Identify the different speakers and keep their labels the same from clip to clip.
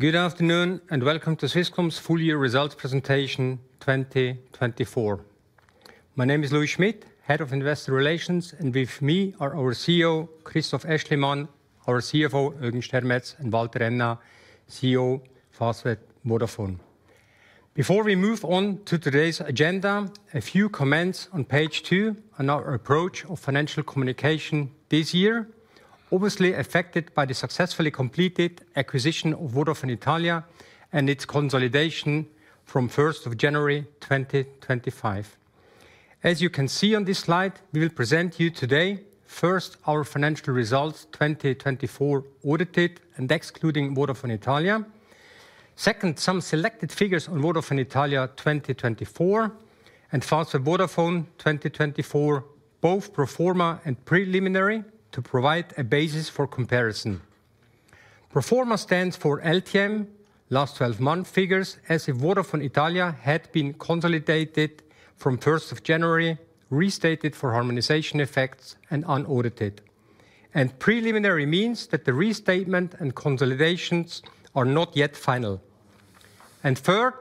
Speaker 1: Good afternoon and welcome to Swisscom's Full Year Results Presentation 2024. My name is Louis Schmid, Head of Investor Relations and with me are our CEO Christoph Aeschlimann, our CFO Eugen Stermetz and Walter Renna, CEO Fastweb Vodafone. Before we move on to today's agenda, a few comments on page 2 on our approach of financial communication this year, obviously affected by the successfully completed acquisition of Vodafone Italia and its consolidation from 1st of January 2025. As you can see on this slide, we will present you today first our financial results 2024 audited and excluding Vodafone Italia. Second, some selected figures on Vodafone Italia 2024 and Fastweb and Vodafone 2024, both pro forma and preliminary to provide a basis for comparison. Pro forma stands for LTM last 12 months figures as Vodafone Italia had been consolidated from 1st of January, restated for harmonization effects, and unaudited. And preliminary means that the restatement and consolidations are not yet final. And third,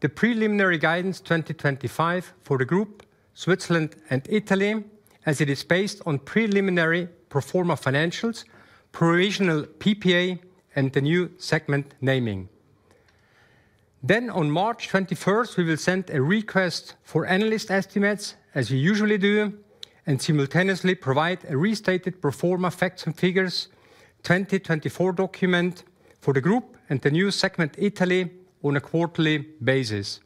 Speaker 1: the preliminary guidance 2025 for the group Switzerland and Italy as it is based on preliminary pro forma financials, provisional PPA, and the new segment naming. Then on March 21st we will send a request for analyst estimates as we usually do and simultaneously provide a restated pro forma Facts and Figures 2024 document for the Group and the new segment Italy on a quarterly basis.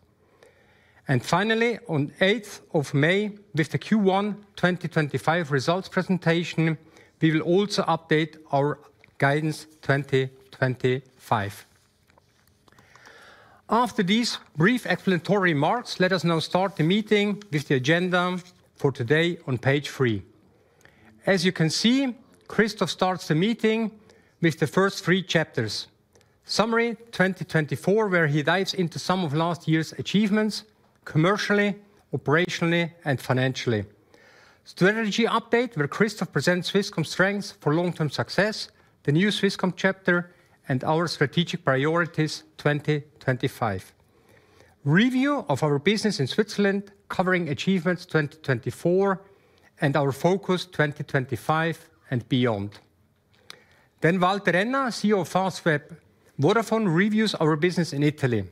Speaker 1: And finally on 8th of May with the Q1 2025 results presentation, we will also update our guidance 2025. After these brief explanatory remarks, let us now start the meeting with the agenda for today on page three. As you can see, Christoph starts the meeting with the first three chapters Summary 2024 where he dives into some of last year's achievements commercially, operationally and financially. Strategy Update where Christoph presents Swisscom's strengths for long term success, the new Swisscom chapter and our strategic priorities 2025 review of our business in Switzerland, covering achievements 2024 and our focus 2025 and beyond. Then Walter Renna, CEO of Fastweb Vodafone, reviews our business in Italy.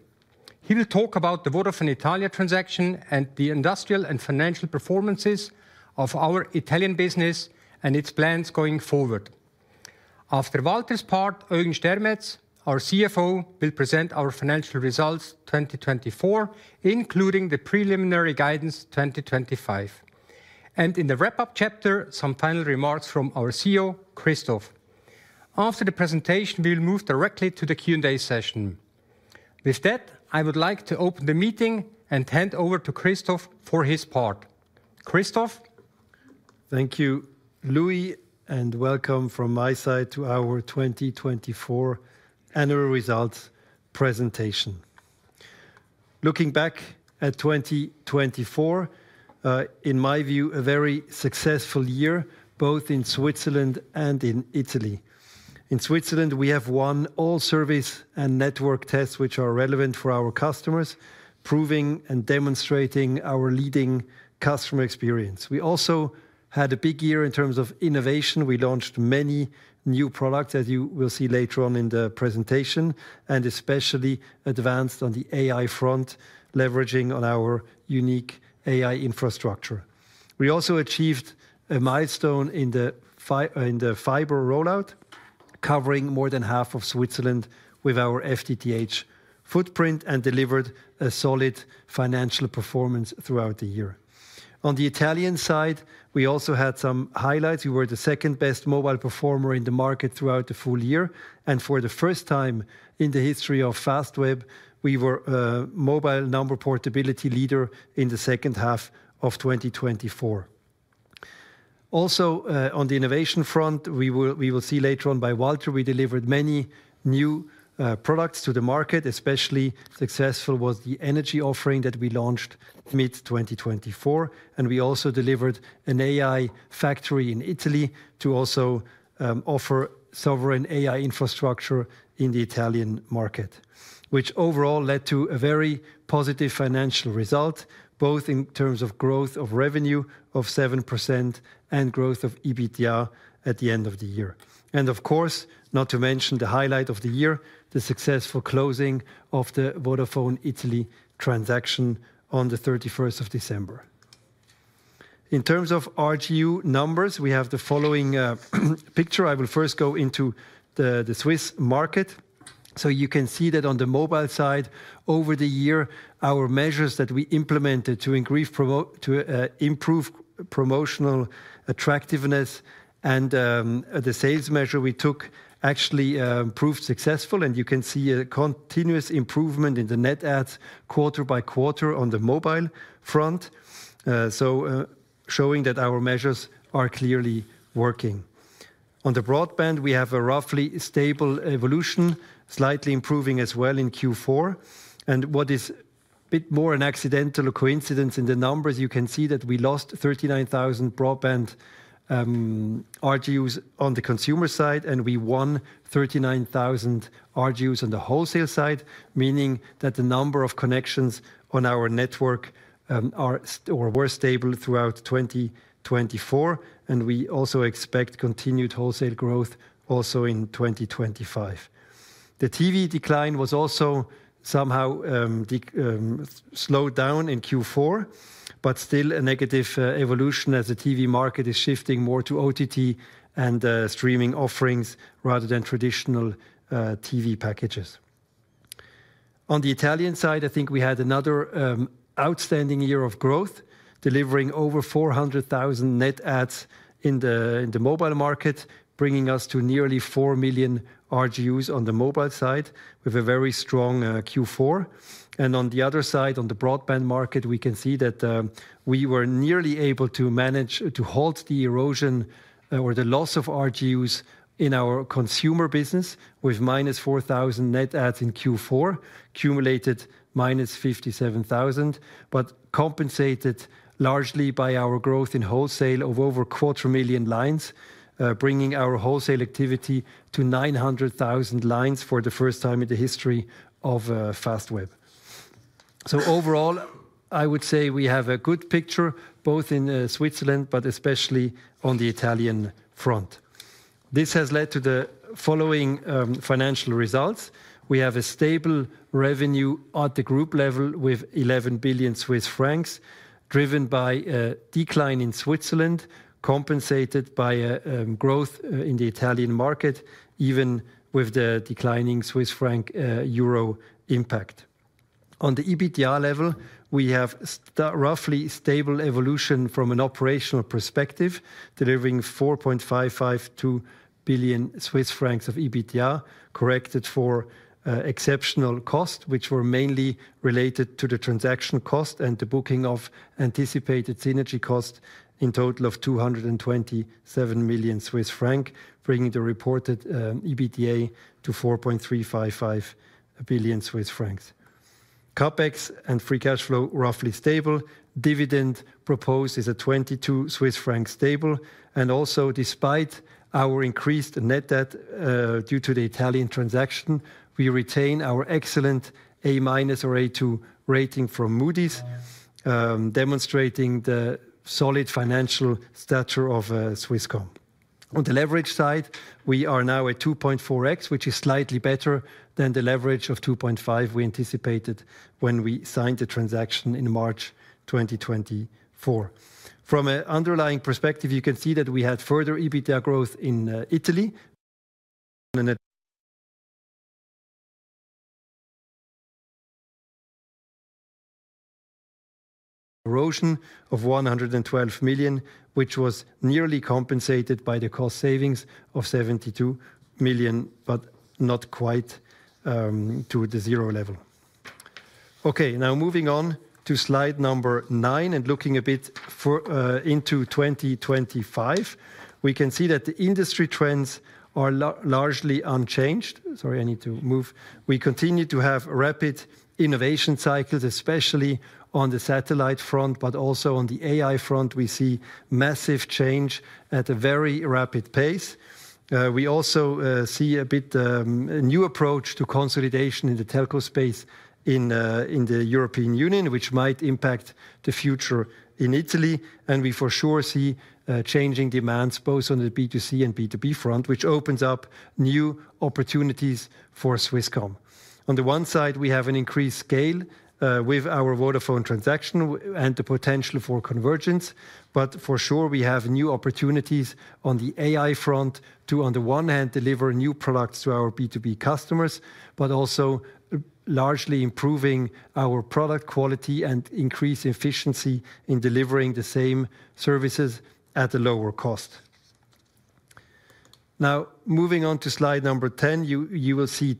Speaker 1: He will talk about the Vodafone Italia transaction and the industrial and financial performances of our Italian business and its plans going forward. After Walter's part, Eugen Stermetz, our CFO, will present Our Financial Results 2024 including the Preliminary Guidance 2025 and in the wrap-up chapter some final remarks from our CEO Christoph. After the presentation we will move directly to the Q&A session. With that I would like to open the meeting and hand over to Christoph for his part.
Speaker 2: Christoph, thank you, Louis, and welcome from my side to our 2024 annual results presentation. Looking back at 2024, in my view, a very successful year both in Switzerland and in Italy. In Switzerland we have won all service and network tests which are relevant for our customers, proving and demonstrating our leading customer experience. We also had a big year in terms of innovation. We launched many new products as you will see later on in the presentation, and especially a new advanced on the AI front, leveraging on our unique AI infrastructure. We also achieved a milestone in the fiber rollout, covering more than half of Switzerland with our FTTH footprint and delivered a solid financial performance throughout the year. On the Italian side we also had some highlights. We were the second best mobile performer in the market throughout the full year and for the first time in the history of Fastweb, we were mobile number portability leader in the second half of 2024. Also on the innovation front, we will see later on by Walter, we delivered many new products to the market. Especially successful was the energy offering that we launched mid 2024 and we also delivered an AI Factory in Italy to also offer sovereign AI infrastructure in the Italian market, which overall led to a very positive financial result both in terms of growth of revenue of 7% and growth of EBITDA at the end of the year, and of course not to mention the highlight of the year, the successful closing of the Vodafone Italia transaction on 31 December. In terms of RGU numbers we have the following picture. I will first go into the Swiss market so you can see that on the mobile side over the year our measures that we implemented to improve promotional attractiveness and the sales measure we took actually proved successful and you can see a continuous improvement in the net adds quarter by quarter on the mobile front, so showing that our measures are clearly working. On the broadband, we have a roughly stable evolution, slightly improving as well in Q4 and what is a bit more an accidental coincidence in the numbers, you can see that we lost 39,000 broadband RGUs on the consumer side and we won 39,000 RGUs on the Wholesale side, meaning that the number of connections on our network were stable throughout 2024 and we also expect continued Wholesale growth also in 2025. The TV decline was also somehow slowed down in Q4, but still a negative evolution as the TV market is shifting more to OTT and streaming offerings rather than traditional TV packages. On the Italian side, I think we had another outstanding year of growth delivering over 400,000 net adds in the mobile market, bringing us to nearly 4 million RGUs on the mobile side with a very strong Q4, and on the Other side on the broadband market, we can see that we were nearly able to manage to halt the erosion or the loss of RGUs in our consumer business with -4,000 net adds in Q4 cumulated -57,000, but compensated largely by our growth in Wholesale of over 250,000 lines, bringing our Wholesale activity to 900,000 lines for the first time in the history of Fastweb. Overall I would say we have a good picture both in Switzerland, but especially on the Italian front. This has led to the following financial results. We have a stable revenue at the group level with 11 billion Swiss francs driven by a decline in Switzerland compensated by growth in the Italian market. Even with the declining Swiss franc euro impact on the EBITDA level, we have roughly stable evolution from an operational perspective delivering 4.552 billion Swiss francs of EBITDA corrected for exceptional costs which were mainly related to the transaction cost and the booking of anticipated synergy cost in total of 227 million Swiss francs, bringing the reported EBITDA to 4.355 billion Swiss francs. CapEx and free cash flow roughly stable. Dividend proposed is 22 Swiss francs stable. Despite our increased net debt due to the Italian transaction, we retain our A1 or A2 rating from Moody's, demonstrating the solid financial stature of Swisscom. On the leverage side, we are now at 2.4x which is slightly better than the leverage of 2.5 we anticipated when we signed the transaction in March 2024. From an underlying perspective, you can see that we had further EBITDA growth in Italy. Erosion of 112 million, which was nearly compensated by the cost savings of 72 million, but not quite to the zero level. Okay, now moving on to slide number nine and looking a bit into 2025 we can see that the industry trends are largely unchanged. Sorry, I need to move. We continue to have rapid innovation cycles, especially on the satellite front, but also on the AI front we see massive change at a very rapid pace. We also see a bit new approach to consolidation in the telco space in the European Union which might impact the future in Italy. And we for sure see changing demands both on the B2C and B2B front, which opens up new opportunities for Swisscom. On the one side we have an increased scale with our Vodafone transaction and the potential for convergence. But for sure we have new opportunities on the AI front to on the one hand, deliver new products to our B2B customers, but also largely improving our product quality and increase efficiency in delivering the same services at a lower cost. Now moving on to slide number 10, you will see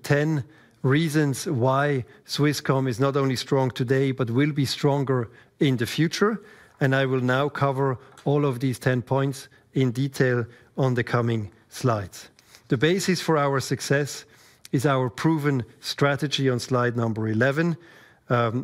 Speaker 2: 10 reasons why Swisscom is not only strong today, but will be stronger than in the future. And I will now cover all of these 10 points in detail on the coming slides. The basis for our success is our proven strategy on slide number 11,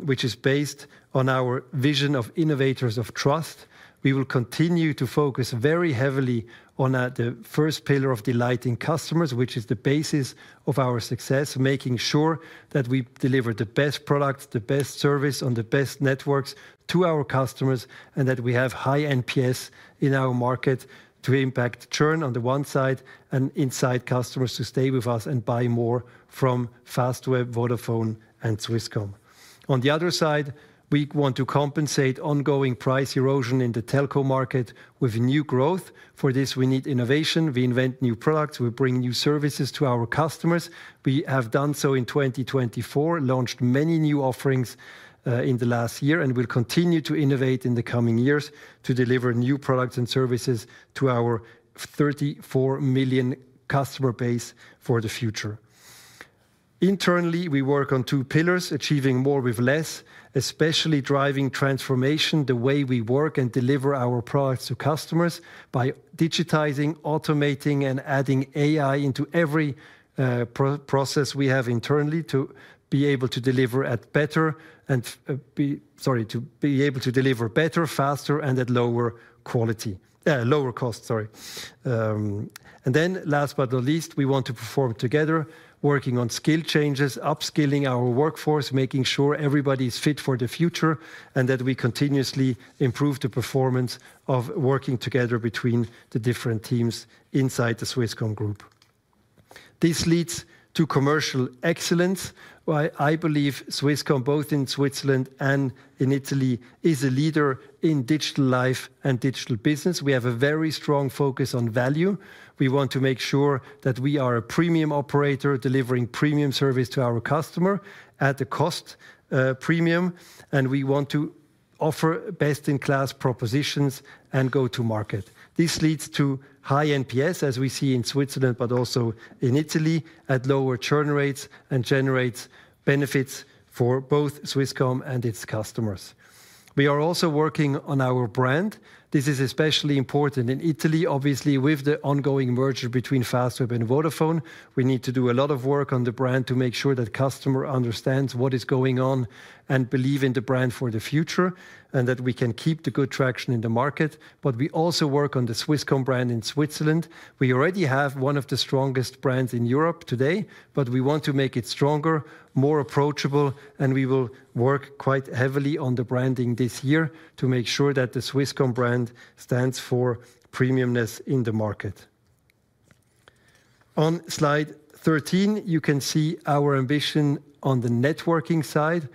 Speaker 2: which is based on our vision of innovators of trust. We will continue to focus very heavily on the first pillar of delighting customers, which is the basis of our success, making sure that we deliver the best product, the best service on the best networks, them to our customers and that we have high NPS in our market to impact churn on the one side and incentivize customers to stay with us and buy more from Fastweb, Vodafone and Swisscom on the Other side. We want to compensate ongoing price erosion in the telco market with new growth. For this we need innovation. We invent new products, we bring new services to our customers. We have done so in 2024, launched many new offerings in the last year and will continue to innovate in the coming years to deliver new products and services to our 34 million customer base for the future. Internally, we work on two pillars, achieving more with less, especially driving transformation the way we work and deliver our products to customers by digitizing, automating and adding AI into every process we have internally to be able to deliver at better and sorry to be able to deliver better, faster and at higher quality, lower cost. Then last but not least, we want to perform together working on skill changes, upskilling our workforce, making sure everybody is fit for the future and that we continuously improve the performance of working together between the different teams inside the Swisscom group. This leads to commercial excellence. I believe. Swisscom, both in Switzerland and in Italy, is a leader in digital life and digital business. We have a very strong focus on value. We want to make sure that we are a premium operator, delivering premium service to our customer at the cost premium and we want to offer best in class propositions and go to market. This leads to high NPS as we see in Switzerland but also in Italy, at lower churn rates and generates benefits for both Swisscom and its customers. We are also working on our brand. This is especially important in Italy, obviously with the ongoing merger between Fastweb and Vodafone we need to do a lot of work on the brand to make sure that customer understands what is going on and believe in the brand for the future and that we can keep the good traction in the market. But we also work on the Swisscom brand in Switzerland. We already have one of the strongest brands in Europe today, but we want to make it stronger, more approachable and we will work quite heavily on the branding this year to make sure that the Swisscom brand stands for premiumness in the market. On slide 13, you can see our ambition on the networking side.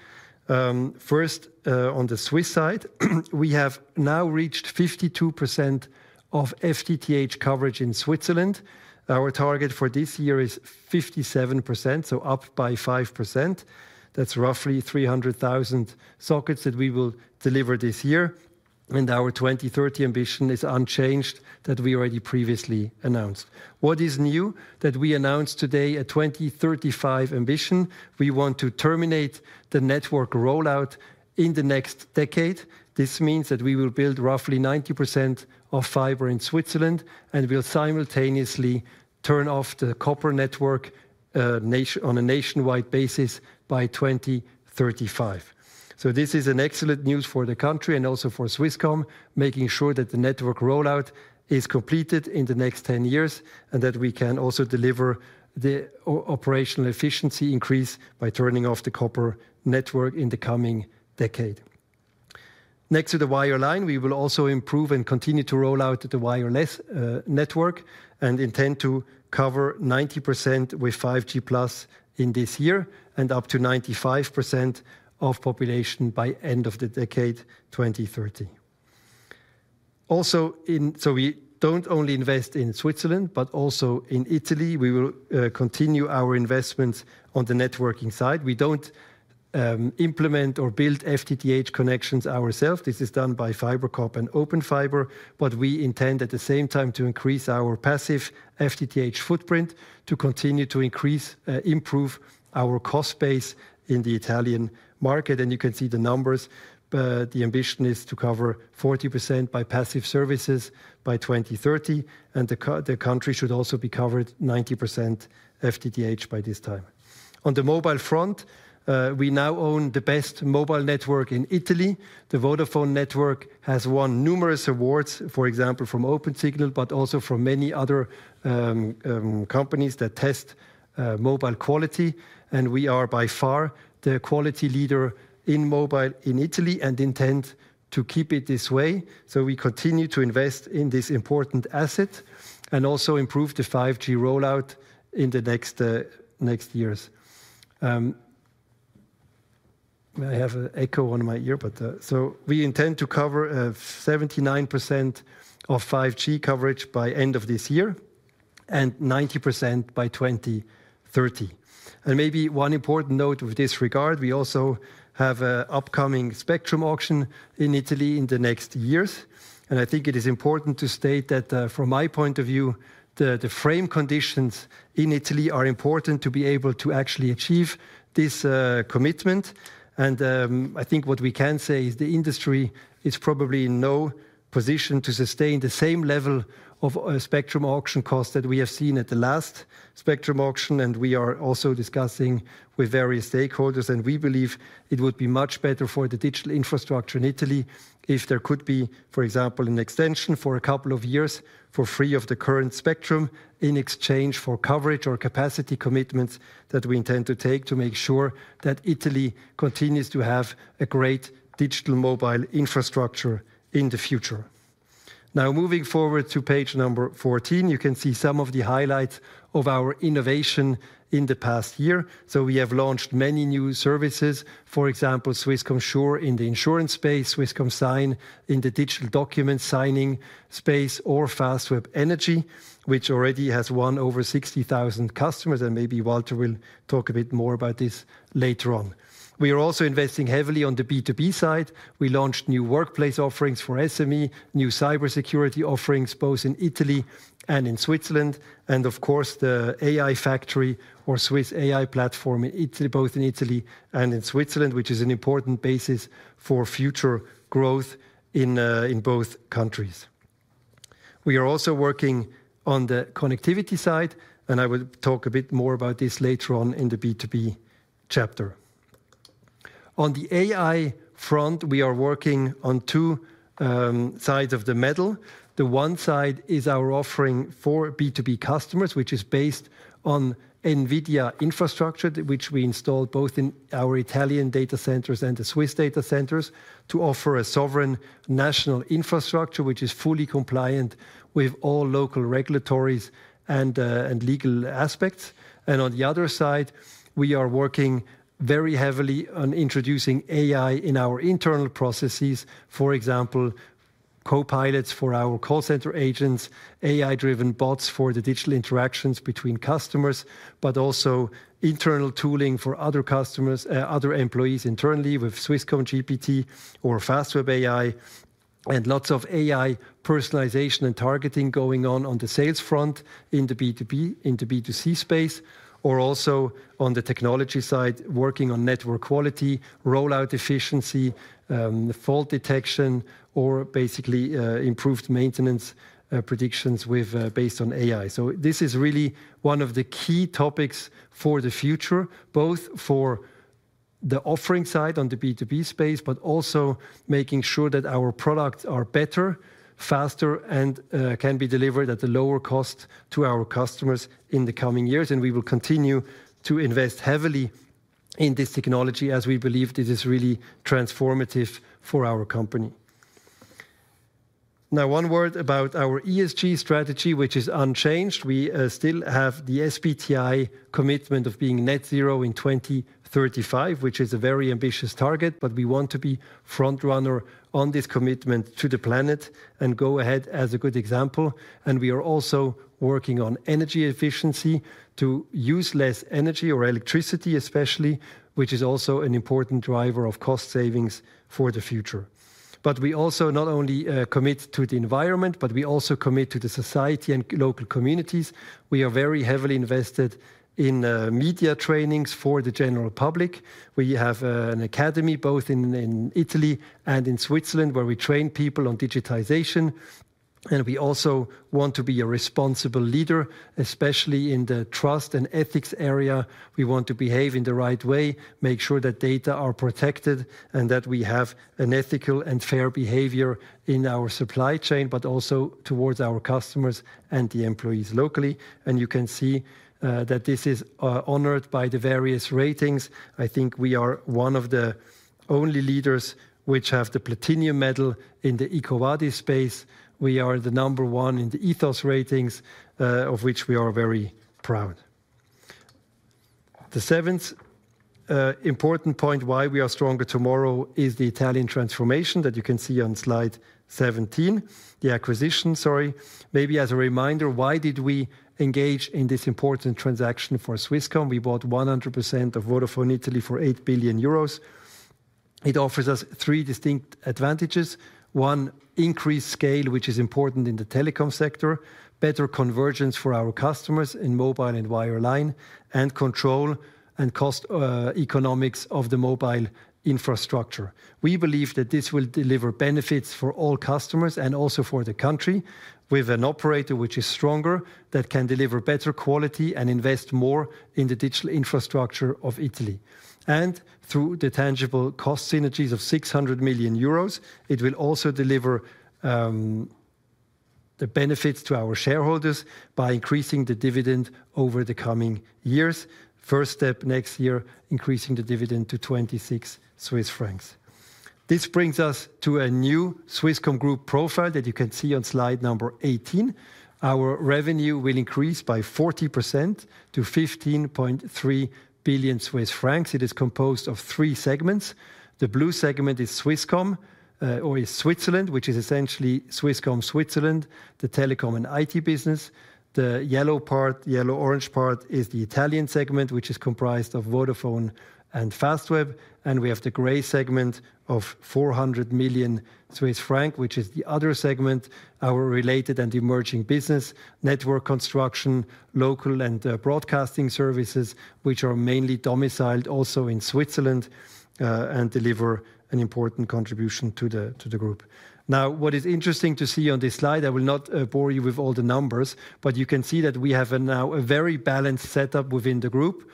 Speaker 2: First, on the Swiss side, we have now reached 52% of FTTH coverage in Switzerland. Our target for this year is 57%, so up by 5%. That's roughly 300,000 sockets that we will deliver this year. And our 2030 ambition is unchanged that we already previously announced. What is new that we announced today? A 2035 ambition. We want to terminate the network rollout in the next decade. This means that we will build roughly 90% of fiber in Switzerland and we'll simultaneously turn off the copper network on a nationwide basis by 2035. So this is an excellent news for the country and also for Swisscom, making sure that the network rollout is completed in the next 10 years and that we can also deliver the operational efficiency increase by turning off the copper network in the coming decade. Next to the wireline, we will also improve and continue to roll out the wireless network and intend to cover 90% with 5G in this year and up to 95% of population by end of the decade 2030. Also we only invest in Switzerland, but also in Italy. We will continue our investments. On the networking side. We don't implement or build FTTH connections ourselves. This is done by FiberCop and Open Fiber. But we intend at the same time to increase our passive FTTH footprint to continue to improve our cost base in the Italian market. And you can see the numbers. But the ambition is to cover 50% by passive services by 2030 and the country should also be covered 90% FTTH by this time. On the mobile front, we now own the best mobile network in Italy. The Vodafone network has won numerous awards, for example from Opensignal, but also from many other companies that test mobile quality. And we are by far the quality leader in mobile in Italy and intend to keep it this way. So we continue to invest in this important asset and also improve the 5G rollout in the next years. I have an echo on my ear, but. So we intend to cover 79% of 5G coverage by end of this year and 90% by 2025. And maybe one important note in this regard, we also have an upcoming spectrum auction in Italy in the next years and I think it is important to state that from my point of view, the frame conditions in Italy are important to be able to actually achieve this commitment. And I think what we can say is the industry is probably in no position to sustain the same level of spectrum auction costs that we have seen at the last spectrum auction. and we are also discussing with various stakeholders and we believe it would be much better for the digital infrastructure in Italy if there could be, for example, an extension for a couple of years for free of the current spectrum in exchange for coverage or capacity commitments that we intend to take to make sure that Italy continues to have a great digital mobile infrastructure in the future. Now moving forward to page number 14, you can see some of the highlights of our innovation in the past year. so we have launched many new services, for example Swisscom Sure in the insurance space, Swisscom Sign in the digital documents signing space, or Fastweb Energia which already has won over 60,000 customers. and maybe Walter will talk a bit more about this later on. We are also investing heavily on the B2B side. We launched new workplace offerings for SME, new cybersecurity offerings both in Italy and in Switzerland, and of course the AI Factory or Swiss AI Platform both in Italy and in Switzerland, which is an important basis for future growth in both countries. We are also working on the connectivity side and I will talk a bit more about this later on in the B2B chapter. On the AI front we are working on two sides of the medal. The one side is our offering for B2B customers which is based on NVIDIA infrastructure which we installed both in our Italian data centers and the Swiss data centers to offer a sovereign national infrastructure which is fully compliant with all local regulatory and legal aspects. And on the Other side we are working very heavily on introducing AI in our internal processes, for example copilots for our call center agents, AI driven bots for the digital interactions between customers, but also internal tooling for other customers, other employees internally with Swisscom GPT or Fastweb AI and lots of AI personalization and targeting going on on the sales front in the B2C or also on the technology side working on network quality, rollout, efficiency, fault detection or basically improved maintenance predictions based on AI. So this is really one of the key topics for the future, both for the offering side on the B2B space, but also making sure that our products are better, faster and can be delivered at the lower cost to our customers in the coming years. We will continue to invest heavily in this technology as we believe it is really transformative for our company. Now, one word about our ESG strategy, which is unchanged. We still have the SBTi commitment of being net zero in 2035, which is a very ambitious target. We want to be frontrunner on this commitment to the planet and go ahead as a good example. We are also working on energy efficiency to use less energy or electricity especially, which is also an important driver of cost savings for the future. We also not only commit to the environment, but we also commit to the society and local communities. We are very heavily invested in media trainings for the general public. We have an academy both in Italy and in Switzerland where we train people on digitization. And we also want to be a responsible leader, especially in the trust and ethics area. We want to behave in the right way, make sure that data are protected and that we have an ethical and fair behavior in our supply chain, but also towards our customers and the employees locally. And you can see that this is honored by the various ratings. I think we are one of the only leaders which have the platinum medal in the EcoVadis space. We are the number one in the Ethos ratings of which we are very proud. The seventh important point, why we are stronger tomorrow is the Italian transformation that you can see on slide 17, the acquisition. Sorry, maybe as a reminder, why did we engage in this important transaction? For Swisscom, we bought 100% of Vodafone Italia for 8 billion euros. It offers us three distinct advantages. One, increased scale, which is important in the telecom sector, better convergence for our customers in mobile and wireline and control and cost economics of the mobile infrastructure. We believe that this will deliver benefits for all customers and also for the country with an operator which is stronger, that can deliver better quality and invest more in the digital infrastructure of Italy and through the tangible cost synergies of 600 million euros. It will also deliver the benefits to our shareholders by increasing the dividend over the coming years. First step next year, increasing the dividend to 26 Swiss francs. This brings us to a new Swisscom Group profile that you can see on slide number 18. Our revenue will increase by 40% to 15.3 billion Swiss francs. It is composed of three segments. The Blue segment is Swisscom or is Switzerland, which is essentially Swisscom Switzerland, the telecom and IT business. The yellow part, yellow orange part is the Italian segment which is comprised of Vodafone and Fastweb. And we have the gray segment of 400 million Swiss franc, which is the other segment, our related and emerging business network construction, local and broadcasting services which are mainly domiciled also in Switzerland and deliver an important contribution to the group. Now what is interesting to see on this slide, I will not bore you with all the numbers, but you can see that we have now a very balanced setup within the group.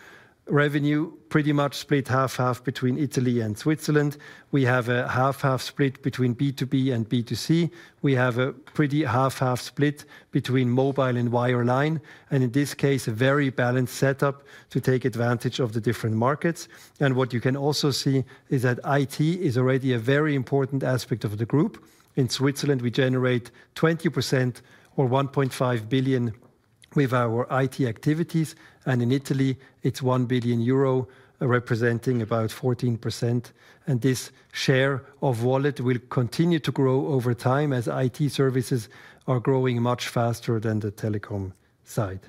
Speaker 2: Revenue pretty much split half half between Italy and Switzerland. We have a half half split between B2B and B2C. We have a pretty half-half split between mobile and wireline, and in this case a very balanced setup to take advantage of the different markets. What you can also see is that IT is already a very important aspect of the group. In Switzerland we generate 20% or 1.5 billion with our IT activities. In Italy it's 1 billion euro representing about 14%. This share of wallet will continue to grow over time as IT services are growing much faster than the telecom side.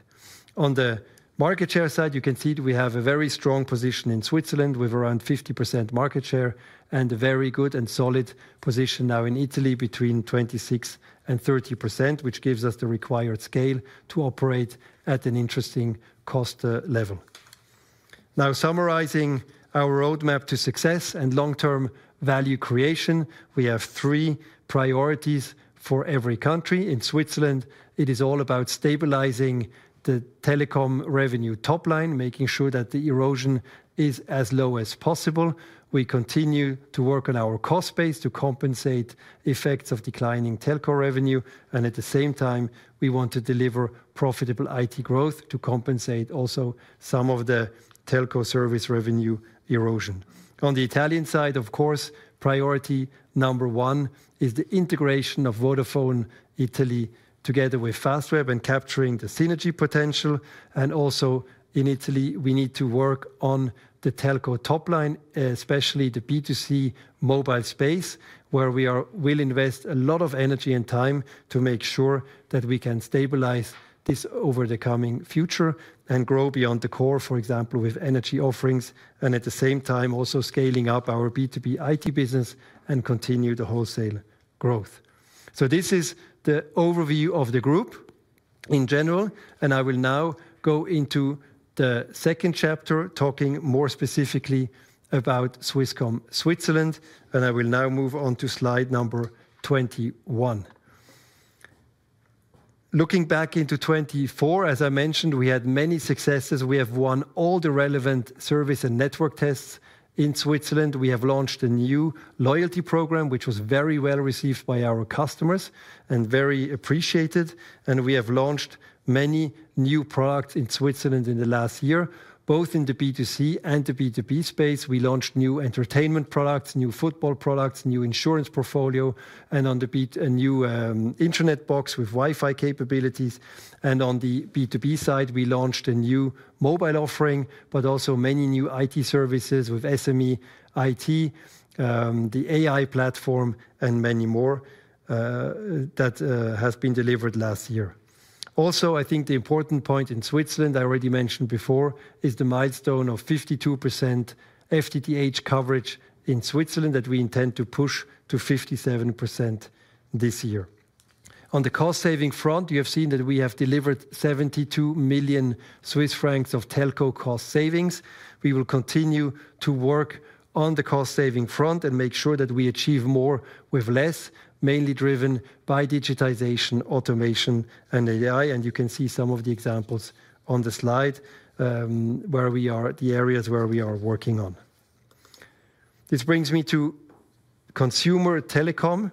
Speaker 2: On the market share side you can see we have a very strong position in Switzerland with around 50% market share and a very good and solid position now in Italy between 26%-30% which gives us the required scale to operate at an interesting cost level. Now summarizing our roadmap to success and long-term value creation. We have three priorities for every country. In Switzerland it is all about stabilizing the telecom revenue top line, making sure that the erosion is as low as possible. We continue to work on our cost base to compensate effects of declining telco revenue. And at the same time we want to deliver profitable IT growth to compensate also some of the telco service revenue erosion. On the Italian side, of course, priority number one is the integration of Vodafone Italia together with Fastweb and capturing the synergy potential. Also in Italy we need to work on the telco top line, especially the B2C mobile space where we will invest a lot of energy and time to make sure that we can stabilize this over the coming future and grow beyond the core, for example with energy offerings and at the same time also scaling up our B2B IT business and continue the Wholesale growth. This is the overview of the group in general and I will now go into the second chapter talking more specifically about Swisscom Switzerland. I will now move on to slide number 21. Looking back into 2024, as I mentioned, we had many successes. We have won all the relevant service and network tests in Switzerland, we have launched a new loyalty program which was very well received by our customers and very appreciated. And we have launched many new products in Switzerland in the last year. We both in the B2C and the B2B space launched new entertainment products, new football products, new insurance portfolio and a new internet box with Wi-Fi capabilities. And on the B2B side we launched a new mobile offering but also many new IT services with SME IT, the AI platform and many more that has been delivered last year. Also I think the important point in Switzerland I already mentioned before is the milestone of 52% FTTH coverage in Switzerland that we intend to push to 57% this year. On the cost saving front, you have seen that we have delivered 72 million Swiss francs of telco cost savings. We will continue to work on the cost saving front and make sure that we achieve more with less, mainly driven by digitization, automation and AI. You can see some of the examples on the slide where we are the areas where we are working on. This brings me to Consumer Telecom.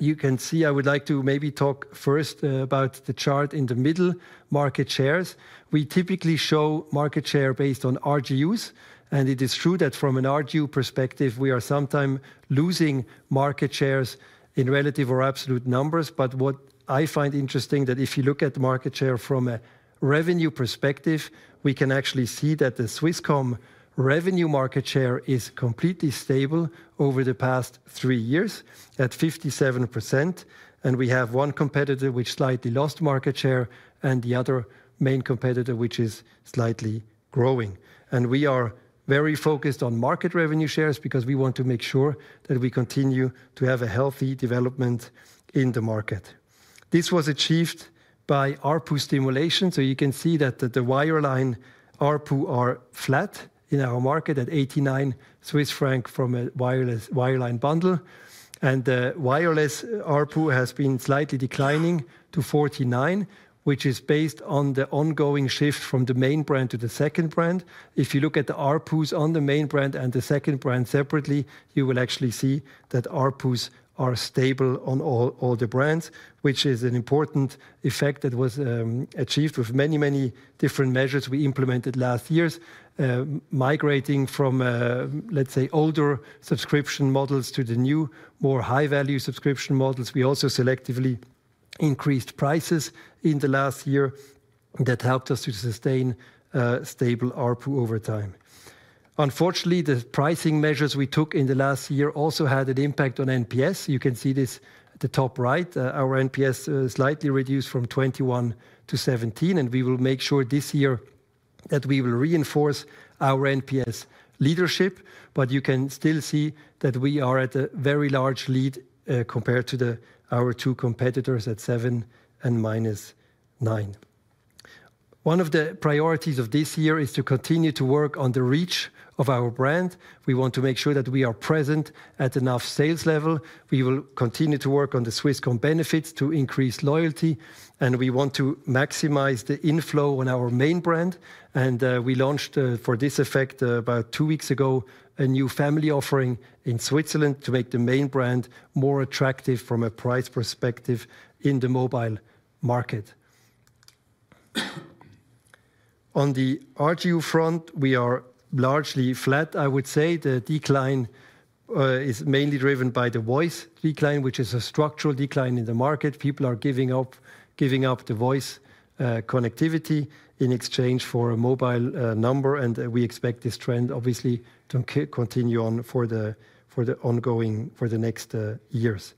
Speaker 2: You can see I would like to maybe talk first about the chart in the middle, market shares. We typically show market share based on RGUs. It is true that from an RGU perspective we are sometimes losing market shares in relative or absolute numbers, but what I find interesting that if you look at the market share from a revenue perspective, we can actually see that the Swisscom revenue market share is completely stable over the past three years at 57%, and we have one competitor which slightly lost market share and the other main competitor which is slightly growing. We are very focused on market revenue shares because we want to make sure that we continue to have a healthy development in the market. This was achieved by ARPU stimulation. You can see that the wireline ARPU are flat in our market at 89 Swiss franc from a wireline bundle. Wireless ARPU has been slightly declining to 49 which is based on the ongoing shift from the main brand to the second brand. If you look at the ARPUs on the main brand and the second brand separately, you will actually see that ARPUs are stable on all the brands, which is an important effect that was achieved with many, many different measures we implemented last year, migrating from let's say older subscription models to the new more high value subscription models. We also selectively increased prices in the last year that helped us to sustain stable ARPU over time. Unfortunately, the pricing measures we took in the last year also had an impact on NPS. You can see this at the top, right, our NPS slightly reduced from 21 to 17. And we will make sure this year that we will reinforce our NPS leadership. But you can still see that we are at a very large lead in compared to our two competitors at seven and minus nine. One of the priorities of this year is to continue to work on the reach of our brand. We want to make sure that we are present at enough sales level. We will continue to work on the Swisscom Benefits to increase loyalty and we want to maximize the inflow on our main brand. And we launched for this effect about two weeks ago a new family offering in Switzerland to make the main brand more attractive from a price perspective in the mobile market. On the RGU front, we are largely flat. I would say the decline is mainly driven by the voice decline, which is a structural decline in the market. People are giving up, giving up the voice connectivity in exchange for a mobile number. And we expect this trend obviously to continue on for the ongoing for the next years.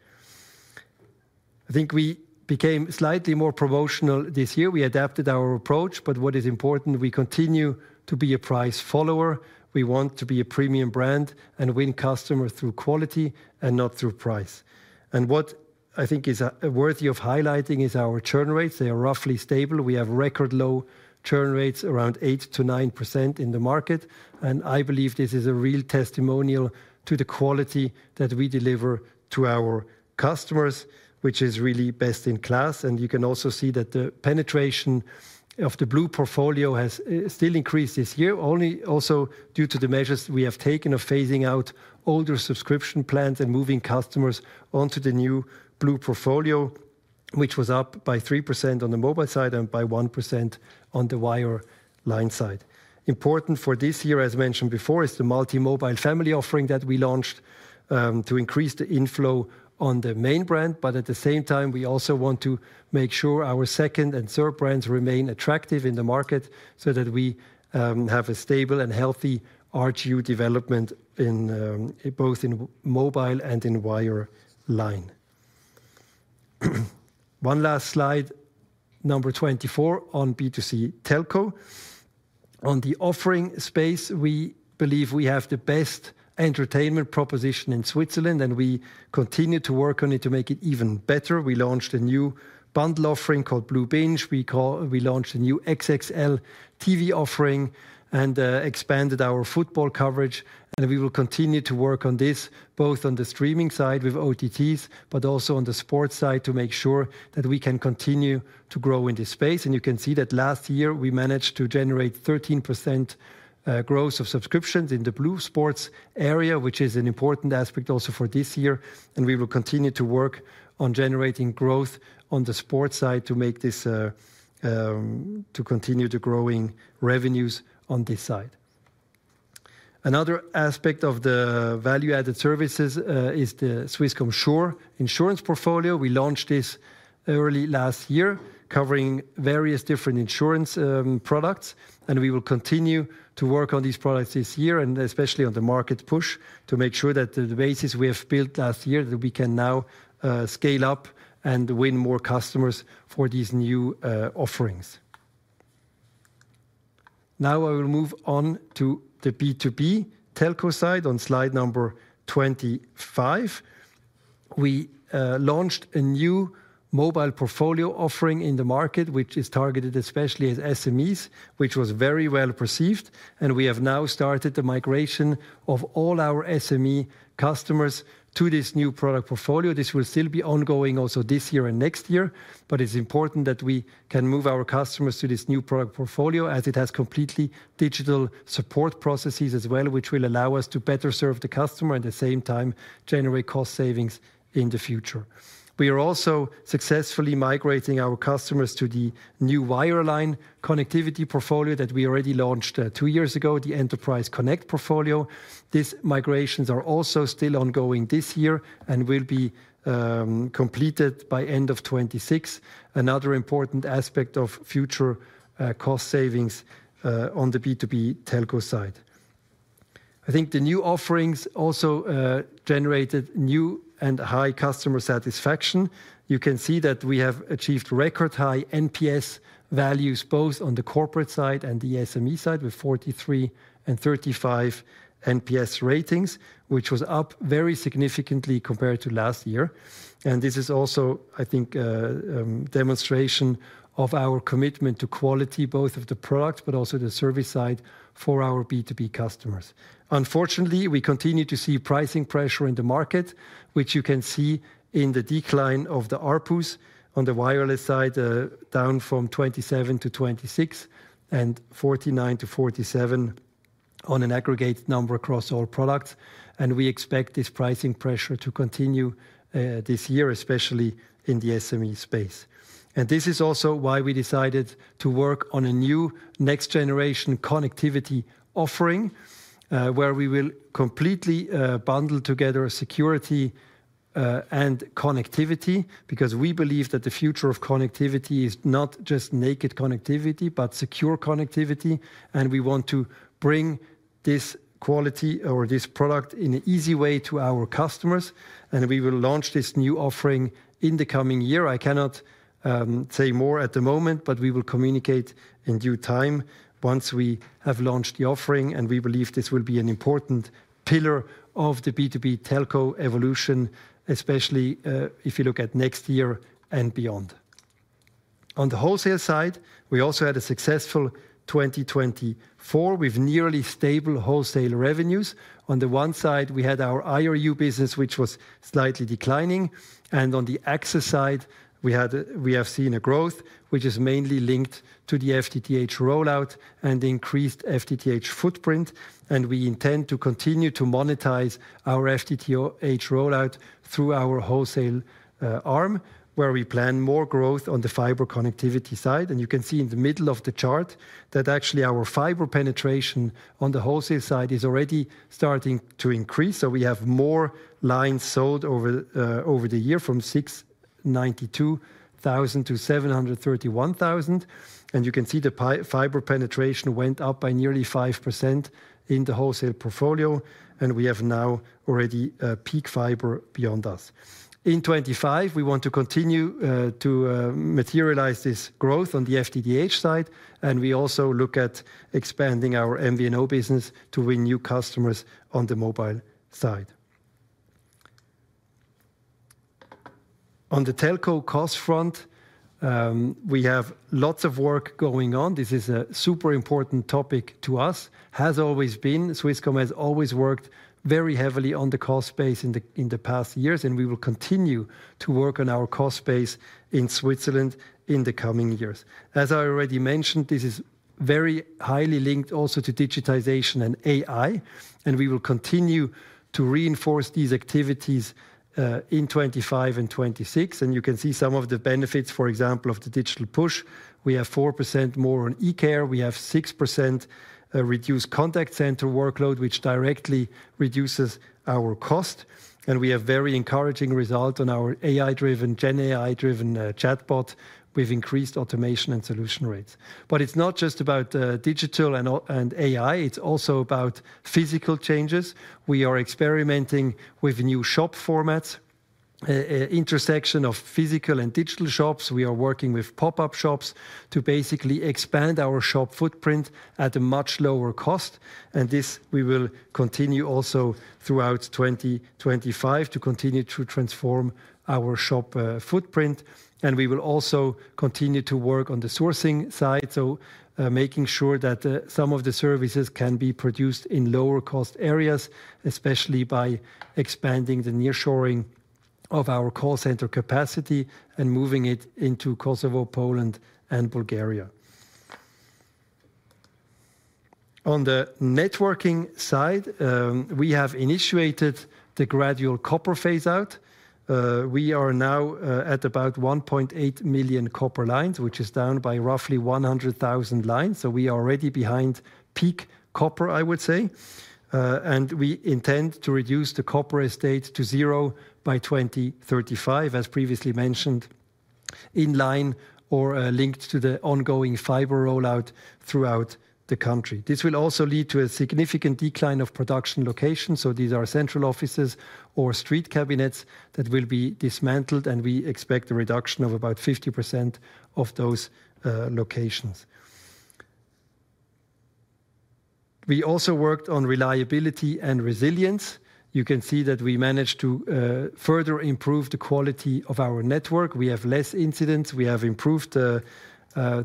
Speaker 2: I think we became slightly more promotional this year. We adapted our approach. But what is important, we continue to be a price follower. We want to be a premium brand and win customer through quality and not through price. And what I think is worthy of highlighting is our churn rates. They are roughly stable. We have record low churn rates around 8%-9% in the market. And I believe this is a real testimonial to the quality that we deliver to our customers, which is really best in class. And you can also see that the penetration of the blue portfolio has still increased this year only also due to the measures we have taken of phasing out older subscription plans and moving customers onto the new blue portfolio which was up by 3% on the mobile side and by 1% on the wireline side. Important for this year, as mentioned before, is the Multi Mobile family offering that we launched to increase the inflow on the main brand. But at the same time we also want to make sure our second and third brands remain attractive in the market so that we have a stable and healthy RGU development both in mobile and in wireline. One last slide, number 24 on B2C Telco on the offering space. We believe we have the best entertainment proposition in Switzerland and we continue to work on it. To make it even better, we launched a new bundle offering called blue Binge. We launched a new XXL TV offering and expanded our football coverage. And we will continue to work on this both on the streaming side with OTTs, but also on the sports side to make sure that we can continue to grow in this space. You can see that last year we managed to generate 13% growth of subscriptions in the blue Sport area, which is an important aspect also for this year. We will continue to work on generating growth on the sports side to make this to continue the growing revenues on this side. Another aspect of the value added services is the Swisscom Sure insurance portfolio we launched this early last year covering various different insurance products. We will continue to work on these products this year and especially on the market push to make sure that the basis we have built last year that we can now scale up and win more customers for these new offerings. Now I will move on to the B2B Telco side. On slide number 25, we launched a new mobile portfolio offering in the market which is targeted especially as SMEs, which was very well perceived. And we have now started the migration of all our SME customers to this new product portfolio. This will still be ongoing also this year and next year. But it's important that we can move our customers to this new product portfolio as it has completely digital support processes as well, which will allow us to better serve the customer at the same time generate cost savings in the future. We are also successfully migrating our customers to the new wireline connectivity portfolio that we already launched two years ago, the Enterprise Connect portfolio. These migrations are also still ongoing this year and will be completed by end of 2026. Another important aspect of future cost savings on the B2B telco side, I think the new offerings also generated new and high customer satisfaction. You can see that we have achieved record high NPS values both on the corporate side and the SME side with 43 and 35 NPS ratings which was up very significantly compared to last year. And this is also, I think, demonstration of our commitment to quality, both of the product, but also the service side for our B2B customers. Unfortunately, we continue to see pricing pressure in the market which you can see in the decline of the ARPUs on the wireless side, down from 27 to 26 and 49 to 47 on an aggregated number across all products. And we expect this pricing pressure to continue this year, especially in the SME space. And this is also why we decided to work on a new next generation connectivity offering where we will completely bundle together security and connectivity because we believe that the future of connectivity is not just naked connectivity, but secure connectivity. And we want to bring this quality or this product in an easy way to our customers and we will launch this new offering in the coming year. I cannot say more at the moment, but we will communicate in due time once we have launched the offering. And we believe this will be an important pillar of the B2B telco evolution, especially if you look at next year and beyond. On the Wholesale side we also had a successful 2024 with nearly stable Wholesale revenues. On the one side we had our IRU business which was slightly declining and on the access side we have seen a growth which is mainly linked to the FTTH rollout and increased FTTH footprint, and we intend to continue to monetize our FTTH rollout through our Wholesale arm where we plan more growth on the fiber connectivity side. And you can see in the middle of the chart that actually our fiber penetration on the Wholesale side is already starting to increase, so we have more lines sold over the year from 692,000 to 731,000 and you can see the fiber penetration went up by nearly 5% in the Wholesale portfolio and we have now already fiber penetration beyond 25%. We want to continue to materialize this growth on the FTTH side and we also look at expanding our MVNO business to win new customers on the mobile side. On the telco cost front we have lots of work going on. This is a super important topic to us. It has always been. Swisscom has always worked very heavily on the cost base in the past years and we will continue to work on our cost base in Switzerland in the coming years. As I already mentioned, this is very highly linked also to digitization and AI and we will continue to reinforce these activities in 2025 and 2026, and you can see some of the benefits for example of the digital push. We have 4% more on e-care, we have 6% reduced contact center workload which directly reduces our cost. We have very encouraging result on our AI-driven gen AI-driven chatbot with increased automation and solution rates. It's not just about digital and AI. It's also about physical changes. We are experimenting with new shop formats, intersection of physical and digital shops. We are working with pop-up shops to basically expand our shop footprint at a much lower cost. This we will continue also throughout 2025 to continue to transform our shop footprint and we will also continue to work on the sourcing side so making sure that some of the services can be produced in lower cost areas. Especially by expanding the near-shoring of our call center capacity and moving it into Kosovo, Poland and Bulgaria. On the networking side we have initiated the gradual copper phase-out. We are now at about 1.8 million copper lines, which is down by roughly 100,000 lines. So we are already behind peak copper, I would say. And we intend to reduce the Copper Estate to zero by 2035. As previously mentioned, in line or linked to the ongoing fiber rollout throughout the country. This will also lead to a significant decline of production locations. So these are central offices or street cabinets that will be dismantled. And we expect a reduction of about 50% of those locations. We also worked on reliability and resilience. You can see that we managed to further improve the quality of our network. We have less incidents, we have improved the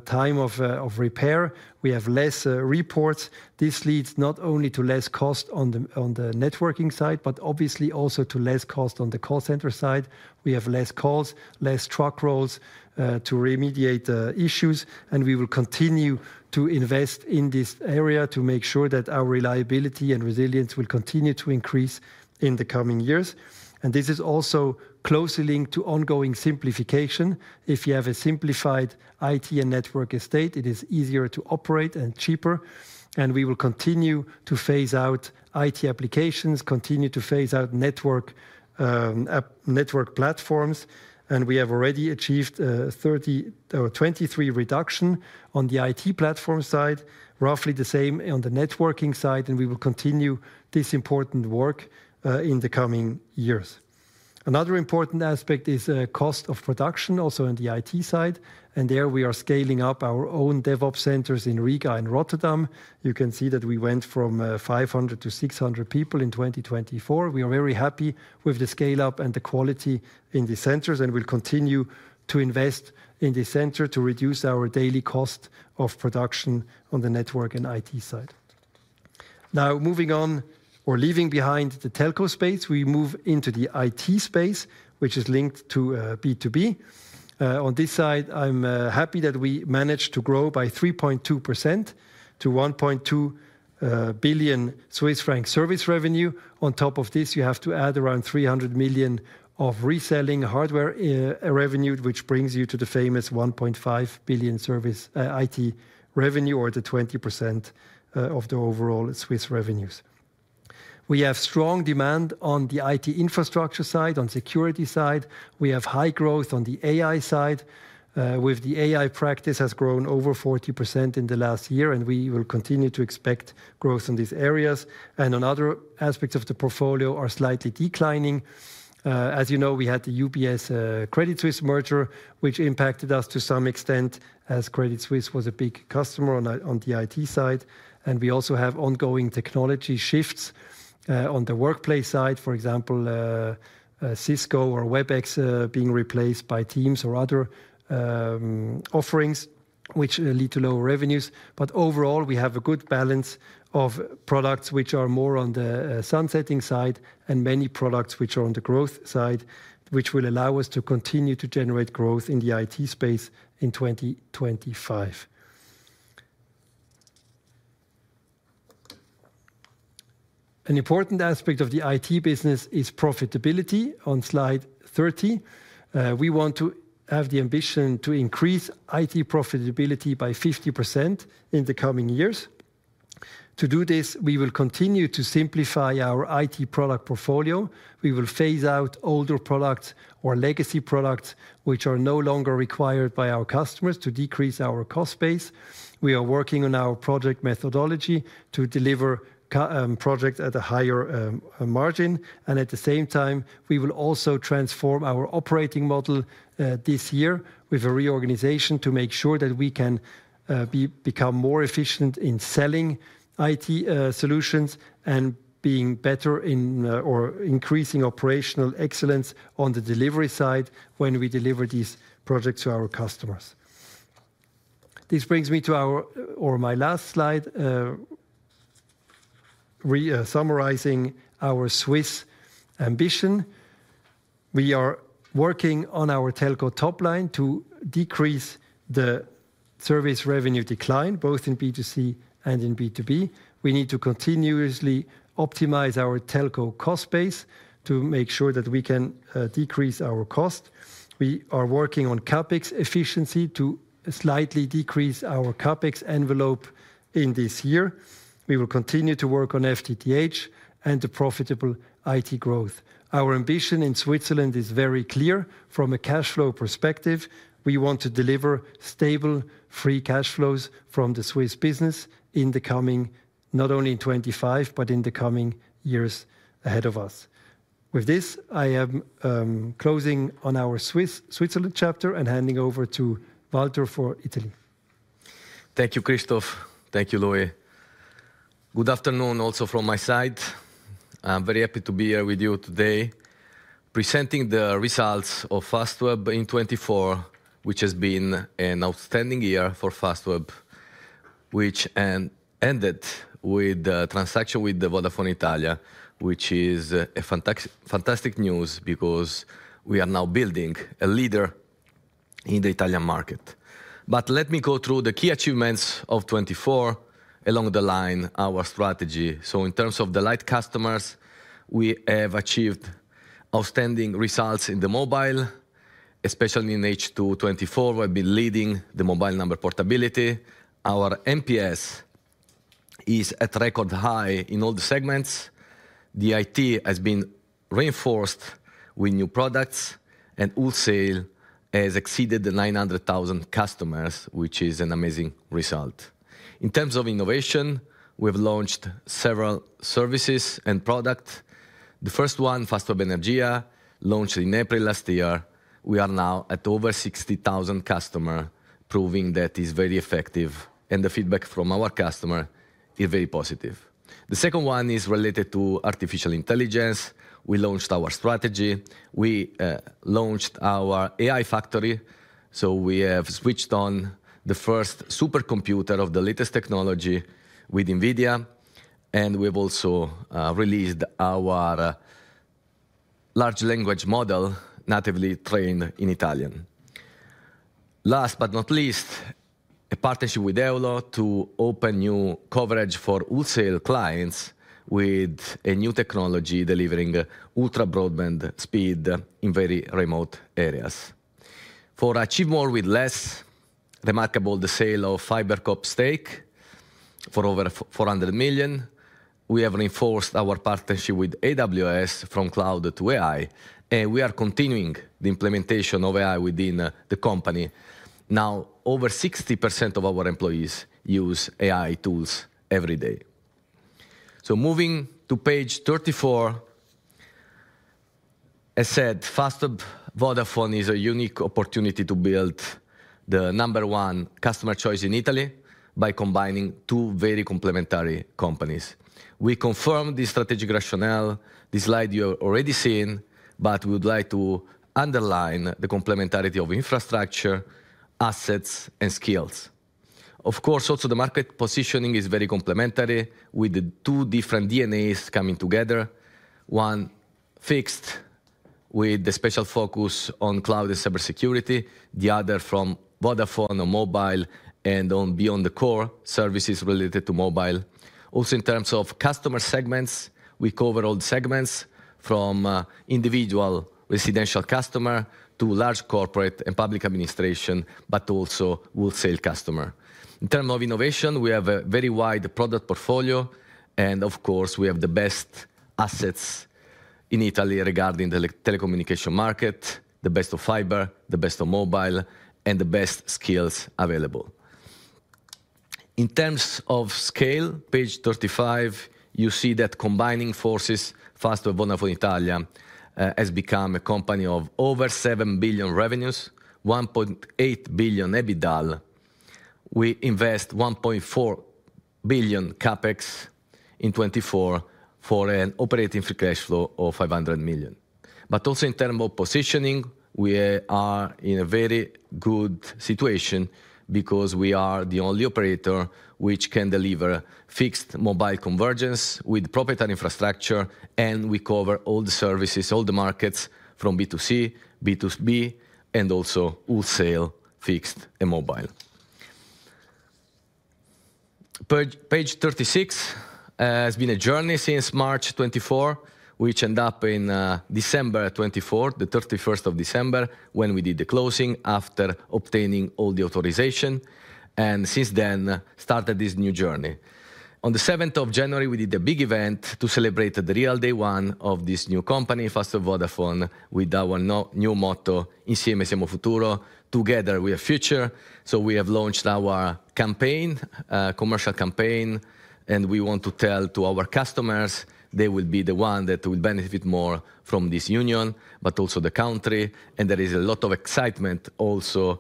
Speaker 2: time of repair, we have less reports. This leads not only to less cost on the networking side, but obviously also to less cost on the call center side. We have less calls, less truck rolls to remediate issues. We will continue to invest in this area to make sure that our reliability and resilience will continue to increase in the coming years. This is also closely linked to ongoing simplification. If you have a simplified IT and network estate, it is easier to operate and cheaper. We will continue to phase out IT applications, continue to phase out network platforms. We have already achieved 23% reduction on the IT platform side, roughly the same on the networking side. We will continue to this important work in the coming years. Another important aspect is cost of production also on the IT side. There we are scaling up our own DevOps centers in Riga and Rotterdam. You can see that we went from 500 to 600 people in 2024. We are very happy with the scale up and the quality in the centers. We'll continue to invest in the center to reduce our daily cost of production on the network and IT side. Now moving on or leaving behind the telco space, we move into the IT space which is linked to B2B on this side. I'm happy that we managed to grow by 3.2% to 1.2 billion Swiss franc service revenue. On top of this, you have to add around 300 million of reselling hardware revenue. Which brings you to the famous 1.5 billion service IT revenue, or the 20% of the overall Swiss revenues. We have strong demand on the IT infrastructure side. On security side, we have high growth on the AI side. With the AI practice has grown over 40% in the last year. We will continue to expect growth in these areas. On other aspects of the portfolio are slightly declining. As you know, we had the UBS Credit Suisse merger, which impacted us to some extent as Credit Suisse was a big customer on the IT side and we also have ongoing technology shifts on the workplace side, for example, Cisco or Webex being replaced by Teams or other offerings which lead to lower revenues. But overall we have a good balance of products which are more on the sunsetting side and many products which are on the growth side which will allow us to continue to generate growth in the IT space in 2025. An important aspect of the IT business is profitability. On slide 30, we want to have the ambition to increase IT profitability by 50% in the coming years. To do this, we will continue to simplify our IT product portfolio. We will phase out older products or legacy products which are no longer required by our customers to decrease our cost base. We are working on our project methodology to deliver projects at a higher margin. And at the same time we will also transform our operating model this year with a reorganization to make sure that we can become more efficient in selling IT solutions and being better in or increasing operational excellence on the delivery side when we deliver these projects to our customers. This brings me to our or my last slide summarizing our Swiss ambition. We are working on our telco top line to decrease the service revenue decline both in B2C and in B2B. We need to continuously optimize our telco cost base to make sure that we can decrease our cost. We are working on CapEx efficiency to slightly decrease our CapEx envelope in this year. We will continue to work on FTTH and the profitable IT growth. Our ambition in Switzerland is very clear from a cash flow perspective. We want to deliver stable free cash flows from the Swiss business in the coming, not only in 2025 but in the coming years ahead of us. With this I am closing on our Switzerland chapter and handing over to Walter for Italy.
Speaker 3: Thank you, Christoph. Thank you, Louis. Good afternoon. Also from my side, I'm very happy to be here with you today presenting the results of Fastweb in 2024, which has been an outstanding year for Fastweb, which ended with the transaction with Vodafone Italia, which is a fantastic news because we are now building a leader in the Italian market. But let me go through the key achievements of 2024 along the lines of our strategy. So in terms of the light customers, we have achieved outstanding results in the mobile, especially in H2 2024 we've been leading the mobile number portability. Our NPS is at record high in all the segments. The IT has been reinforced with new products and wholesale has exceeded the 900,000 customers, which is an amazing result in terms of innovation. We've launched several services and products. The first one, Fastweb Energia launched in April last year. We are now at over 60,000 customers, proving that is very effective and the feedback from our customer is very positive. The second one is related to artificial intelligence. We launched our strategy, we launched our AI Factory. So we have switched on the first supercomputer of the latest technology with NVIDIA. And we've also released our large language model natively trained in Italian. Last but not least, a partnership with EOLO to open new coverage for wholesale clients with a new technology delivering ultra broadband speed in very remote areas. For achieve more with less remarkable the sale of FiberCop stake for over 400 million. We have reinforced our partnership with AWS from cloud to AI and we are continuing the implementation of AI within the company. Now over 60% of our employees use AI tools every day. So, moving to page 34, I said Fastweb Vodafone is a unique opportunity to build the number one customer choice in Italy by combining two very complementary companies. We confirmed the strategic rationale. This slide you have already seen. But we would like to underline the complementarity of infrastructure assets and skills. Of course, also the market positioning is very complementary with the two different DNAs coming together. One fixed with the special focus on cloud and cybersecurity, the other from Vodafone on mobile and beyond the core services related to mobile. Also in terms of customer segments, we cover all the segments from individual residential customer to large corporate and public administration, but also wholesale customer. In terms of innovation, we have a very wide product portfolio and of course we have the best assets in Italy. Regarding the telecommunications market, the best of fiber, the best of mobile and the best skills available in terms of scale. Page 35, you see that combining forces Fastweb and Vodafone Italia has become a company of over 7 billion revenues, 1.8 billion EBITDA. We invest 1.4 billion CapEx in 2024 for an operating free cash flow of 500 million. But also in terms of positioning, we are in a very good situation because we are the only operator which can deliver fixed mobile convergence with proprietary infrastructure. And we cover all the services, all the markets from B2C, B2B and also Wholesale, fixed and mobile. Page 36. It has been a journey since March 2024 which end up in December 2024, 31st December when we did the closing after obtaining all the authorization and since then started this new journey. On the 7th of January we did a big event to celebrate the real day one of this new company Fastweb Vodafone. Which is with our new motto insieme per un futuro together with a future. So we have launched our commercial campaign and we want to tell to our customers they will be the one that will benefit more from this union but also the country and there is a lot of excitement also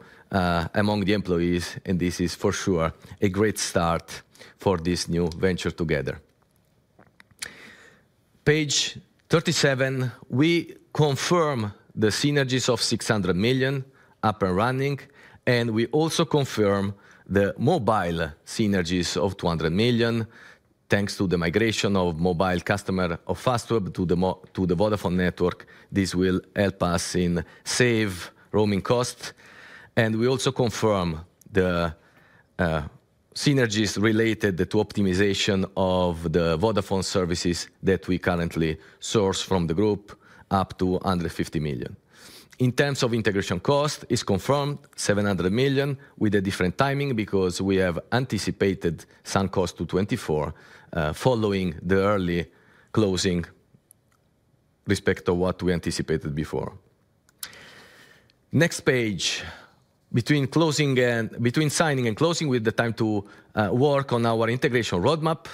Speaker 3: among the employees and this is for sure a great start for this new venture together. Page 37 we confirm the synergies of 600 million up and running and we also confirm the mobile synergies of 200 million thanks to the migration of mobile customer of Fastweb to the Vodafone network. This will help us in saving roaming costs and we also confirm the synergies related to optimization of the Vodafone services that we currently source from the group. Up to 150 million in terms of integration costs is confirmed, 700 million with a different timing because we have anticipated some costs to 2024 following the early closing as opposed to what we anticipated before. Next phase between signing and closing with the time to work on our integration roadmap.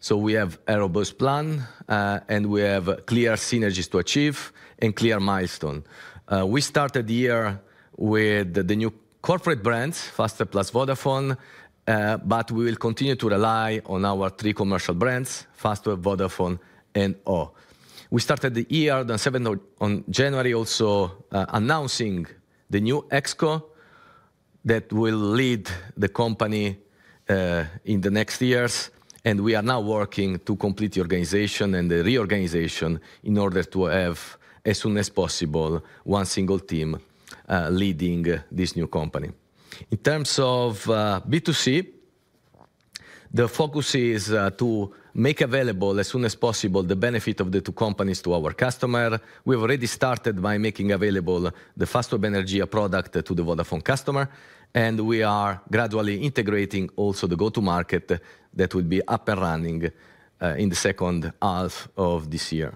Speaker 3: So we have a robust plan and we have clear synergies to achieve and clear milestones. We started the year with the new corporate brands Fastweb plus Vodafone, but we will continue to rely on our three commercial brands Fastweb, Vodafone, and ho. We started the year the 7th of January also announcing the new ExCo that will lead the company in the next years, and we are now working to complete the organization and the reorganization in order to have as soon as possible one single team leading this new company. In terms of B2C, the focus is to make available as soon as possible the benefit of the two companies to our customer. We have already started by making available the Fastweb Energia product to the Vodafone customer, and we are gradually integrating also the go-to-market that will be up and running in the second half of this year.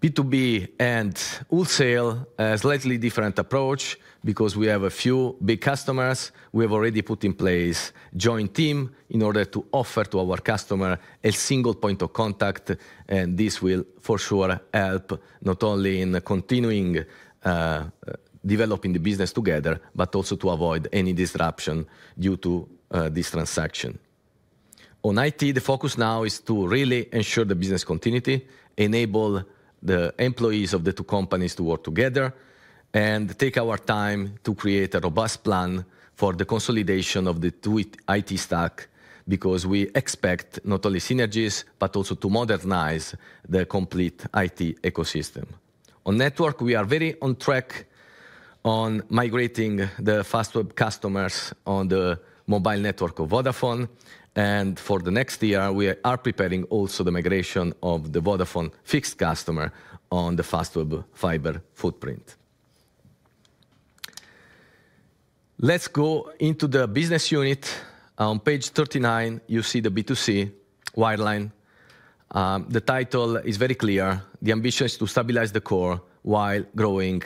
Speaker 3: B2B and Wholesale slightly different approach because we have a few big customers. We have already put in place joint team in order to offer to our customer a single point of contact and this will for sure help not only in continuing developing the business together but also to avoid any disruption due to this transaction. On IT the focus now is to really ensure the business continuity, enable the employees of the two companies to work together and take our time to create a robust plan for the consolidation of the two IT stack. Because we expect not only synergies but also to modernize the complete IT ecosystem on network. We are very on track on migrating the Fastweb customers on the mobile network of Vodafone. And for the next year we are preparing also the migration of the Vodafone fixed customer on the Fastweb fiber footprint. Let's go into the business unit. On page 39 you see the B2C wireline. The title is very clear. The ambition is to stabilize the core while growing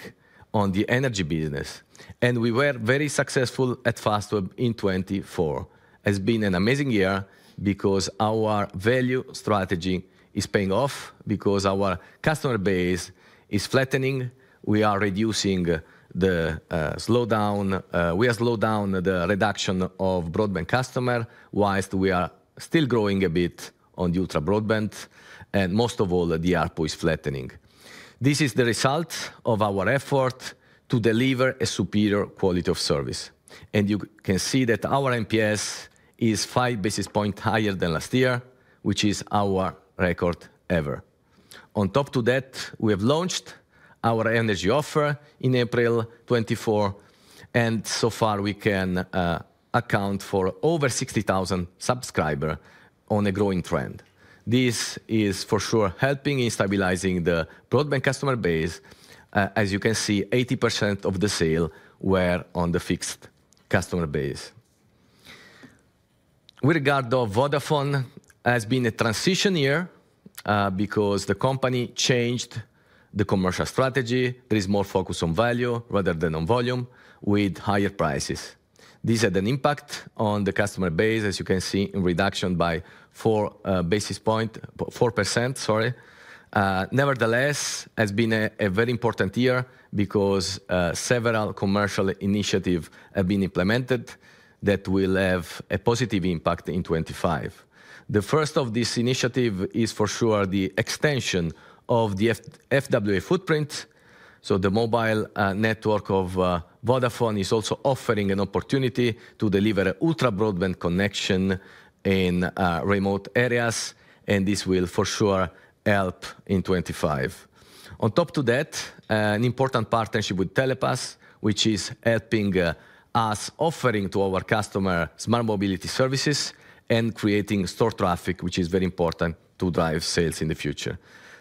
Speaker 3: on the energy business. And we were very successful at Fastweb in 2024 has been an amazing year because our value strategy is paying off. Because our customer base is flattening, we are reducing the slowdown. We have slowed down the reduction of broadband customer whilst we are still growing a bit on the ultra broadband. And most of all the ARPU is flattening. This is the result of our effort to deliver a superior quality of service. And you can see that our NPS is five basis points higher than last year which is our record ever. On top of that, we have launched our energy offer in April 2024, and so far we can account for over 60,000 subscribers on a growing trend. This is for sure helping in stabilizing the broadband customer base. As you can see, 80% of the sales were on the fixed customer base. With regard to Vodafone, it has been a transition year because the company changed the commercial strategy. There is more focus on value rather than on volume with higher prices. This had an impact on the customer base as you can see in a reduction by 4 basis points. 4%. Sorry. Nevertheless, it has been a very important year because several commercial initiatives have been implemented that will have a positive impact in 2025. The first of these initiatives is for sure the extension of the FWA footprint. The mobile network of Vodafone is also offering an opportunity to deliver an ultra broadband connection in remote areas. This will for sure help in 2025. On top of that, an important partnership with Telepass which is helping us offering to our customer smart mobility services and creating store traffic which is very important to drive sales in the future.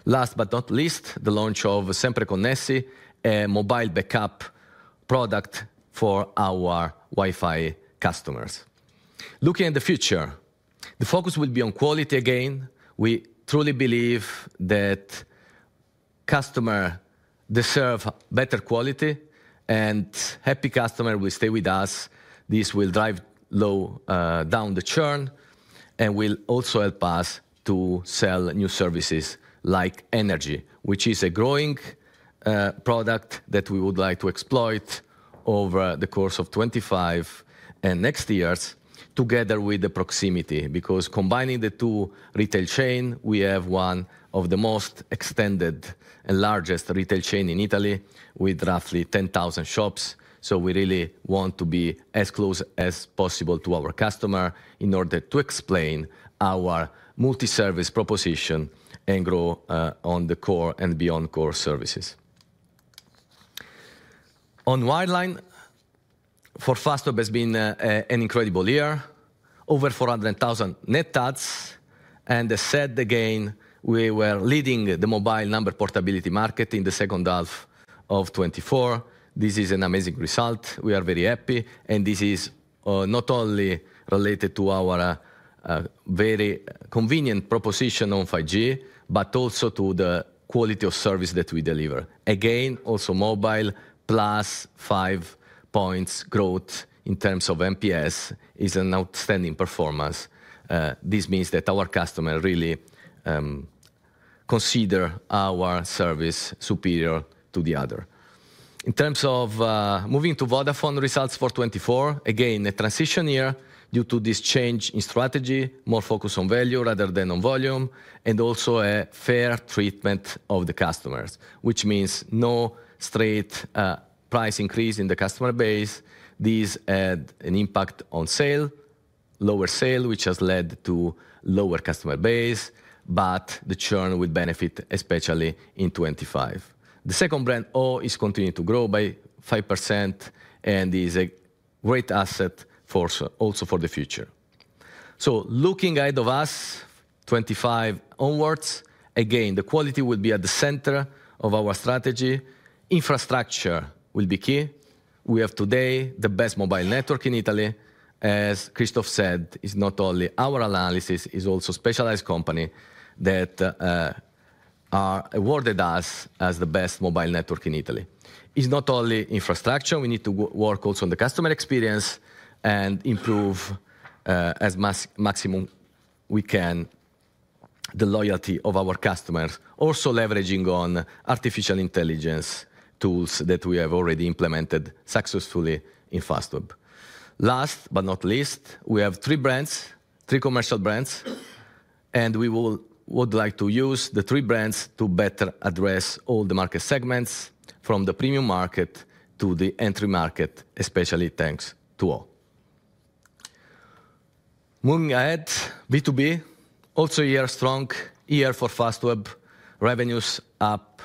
Speaker 3: Last but not least, the launch of Sempre Connessi, a mobile backup product for our Wi-Fi customers. Looking at the future, the focus will be on quality again. We truly believe that customer deserve better quality and happy customer will stay with us. This will drive low down the churn and will also help us to sell new services like Energy, which is a growing product that we would like to exploit over the course of 2025 and next year's together with the proximity. Because combining the two retail chains, we have one of the most extensive and largest retail chains in Italy with roughly 10,000 shops. So we really want to be as close as possible to our customers in order to explain our multi-service proposition and grow on the core and beyond-core services on wireline for Fastweb has been an incredible year. Over 400,000 net adds and, as I said, again we were leading the mobile number portability market in 2H24. This is an amazing result. We are very happy and this is not only related to our very convenient proposition on 5G but also to the quality of service that we deliver. Again also mobile +5 points growth in terms of NPS is an outstanding performance. This means that our customers really consider our service superior to the others in terms of moving to Vodafone. Results for 2024 again the transition year due to this change in strategy more focus on value rather than on volume and also a fair treatment of the customers which means no straight price increase in the customer base. This has had an impact on sales lower sales which has led to lower customer base. But the churn will benefit especially in 2025. The second brand ho. is continuing to grow by 5% and is great asset also for the future. Looking ahead for us 2025 onwards again the quality will be at the center of our strategy. Infrastructure will be key. We have today the best mobile network in Italy. As Christoph said, it is not only our analysis. It is also specialized companies that have awarded us as the best mobile network in Italy. It is not only infrastructure. We need to work also on the customer experience and improve as maximum we can the loyalty of our customers. Also leveraging on artificial intelligence tools that we have already implemented successfully in Fastweb. Last but not least, we have three brands, three commercial brands, and we would like to use the three brands to better address all the market segments from the premium market to the entry market. Especially thanks to all moving ahead B2B also year strong year for Fastweb revenues up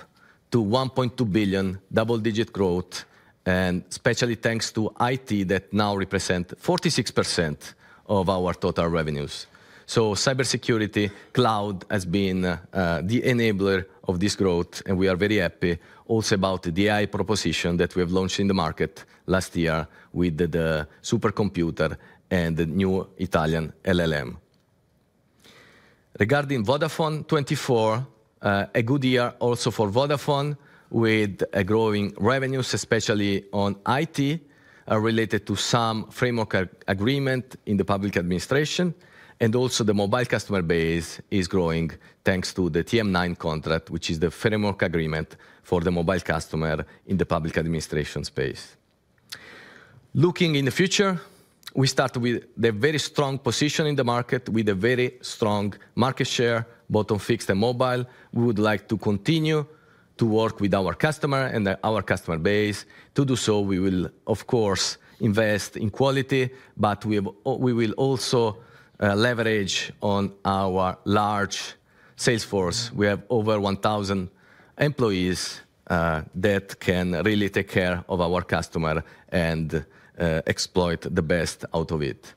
Speaker 3: to 1.2 billion double digit growth and especially thanks to IT that now represent 46% of our total revenues. Cybersecurity cloud has been the enabler of this growth. We are very happy also about the AI proposition that we have launched in the market last year with the supercomputer and the new Italian LLM regarding Vodafone 24. It was a good year also for Vodafone with growing revenues especially on IT related to some framework agreement in the public administration. Also the mobile customer base is growing thanks to the TM9 contract which is the framework agreement for the mobile customer in the public administration space. Looking in the future, we start with the very strong position in the market with a very strong market share both on fixed and mobile. We would like to continue to work with our customer and our customer base to do so. We will of course invest in quality but we have. We will also leverage on our large salesforce. We have over 1,000 employees that can really take care of our customer and exploit the best out of it.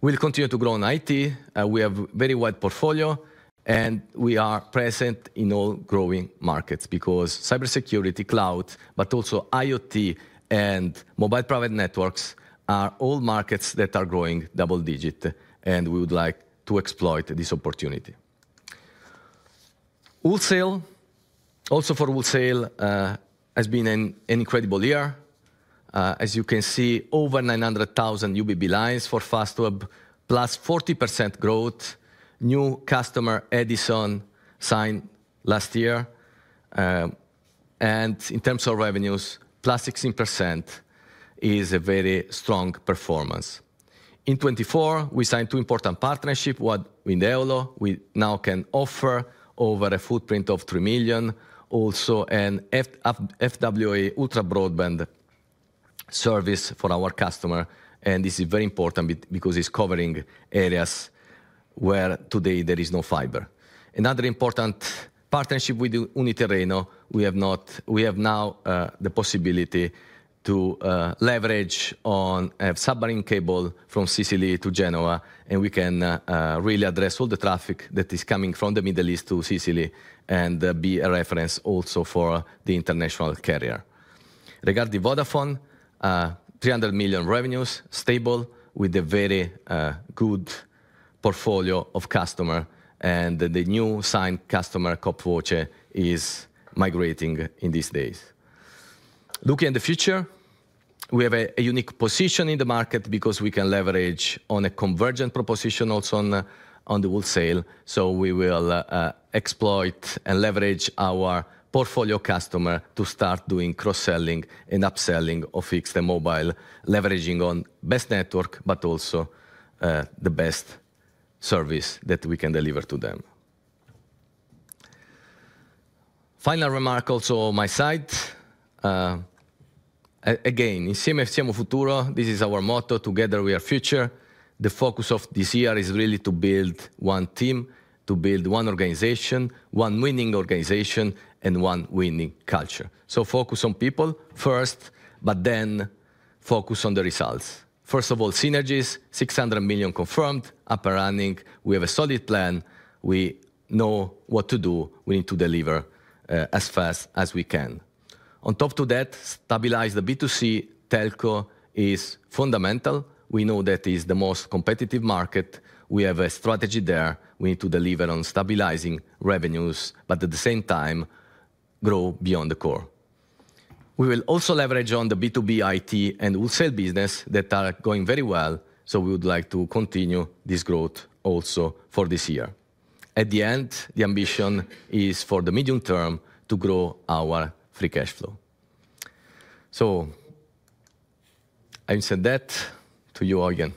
Speaker 3: We'll continue to grow in IT. We have very wide portfolio and we are present in all growing markets because cybersecurity, cloud but also IoT and mobile private networks are all markets that are growing double-digit and we would like to exploit this opportunity. Wholesale also for wholesale has been an incredible year. As you can see, over 900,000 UBB lines for Fastweb +40% growth. New customer Edison signed last year and in terms of revenues +16% is a very strong performance. In 2024 we signed two important partnership with Wind Tre. We now can offer over a footprint of 3 million also an FWA ultra broadband service for our customer and this is very important because it's covering areas where today there is no fiber. Another important partnership with Unitirreno. We have now the possibility to leverage on submarine cable from Sicily to Genoa and we can really address all the traffic that is coming from the Middle East to Sicily and be a reference also for the international carrier regarding the Vodafone 300 million revenues stable with a very good portfolio of customers and the new signed customer CoopVoce is migrating in these days. Looking at the future we have a unique position in the market because we can leverage on a convergent proposition also on the Wholesale. So we will exploit and leverage our portfolio of customers to start doing cross-selling and upselling of fixed and mobile leveraging on the best network but also the best service that we can deliver to them. Final remark also on my side again, Swisscom Futura. This is our motto: Together we are future. The focus of this year is really to build one team to build one organization. One winning organization and one winning culture, so focus on people first but then focus on the results. First of all, synergies. 600 million confirmed, up and running. We have a solid plan. We know what to do. We need to deliver as fast as we can. On top of that, stabilize the B2C telco is fundamental. We know that is the most competitive market. We have a strategy there. We need to deliver on stabilizing revenues but at the same time grow beyond the core. We will also leverage on the B2B IT and Wholesale business that are going very well. So we would like to continue this growth also for this year. At the end, the ambition is for the medium term to grow our free cash flow. So I said that to you again.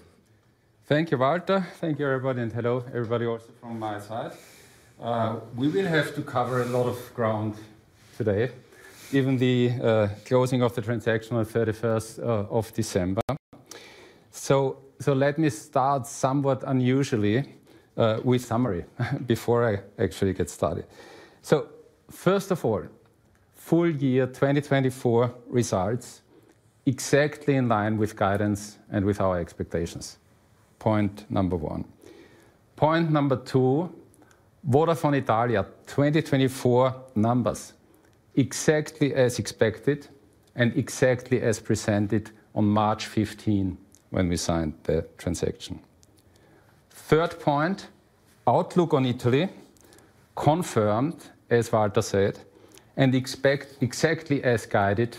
Speaker 4: Thank you, Walter. Thank you, everybody, and hello, everybody. Also from my side, we will have to cover a lot of ground today given the closing of the transaction on 31st of December. So let me start somewhat unusually with summary before I actually get started. So first of all, full year 2024 results exactly in line with guidance and with our expectations. Point number one, point number two, Vodafone Italia 2024 numbers exactly as expected and exactly as presented on March 15 when we signed the transaction. Third point, outlook on Italy confirmed, as Walter said and expect exactly as guided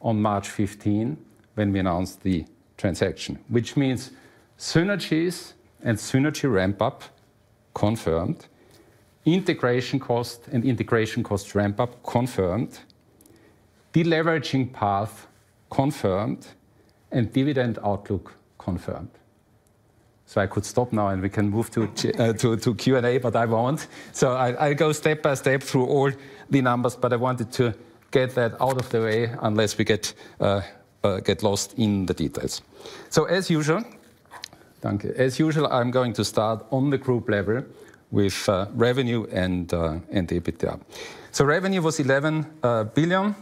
Speaker 4: on March 15 when we announced the transaction. Which means synergies and synergy ramp up confirmed. Integration cost and integration cost ramp up confirmed. Deleveraging path confirmed and dividend outlook confirmed. So I could stop now and we can move to Q&A, but I won't. So I go step by step through all the numbers, but I wanted to get that out of the way unless we get lost in the details. So as usual, I'm going to start on the group level with revenue and EBITDA. So revenue was 11 billion.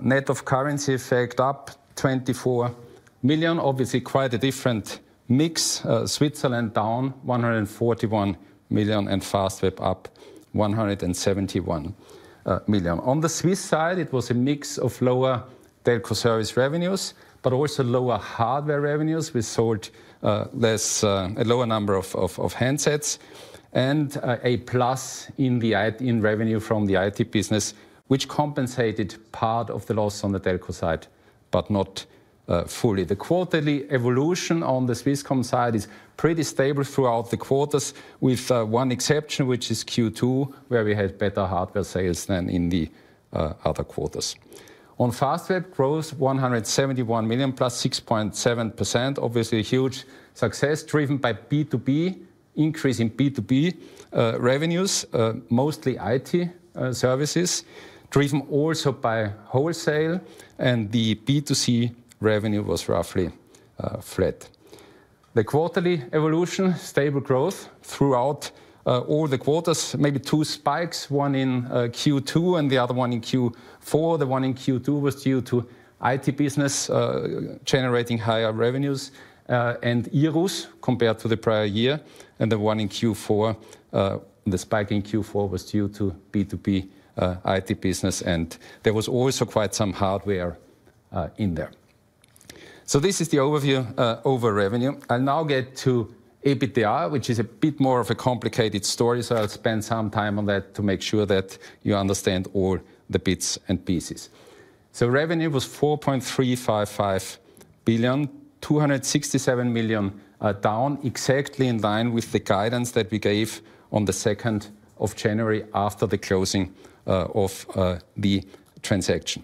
Speaker 4: Net of currency effect up 24 million. Obviously quite a different mix. Switzerland down 141 million and Fastweb up 171 million. On the Swiss side it was a mix of lower telco service revenues but also lower hardware revenues. We sold a lower number of handsets and a plus in revenue from the IoT business which compensated part of the loss on the telco side, but not fully. The quarterly evolution on the Swisscom side is pretty stable throughout the quarters with one exception which is Q2 where we had better hardware sales than in the other quarters. On Fastweb growth, 171 million +6.7%, obviously a huge success driven by B2B increase in B2B revenues, mostly IT services, driven also by Wholesale. The B2C revenue was roughly flat. The quarterly evolution stable growth throughout all the quarters. Maybe two spikes, one in Q2 and the other one in Q4. The one in Q2 was due to IT business generating higher revenues and euros compared to the prior year. The one in Q4, the spike in Q4 was due to B2B IT business and there was also quite some hardware in there. This is the overview of revenue. I'll now get to EBITDA, which is a bit more of a complicated story. I'll spend some time on that to make sure that you understand all the bits and pieces. So revenue was 4.355 billion 267 million down exactly in line with the guidance that we gave on the 2nd of January after the closing of the transaction.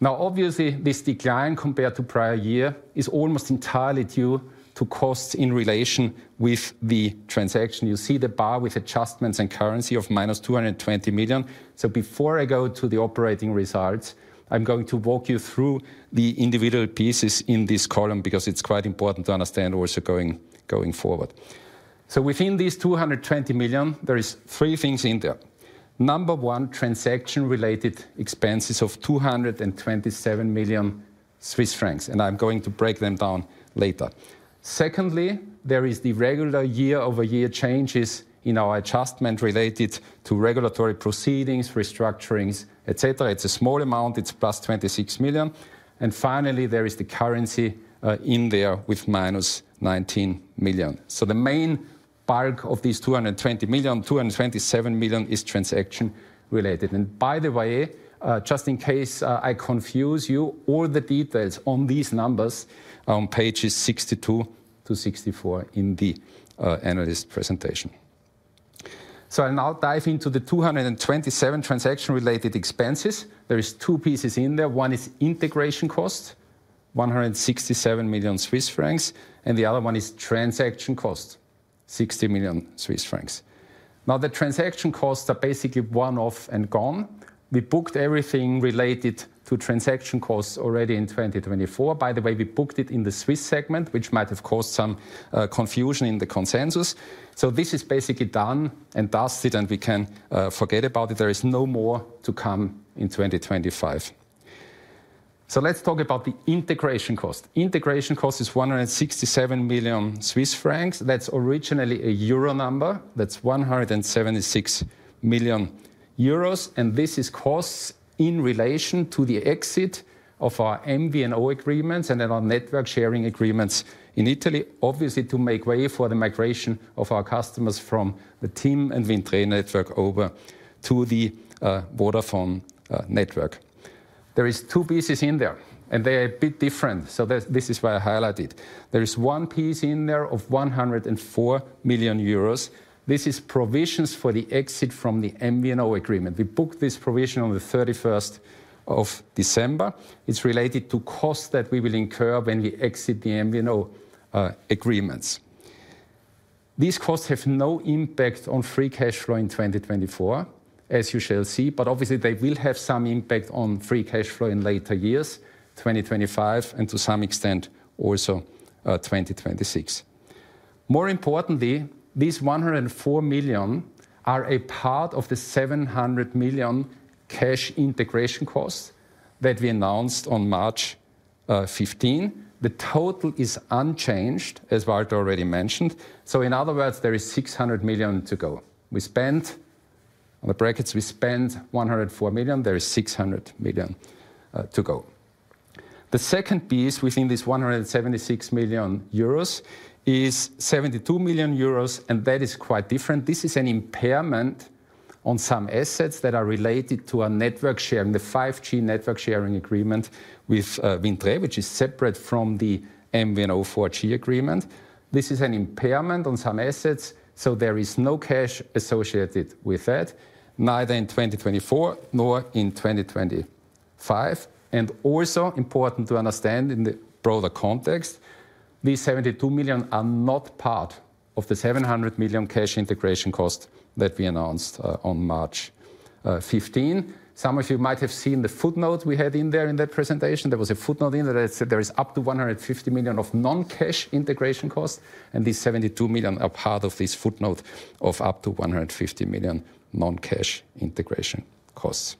Speaker 4: Now obviously this decline compared to prior year is almost entirely due to costs in relation with the transaction. You see the bar with adjustments and currency of -220 million. So before I go to the operating results, I'm going to walk you through the individual pieces in this column because it's quite important to understand also going forward. So within these 220 million there is three things in there. Number one, transaction related expenses of 227 million Swiss francs. And I'm going to break them down later. Secondly, there is the regular year-over-year changes in our adjustment related to regulatory proceedings, restructurings, etc. It's a small amount, it's +26 million. Finally, there is the currency in there with -19. The main bulk of these 220 million 227 million is transaction related. By the way, just in case I confuse you all the details on these numbers on pages 62 to 64 in the analyst presentation. I'll now dive into the 227 transaction related expenses. There is two pieces in there. One is integration cost 167 million Swiss francs and the other one is transaction cost 60 million Swiss francs. Now the transaction costs are basically one-off and gone. We booked everything related to transaction costs already in 2024, by the way. We booked it in the Swiss segment which might have caused some confusion in the consensus. This is basically done and dusted and we can forget about it. There is no more to come in 2025. So let's talk about the integration cost. Integration cost is 167 million Swiss francs. That's originally a euro number, that's 176 million euros. And this is costs in relation to the exit of our MVNO agreements and then our network sharing agreements in Italy. Obviously to make way for the migration of our customers from the TIM and Wind Tre network over to the Vodafone network. There is two pieces in there and they are a bit different. So this is why I highlighted there is one piece in there of 104 million euros. This is provisions for the exit from the MVNO agreement. We booked this provision on 31 December. It's related to costs that we will incur when we exit the MVNO agreements. These costs have no impact on free cash flow in 2024. As you shall see. But obviously they will have some impact on free cash flow in later years, 2025 and, to some extent, also 2026. More importantly, these 104 million are a part of the 700 million cash integration costs that we announced on March 15. The total is unchanged, as Walter already mentioned. So in other words, there is 600 million to go. We spent on the brackets; we spent 104 million. There is 600 million to go. The second piece within this 176 million euros is 72 million euros. And that is quite different. This is an impairment on some assets that are related to a network sharing. The 5G network sharing agreement with Wind Tre, which is separate from the MVNO 4G agreement. This is an impairment on some assets. So there is no cash associated with that, neither in 2024 nor in 2025. And also important to understand in the broader context, these 72 million are not part of the 700 million cash integration cost that we announced on March. Some of you might have seen the footnote we had in there in that presentation. There was a footnote in there that said there is up to 150 million of non cash integration costs. And these 72 million are part of this footnote of up to 150 million non cash integration costs.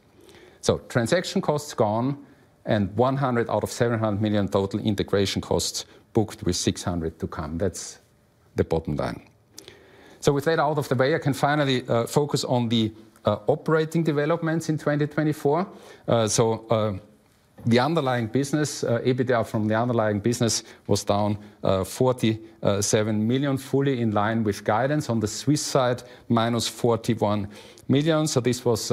Speaker 4: So transaction costs gone and 100 million out of 700 million total integration costs booked with 600 million to come. That's the bottom line. So with that out of the way, I can finally focus on the operating developments in 2024. So the underlying business EBITDA from the underlying business was down 47 million, fully in line with guidance on the Swiss side, -41 million. So this was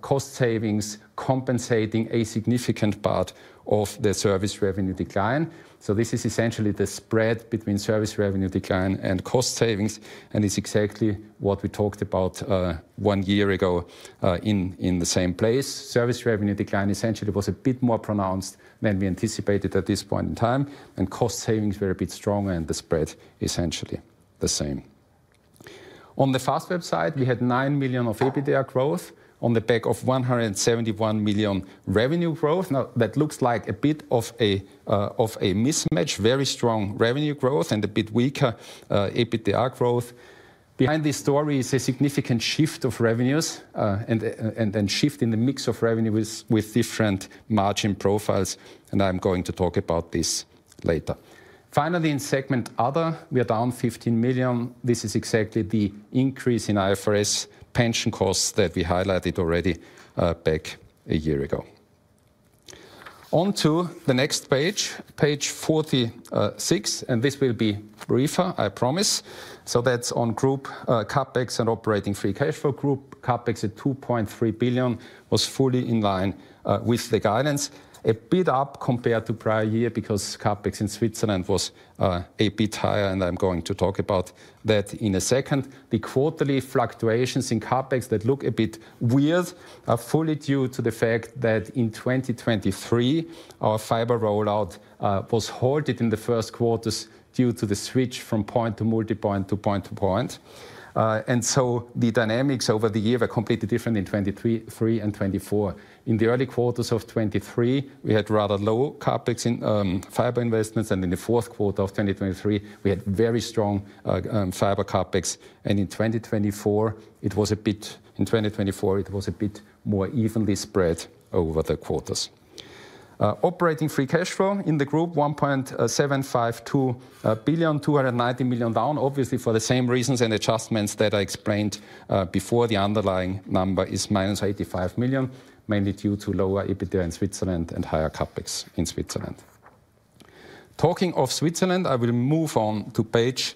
Speaker 4: cost savings compensating a significant part of the service revenue decline. So this is essentially the spread between service revenue decline and cost savings. And it's exactly what we talked about one year ago in the same place. Service revenue decline essentially was a bit more pronounced than we anticipated at this point in time. And cost savings were a bit stronger and the spread essentially the same. On the Fastweb website we had 9 million of EBITDA growth on the back of 171 million revenue growth. Now that looks like a bit of a mismatch. Very strong revenue growth and a bit weaker EBITDA growth. Behind this story is a significant shift of revenues and then shift in the mix of revenue with different margin profiles. And I'm going to talk about this later. Finally, in segment Other, we are down 15 million. This is exactly the increase in IFRS pension costs that we highlighted already back a year ago. On to the next page, page 46, and this will be briefer, I promise. So that's on group CapEx and operating free cash flow. Group CapEx at 2.3 billion was fully in line with the guidance, a bit up compared to prior year because CapEx in Switzerland was a bit higher, and I'm going to talk about that in a second. The quarterly fluctuations in CapEx that look a bit weird are fully due to the fact that in 2023 our fiber rollout was halted in the first quarters due to the switch from point to multipoint to point to point, and so the dynamics over the year were completely different in 2023 and 2024. In the early quarters of 2023 we had rather low CapEx in fiber investments and in the fourth quarter of 2023 we had very strong fiber CapEx. In 2024 it was a bit more evenly spread over the quarters. Operating free cash flow in the group 1.752 billion, 290 million down. Obviously for the same reasons and adjustments that I explained before. The underlying number is -85 million, mainly due to lower EBITDA in Switzerland and higher CapEx in Switzerland. Talking of Switzerland, I will move to page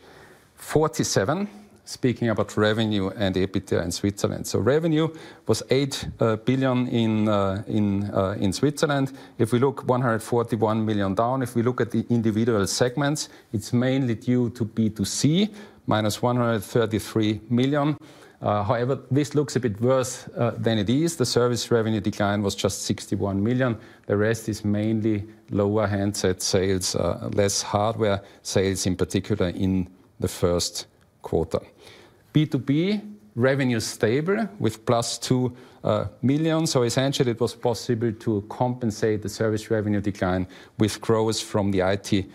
Speaker 4: 47. Speaking about revenue and EBITDA in Switzerland, revenue was 8 billion in Switzerland. If we look, 141 million down, at the individual segments, it's mainly due to B2C -133 million. However, this looks a bit worse than it is. The service revenue decline was just. The rest is mainly lower handset sales, less hardware sales in particular. In the first quarter, B2B revenue stable with +2 million. So essentially it was possible to compensate the service revenue decline with growth from the IT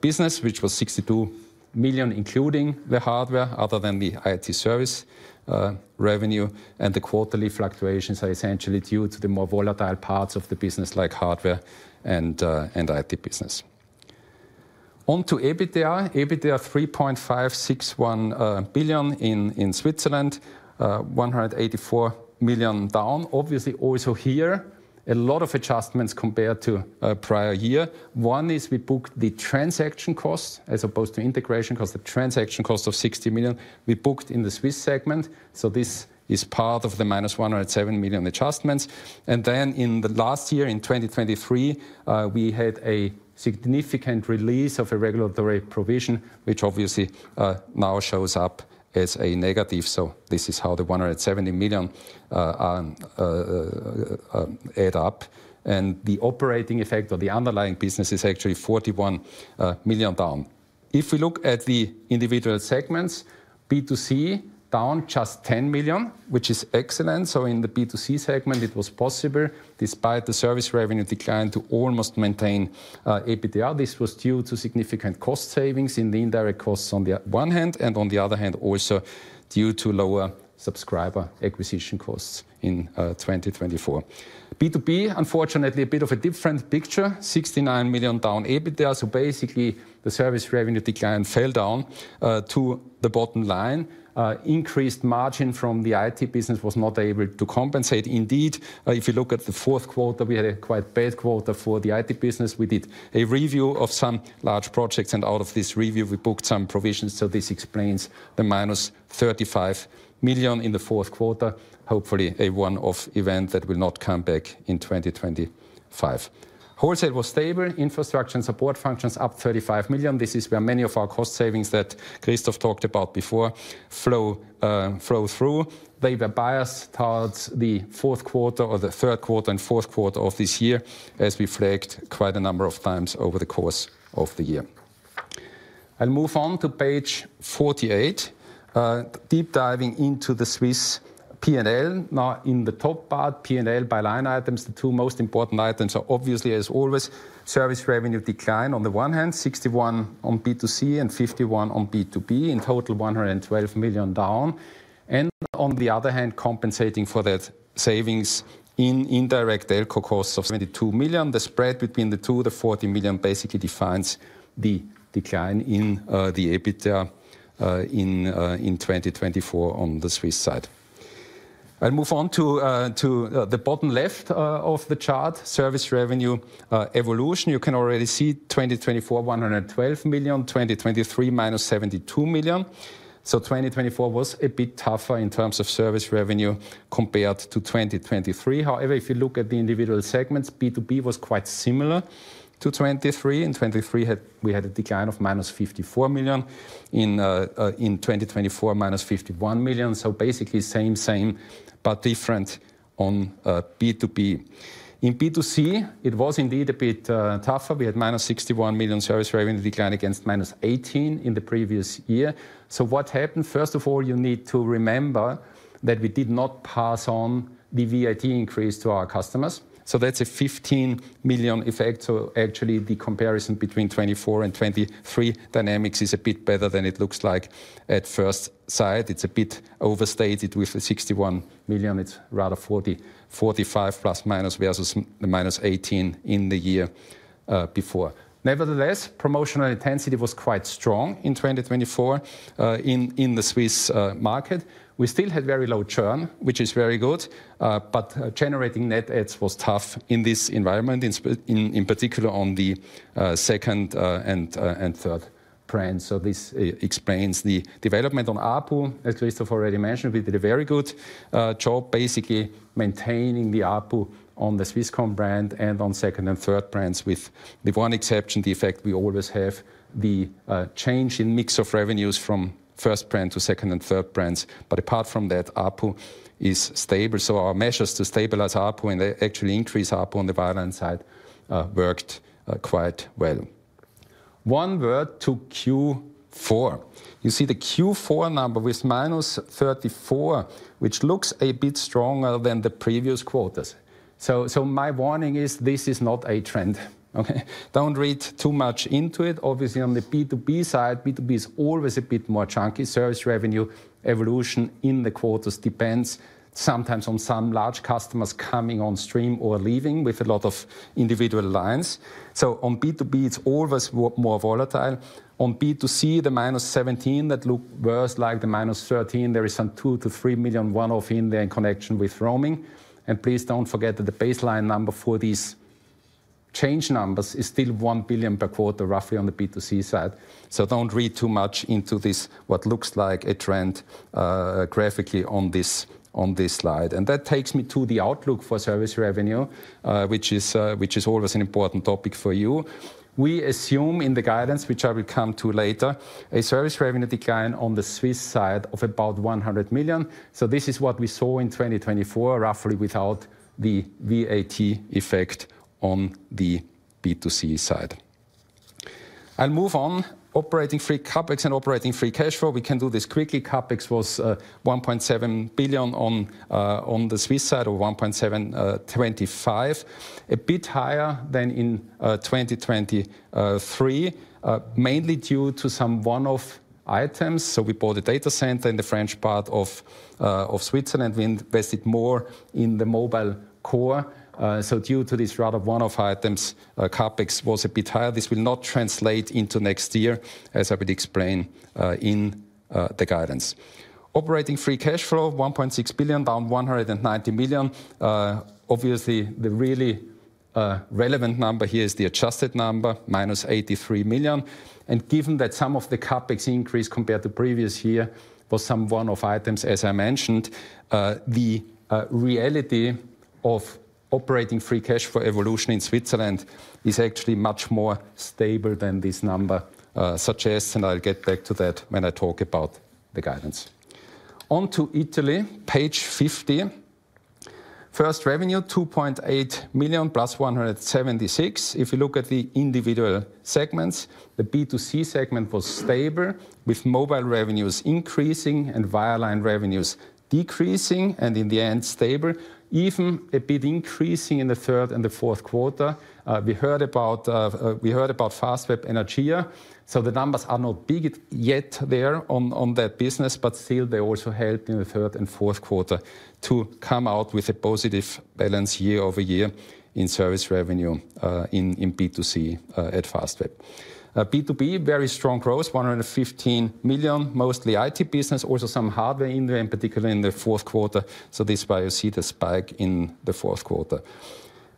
Speaker 4: business which was 62 million including the hardware. Other than the IoT service revenue and the quarterly fluctuations are essentially due to the more volatile parts of the business like hardware and IT business. On to EBITDA. EBITDA 3.561 billion in Switzerland, 184 million down. Obviously also here a lot of adjustments compared to prior year. One is we booked the transaction costs as opposed to integration cost. The transaction cost of 60 million we booked in the Swiss segment. So this is part of the -107 million adjustments. Then in the last year in 2023 we had a significant release of a regulatory provision which obviously now shows up as a negative. This is how the 170 million add up and the operating effect of the underlying business is actually 41 million down. If we look at the individual segments, B2C down just 10 million, which is excellent. In the B2C segment it was possible despite the service revenue decline to almost maintain EBITDA. This was due to significant cost savings in the indirect costs on the one hand and on the other hand also due to lower subscriber acquisition costs in 2024. B2B unfortunately a bit of a different picture. 69 million down EBITDA. Basically the service revenue decline fell down to the bottom line. Increased margin from the IT business was not able to compensate. Indeed, if you look at the fourth quarter, we had a quite bad quarter for the IT business. We did a review of some large projects and out of this review we booked some provisions. So this explains the -35 million in the fourth quarter. Hopefully a one-off event that will not come back in 2025. Wholesale was stable. Infrastructure and support functions up 35 million. This is where many of our cost savings that Christoph talked about before flow through. They were biased towards the fourth quarter or the third quarter and fourth quarter of this year as we flagged quite a number of times over the course of the year. I'll move on to page 48. Deep diving into the Swiss P&L. Now in the top part P&L by line items, the two most important items are obviously as always, service revenue decline. On the one hand, 61 million on B2C and 51 million on B2B, in total 112 million down, and on the other hand, compensating for that, savings in indirect Ericsson costs of 72 million. The spread between the two, the 40 million, basically defines the decline in the EBITDA in 2024. On the Swiss side, I move on to the bottom left of the chart, Service revenue evolution. You can already see 2024, 112 million; 2023, -72 million. So 2024 was a bit tougher in terms of service revenue compared to 2023. However, if you look at the individual segments, B2B was quite similar to 2023. In 2023, we had a decline of -54 million; in 2024, -51 million. So basically same same but different on B2B. In B2C, it was indeed a bit tougher. We had -61 million service revenue decline against -18 million in the previous year. So what happened? First of all, you need to remember that we did not pass on the VAT increase to our customers. So that's a 15 million effect. So actually, the comparison between 2024 and 2023 dynamics is a bit better than it looks like at first sight. It's a bit overstated with the 61 million. It's rather 40-45 plus minus versus the -18 in the year before. Nevertheless, promotional intensity was quite strong in 2024 in the Swiss market. We still had very low churn, which is very good. But generating net adds was tough in this environment. In particular on the second and third brand. So this explains the development on ARPU. As Christoph already mentioned, we did a very good job basically maintaining the ARPU on the Swisscom brand and on second and third brands. With the one exception, the effect we always have the change in mix of revenues from first brand to second and third brands. But apart from that, ARPU is stable. So our measures to stabilize ARPU and actually increase ARPU on the wireline side worked quite well. One word to Q4, you see the Q4 number with -34 which looks a bit stronger than the previous quarters. So my warning is this is not a trend. Okay, don't read too much into it. Obviously on the B2B side, B2B is always a bit more chunky. Service revenue evolution in the quarters depends sometimes on some large customers coming on stream or leaving with a lot of individual lines. So on B2B it's always more volatile. On B2C, the -17 that look worse like the -13, there is some 2 million to 3 million one-off in there in connection with roaming. And please don't forget that the baseline number for these change numbers is still 1 billion per quarter roughly on the B2C side. So don't read too much into this, what looks like a trend graphically on this slide. And that takes me to the outlook for service revenue, which is always an important topic for you. We assume in the guidance, which I will come to later, a service revenue decline on the Swiss side of about 100 million. So this is what we saw in 2024 roughly without the VAT effect on the B2C side. I'll move on. Operating free CapEx and operating free cash flow. We can do this quickly. CapEx was 1.7 billion on the Swiss side or 1.725 billion, a bit higher than in 2023, mainly due to some one-off items. So we bought a data center in the French part of Switzerland. We invested more in the mobile core. So due to these rather one-off items, CapEx was a bit higher. This will not translate into next year. As I would explain in the guidance, operating free cash flow 1.6 billion down 190 million. Obviously the really relevant number here is the adjusted number 83 million. And given that some of the CapEx increase compared to previous year was some one-off items. As I mentioned, the reality of operating free cash flow evolution in Switzerland is actually much more stable than this number suggests. I'll get back to that when I talk about the guidance on to Italy, page 51. Revenue 2.8 billion +17.6%. If you look at the individual segments, the B2C segment was stable with mobile revenues increasing and wireline revenues decreasing and in the end stable even a bit increasing. In the third and the fourth quarter we heard about Fastweb Energia. So the numbers are not big yet there on that business. But still they also helped in the third and fourth quarter to come out with a positive balance year-over-year in service revenue in B2C at Fastweb. B2B very strong growth, 115 million. Mostly IT business, also some hardware in there in particular in the fourth quarter. So this is why you see the spike in the fourth quarter.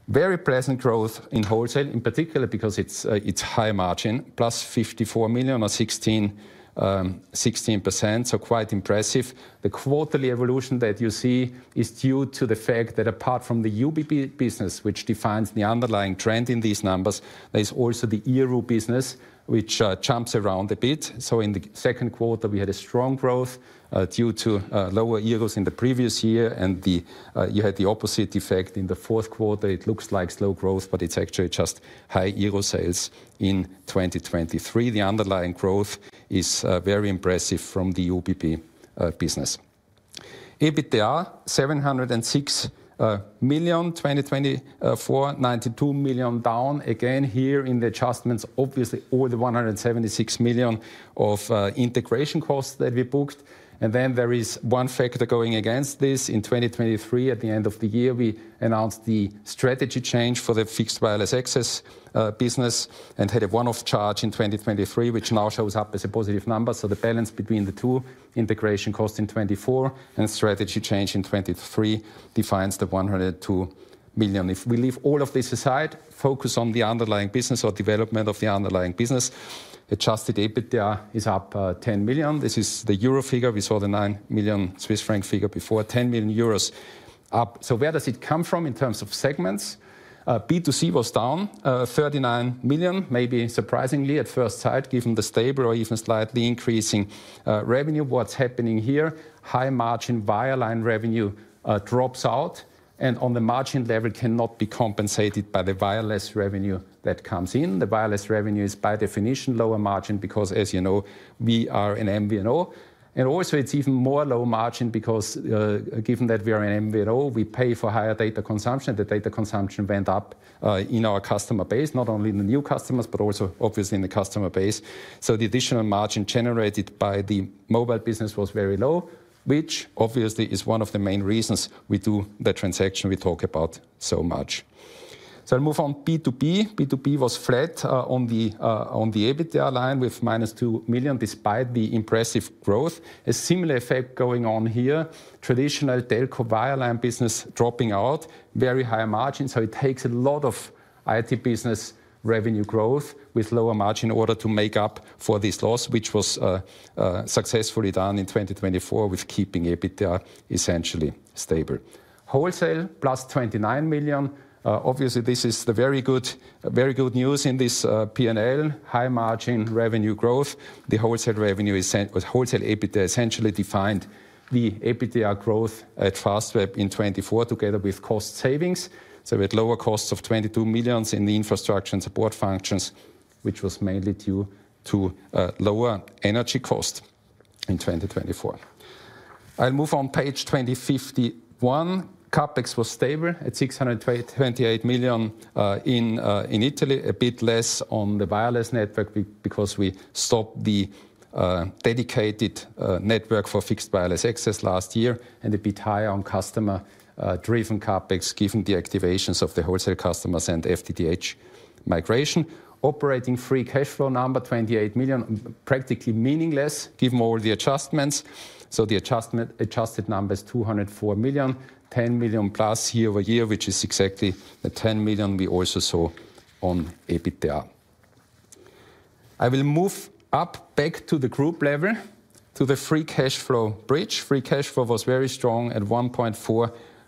Speaker 4: Very pleasant growth in Wholesale in particular because it's high margin +54 million or 16%. So quite impressive. The quarterly evolution that you see is due to the fact that apart from the UBB business which defines the underlying trend in these numbers, there's also the UBB business which jumps around a bit. So in the second quarter we had a strong growth due to lower UBBs in the previous year and you had the opposite effect in the fourth quarter. It looks like slow growth, but it's actually just high UBB sales. In 2023 the underlying growth is very impressive from the UBB business. EBITDA 706 million. In 2024, 92 million down again here in the adjustments. Obviously all the 176 million of integration costs that we booked. And then there is one factor going against this. In 2023, at the end of the year, we announced the strategy change for the fixed wireless access business and had a one-off charge in 2023, which now shows up as a positive number. So the balance between the two integration cost in 2024 and strategy change in 2023 defines the 102 million. If we leave all of this aside, focus on the underlying business or development of the underlying business. Adjusted EBITDA is up 10 million. This is the euro figure. We saw the 9 million Swiss franc figure before for 10 million euros up. So where does it come from in terms of segments? B2C was down 39 million. Maybe surprisingly at first sight given the stable or even slightly increasing revenue. What's happening here? High margin wireline revenue drops out, and on the margin level cannot be compensated by the wireless revenue that comes in. The wireless revenue is by definition lower margin because as you know we are in MVNO. Also it's even more low margin because given that we are in MVNO, we pay for higher data consumption. The data consumption went up in our customer base, not only in the new customers but also obviously in the customer base. The additional margin generated by the mobile business was very low, which obviously is one of the main reasons we do the transaction we talk about so much. So I move on. B2B was flat on the EBITDA line with minus two million despite the impressive growth. A similar effect going on here. Traditional telco wireline business dropping out, very high margin. So it takes a lot of IoT business revenue growth with lower margin or to make up for this loss, which was successfully done in 2024 with keeping EBITDA essentially stable. Wholesale +29 million. Obviously this is the very good news in this P&L: high margin revenue growth. The wholesale EBITDA essentially defined the EBITDA growth at Fastweb in 2024 together with cost savings. So we had lower costs of 22 million in the infrastructure and support functions, which was mainly due to lower energy cost in 2024. I'll move on page 51. CapEx was stable at 628 million in Italy. A bit less on the wireless network due because we stopped the dedicated network for fixed wireless access last year. And a bit higher on customer-driven CapEx given the activations of the wholesale customers and FTTH migration. Operating free cash flow number 28 million. Practically meaningless given all the adjustments. So the adjusted number is 204 million, 10 million+ year-over-year, which is exactly the 10 million we also saw on EBITDA. I will move up back to the group level to the free cash flow bridge. Free cash flow was very strong at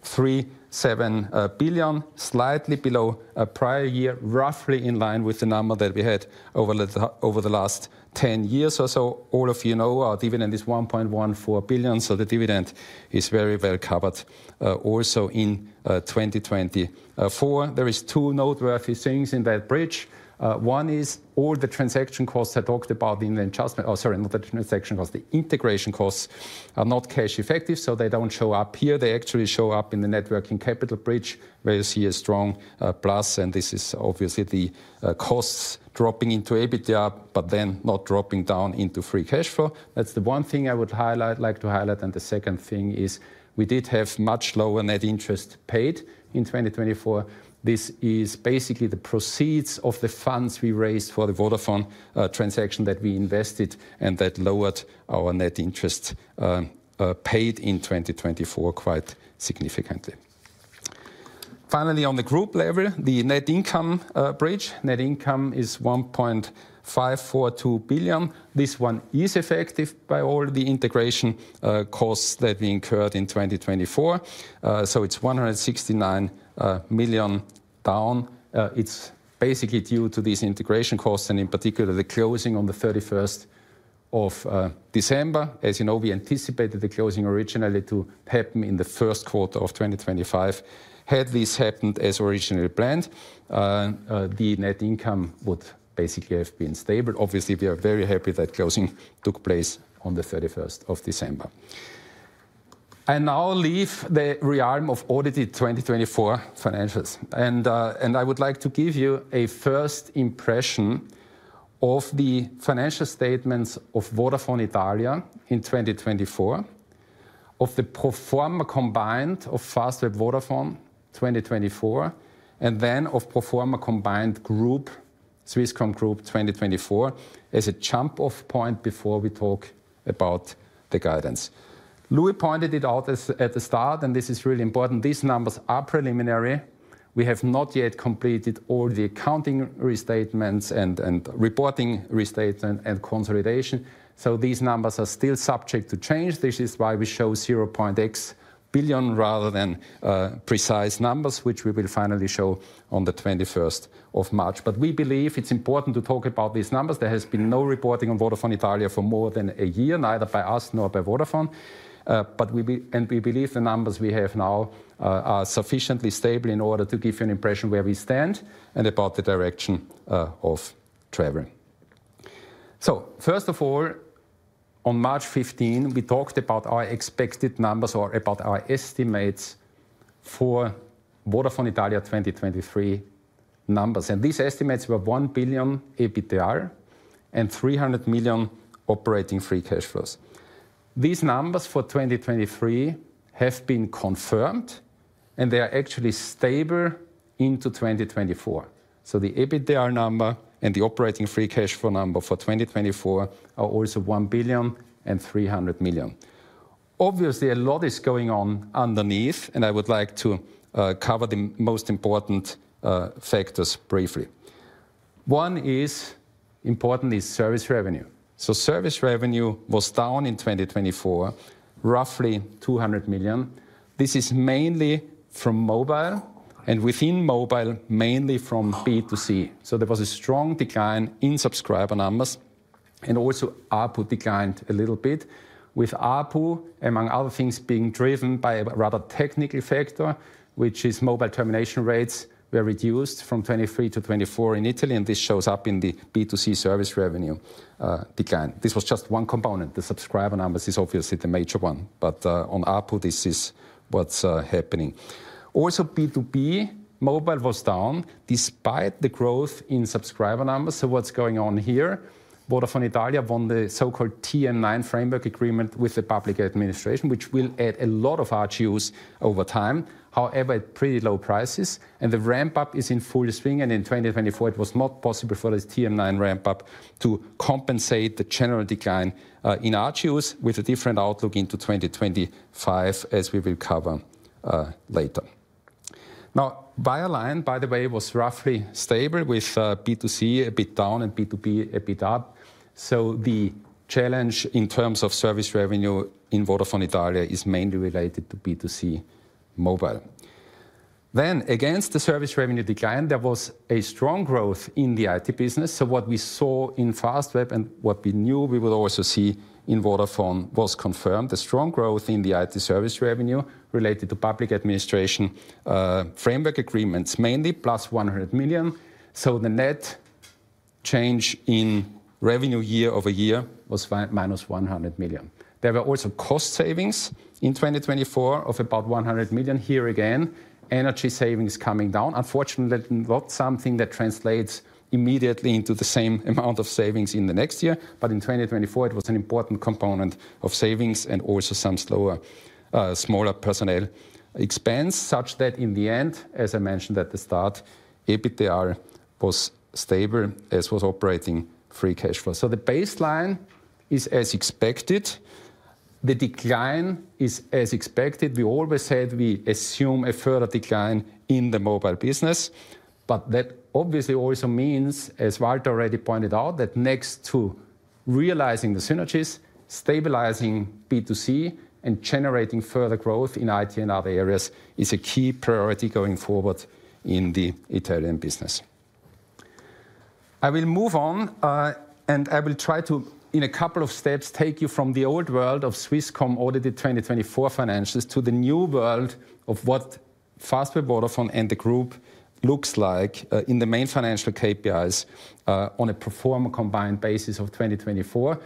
Speaker 4: 1.437 billion, slightly below a prior year, roughly in line with the number that we had over the last 10 years or so. All of you know our dividend is 1.14 billion. So the dividend is very well covered also in 2024. There is two noteworthy things in that bridge. One is all the transaction costs I talked about in the adjustment. Oh sorry, not the transaction cost. The integration costs are not cash effective. So they don't show up here. They actually show up in the net working capital bridge where you see a strong plus. This is obviously the costs dropping into EBITDA but then not dropping down into free cash flow. That's the one thing I would highlight like to highlight. The second, second thing is we did have much lower net interest paid in 2024. This is basically the proceeds of the funds we raised for the Vodafone transaction that we invested and that lowered our net interest paid in 2024 quite significantly. Finally, on the group level, the net income bridge, net income is 1.542 billion. This one is affected by all the integration costs that we incurred in 2024. So it's 169 million down. It's basically due to these integration costs and in particular the closing on the 31st of December. As you know, we anticipated the closing originally to happen in the first quarter of 2025. Had this happened as originally planned, the net income would basically have been stable. Obviously, we are very happy that closing took place on the 31st of December. I now leave the realm of audited 2024 financials, and I would like to give you a first impression of the financial statements of Vodafone Italia in 2024, of the pro forma combined, of Fastweb Vodafone 2024 and then of pro forma combined group Swisscom Group 2024. As a jump off point, before we talk about the guidance, Louis pointed it out at the start and this is really important. These numbers are preliminary. We have not yet completed all the accounting restatements and reporting restatement and consolidation. So these numbers are still subject to change. This is why we show CHF 0.x billion rather than precise numbers which we will finally show on the 21st of March. But we believe it's important to talk about these numbers. There has been no reporting on Vodafone Italia for more than a year, neither by us nor by Vodafone. And we believe the numbers we have now are sufficiently stable in order to give you an impression where we stand and about the direction of travel. So first of all, on March 15th we talked about our expected numbers or about our estimates for Vodafone Italia 2023 numbers. And these estimates were 1 billion EBITDA and 300 million operating free cash flows. These numbers for 2023 have been confirmed and they are actually stable into 2024. So the EBITDA number and the operating free cash flow number for 2024 are also 1 billion and 300 million. Obviously a lot is going on underneath and I would like to cover the most important factors briefly. One is important is service revenue. So service revenue was down in 2024, roughly 200 million. This is mainly from mobile and within mobile mainly from B2C. So there was a strong decline in subscriber numbers and also ARPU declined a little bit, with ARPU among other things being driven by a rather technical factor which is mobile termination rates were reduced from 2023 to 2024 in Italy and this shows up in the B2C service revenue decline. This was just one component. The subscriber numbers is obviously the major one, but on OpCo this is what's happening. Also B2B mobile was down despite the growth in subscriber numbers. So what's going on here? Vodafone Italia won the so-called TM9 framework agreement with the public administration which will add a lot of users over time. However at pretty low prices and the ramp-up is in full swing. In 2024 it was not possible for this TM9 ramp up to compensate the general decline in ARPU with a different outlook into 2025 as we will cover later now. Mobile, by the way, was roughly stable with B2C a bit down and B2B a bit up. The challenge in terms of service revenue in Vodafone Italia is mainly related to B2C mobile. Then, against the service revenue decline, there was a strong growth in the IT business. What we saw in Fastweb and what we knew we would also see in Vodafone was confirmed the strong growth in the IT service revenue related to public administration framework agreements mainly +100 million. The net change in revenue year-over-year was -100 million. There were also cost savings in 2024 of about 100 million. Here again, energy savings coming down. Unfortunately, not something that translates immediately into the same amount of savings in the next year. But in 2024 it was an important component of savings and also some slower smaller personnel expense such that in the end, as I mentioned at the start, EBITDA was stable as was operating free cash flow. So the baseline is as expected. The decline is as expected. We always said we assume a further decline in the mobile business. But that obviously also means, as Walter already pointed out, that next to realizing the synergies, stabilizing B2C and generating further growth in IT and other areas is a key priority going forward in the Italian business. I will move on, and I will try to, in a couple of steps, take you from the old world of Swisscom audited 2024 financials to the new world of what Fastweb, Vodafone and the Group looks like in the main financial KPIs on a pro forma combined basis of 2024,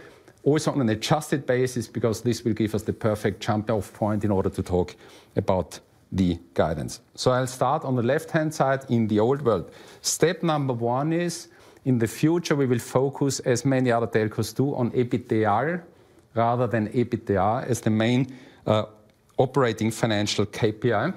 Speaker 4: also on an adjusted basis, because this will give us the perfect jump-off point in order to talk about the guidance. So, I'll start on the left-hand side. In the old world, step number one is in the future we will focus, as many other telcos do, on EBITDA rather than EBITDAaL as the main operating financial KPI.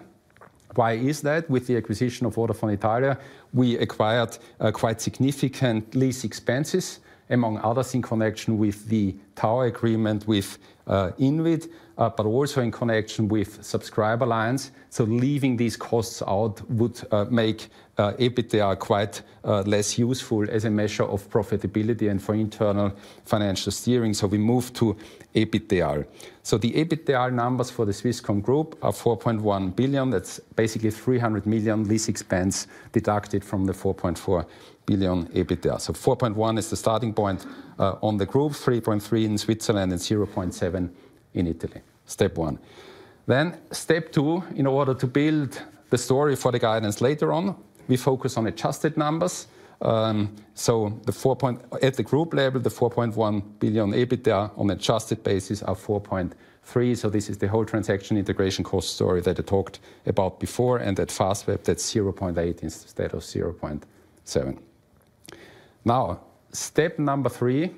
Speaker 4: Why is that? With the acquisition of Vodafone Italia, we acquired quite significant lease expenses, among others, in connection with the tower agreement with INWIT, but also in connection with subscriber lines. Leaving these costs out would make EBITDA quite less useful as a measure of profitability and for internal financial steering. So we move to EBITDA. So the EBITDA numbers for the Swisscom group are 4.1 billion. That's basically 300 million lease expense deducted from the 4.4 billion EBITDA. So 4.1 billion is the starting point on the group, 3.3 billion in Switzerland and 0.7 billion in Italy. Step one, then step two, in order to build the story for the guidance later on, we focus on adjusted numbers. So at the group level the 4.1 billion EBITDA on adjusted basis are 4.3 billion. So this is the whole transaction integration cost story that I talked about before. And at Fastweb, that's 0.8 billion instead of 0.7 billion. Now step number three,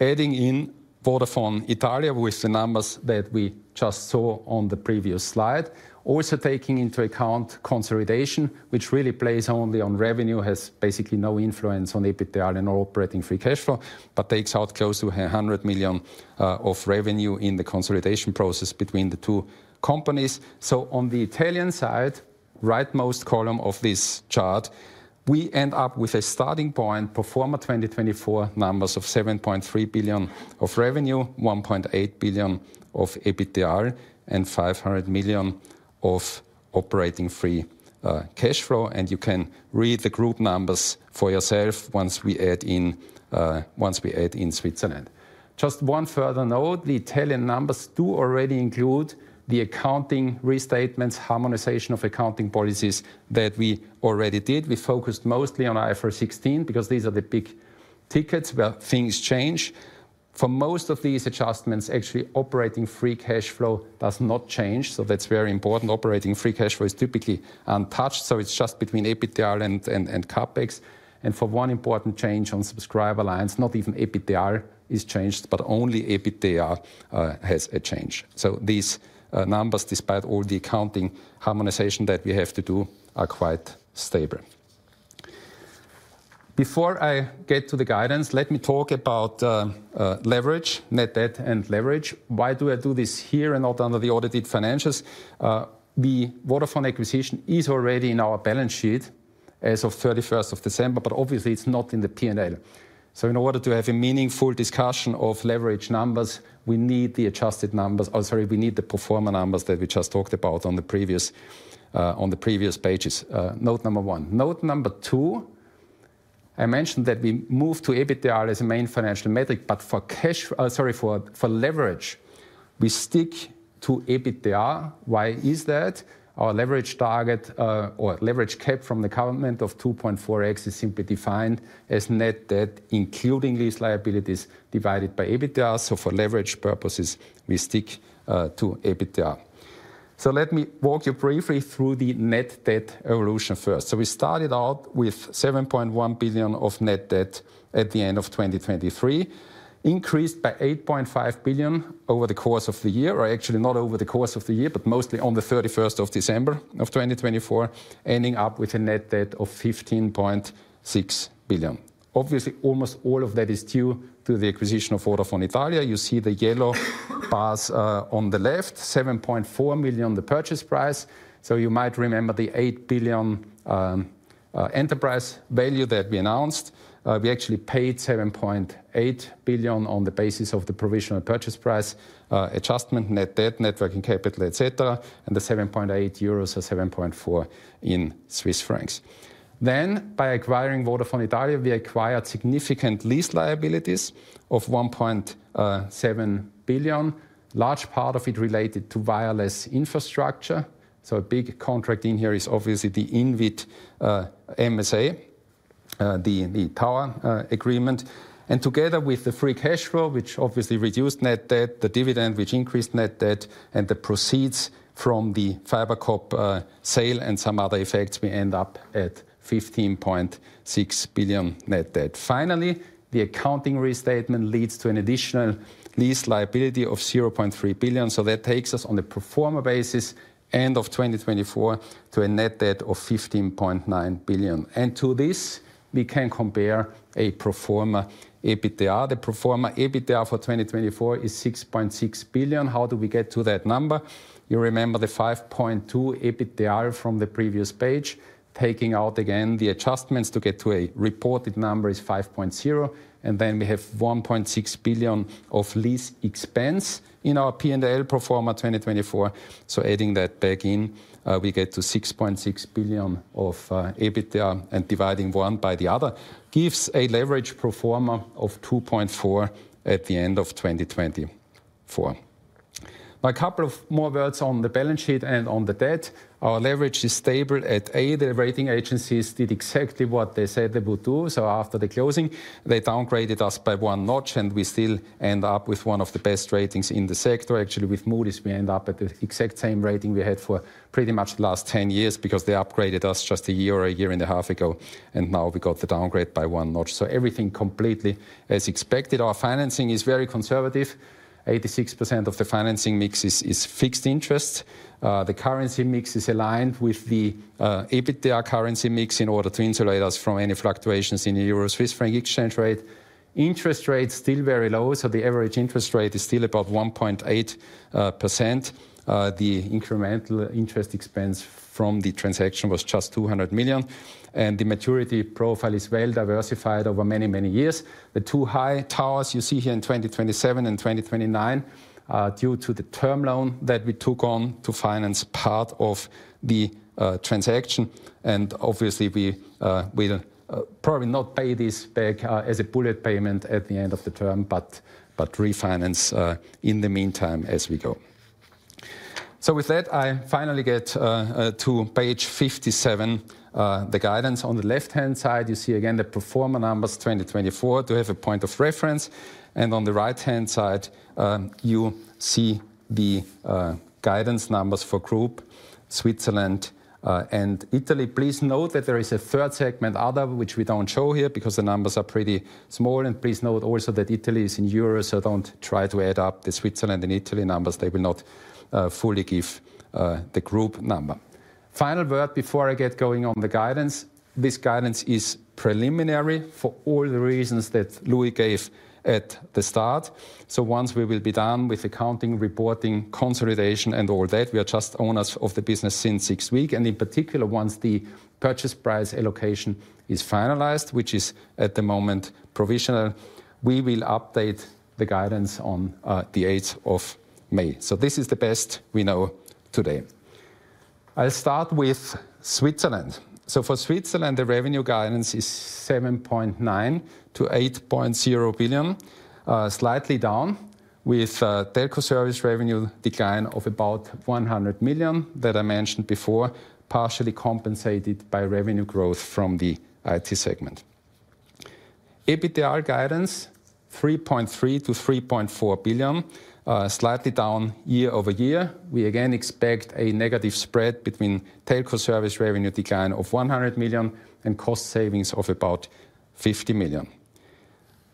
Speaker 4: adding in Vodafone Italia with the numbers that we just saw on the previous slide. Also taking into account consolidation, which really plays only on revenue, has basically no influence on EBITDA and operating free cash flow, but takes out close to 100 million of revenue in the consolidation process between the two companies. So on the Italian side, rightmost column of this chart, we end up with a starting point pre-merger 2024 numbers of 7.3 billion of revenue, 1.8 billion of EBITDA and 500 million of operating free cash flow. And you can read the group numbers for yourself once we add in, once we add in Switzerland. Just one further note, the Italian numbers do already include the accounting restatements, harmonization of accounting policies that we already did. We focused mostly on IFRS 16 because these are the big tickets where things change. For most of these adjustments, actually operating free cash flow does not change. So that's very important. Operating free cash flow is typically untouched. So it's just between EBITDAaL and CapEx. And for one important change on subscriber lines, not even EBITDAaL is changed. But only EBITDA has a change. So these numbers, despite all the accounting harmonization that we have to do, are quite stable. Before I get to the guidance, let me talk about leverage, net debt and leverage. Why do I do this here and not under the audited financials? The Vodafone acquisition is already in our balance sheet as of 31st of December, but obviously it's not in the P and L. So in order to have a meaningful discussion of leverage numbers, we need the adjusted numbers. Sorry, we need the pro forma numbers that we just talked about on the previous pages. Note number one. Note number two. I mentioned that we move to EBITDA as a main financial metric, but for cash, sorry, for leverage, we stick to EBITDA. Why is that? Our leverage target or leverage cap from the government of 2.4x is simply defined as net debt including lease liabilities divided by EBITDA. So for leverage purposes, we stick to EBITDA. So let me walk you briefly through the net debt evolution first. So we started out with 7.1 billion of net debt at the end of 2023, increased by 8.5 billion over the course of the year, or actually not over the course of the year, but mostly on the 31st of December of 2024, ending up with a net debt of 15.6 billion. Obviously almost all of that is due to the acquisition of Vodafone Italia. You see the yellow bars on the left, 7.4 million, the purchase price. So you might remember the 8 billion enterprise value that we announced. We actually paid 7.8 billion on the basis of the provisional purchase price adjustment, net debt, net working capital, etc. And the 7.8 billion euros or 7.4 billion Swiss francs. Then by acquiring Vodafone Italia, we acquired significant lease liabilities of 1.7 billion. Large part of it related to wireless infrastructure. So a big contract in here is obviously the INWIT MSA, the tower agreement. And together with the free cash flow, which obviously reduced net debt, the dividend which increased net debt, and the proceeds from the first FiberCop sale and some other effects, we end up at 15.6 billion net debt. Finally, the accounting restatement leads to an additional lease liability of 0.3 billion. So that takes us on the pro forma basis, end of 2024 to a net debt of 15.9 billion. To this we can compare a pro forma EBITDA. The pro forma EBITDA for 2024 is 6 billion. How do we get to that number? You remember the 5.2 billion EBITDA from the previous page. Taking out again the adjustments to get to a reported number is 5.0 billion and then we have 1.6 billion of lease expense in our P&L pro forma 2024. So adding that back in we get to 6.6 billion of EBITDA and dividing one by the other gives a leverage point of 2.4 at the end of 2024. A couple of more words on the balance sheet and on the debt, our leverage is stable at 2.4. The rating agencies did exactly what they said they would do. So after the closing they downgraded us by one notch and we still end up with one of the best ratings in the sector. Actually with Moody's we end up at the exact same rating we had for pretty much the last 10 years because they upgraded us just a year or a year and a half ago and now we got the downgrade by one notch. So everything completely as expected. Our financing is very conservative. 86% of the financing mix is fixed interest. The currency mix is aligned with the EBITDA currency mix in order to insulate us from any fluctuations in the euro, Swiss franc exchange rate. Interest rates still very low, so the average interest rate is still about 1.8%. The incremental interest expense from the transaction was just 200 million and the maturity profile is well diversified over many many years. The two high towers you see here in 2027 and 2029 are due to the term loan that we took on to finance part of the transaction. Obviously we probably not pay this back as a bullet payment at the end of the term, but refinance in the meantime as we go. With that I finally get to page 57, the guidance. On the left hand side you see again the pro forma numbers 2024 to have a point of reference and on the right hand side you see the guidance numbers for group, Switzerland and Italy. Please note that there is a third segment Other which we don't show here because the numbers are pretty small. Please note also that Italy is in euros so don't try to add up the Switzerland and Italy numbers. They will not fully give the group number. Final word before I get going on the guidance. This guidance is preliminary for all the reasons that Louis gave at the start. So once we will be done with accounting, reporting, consolidation, and all that, we are just owners of the business since six weeks, and in particular, once the purchase price allocation is finalized, which is at the moment provisional, we will update the guidance on the 8th of May. So this is the best we know today. I'll start with Switzerland. So for Switzerland the revenue guidance is 7.9 billion-8.0 billion. Slightly down with telco service revenue decline of about 100 million that I mentioned before, but partially compensated by revenue growth from the IT segment. EBITDA guidance 3.3 billion-3.4 billion. Slightly down year-over-year, we again expect a negative spread between telco service revenue decline of 100 million and cost savings of about 50 million.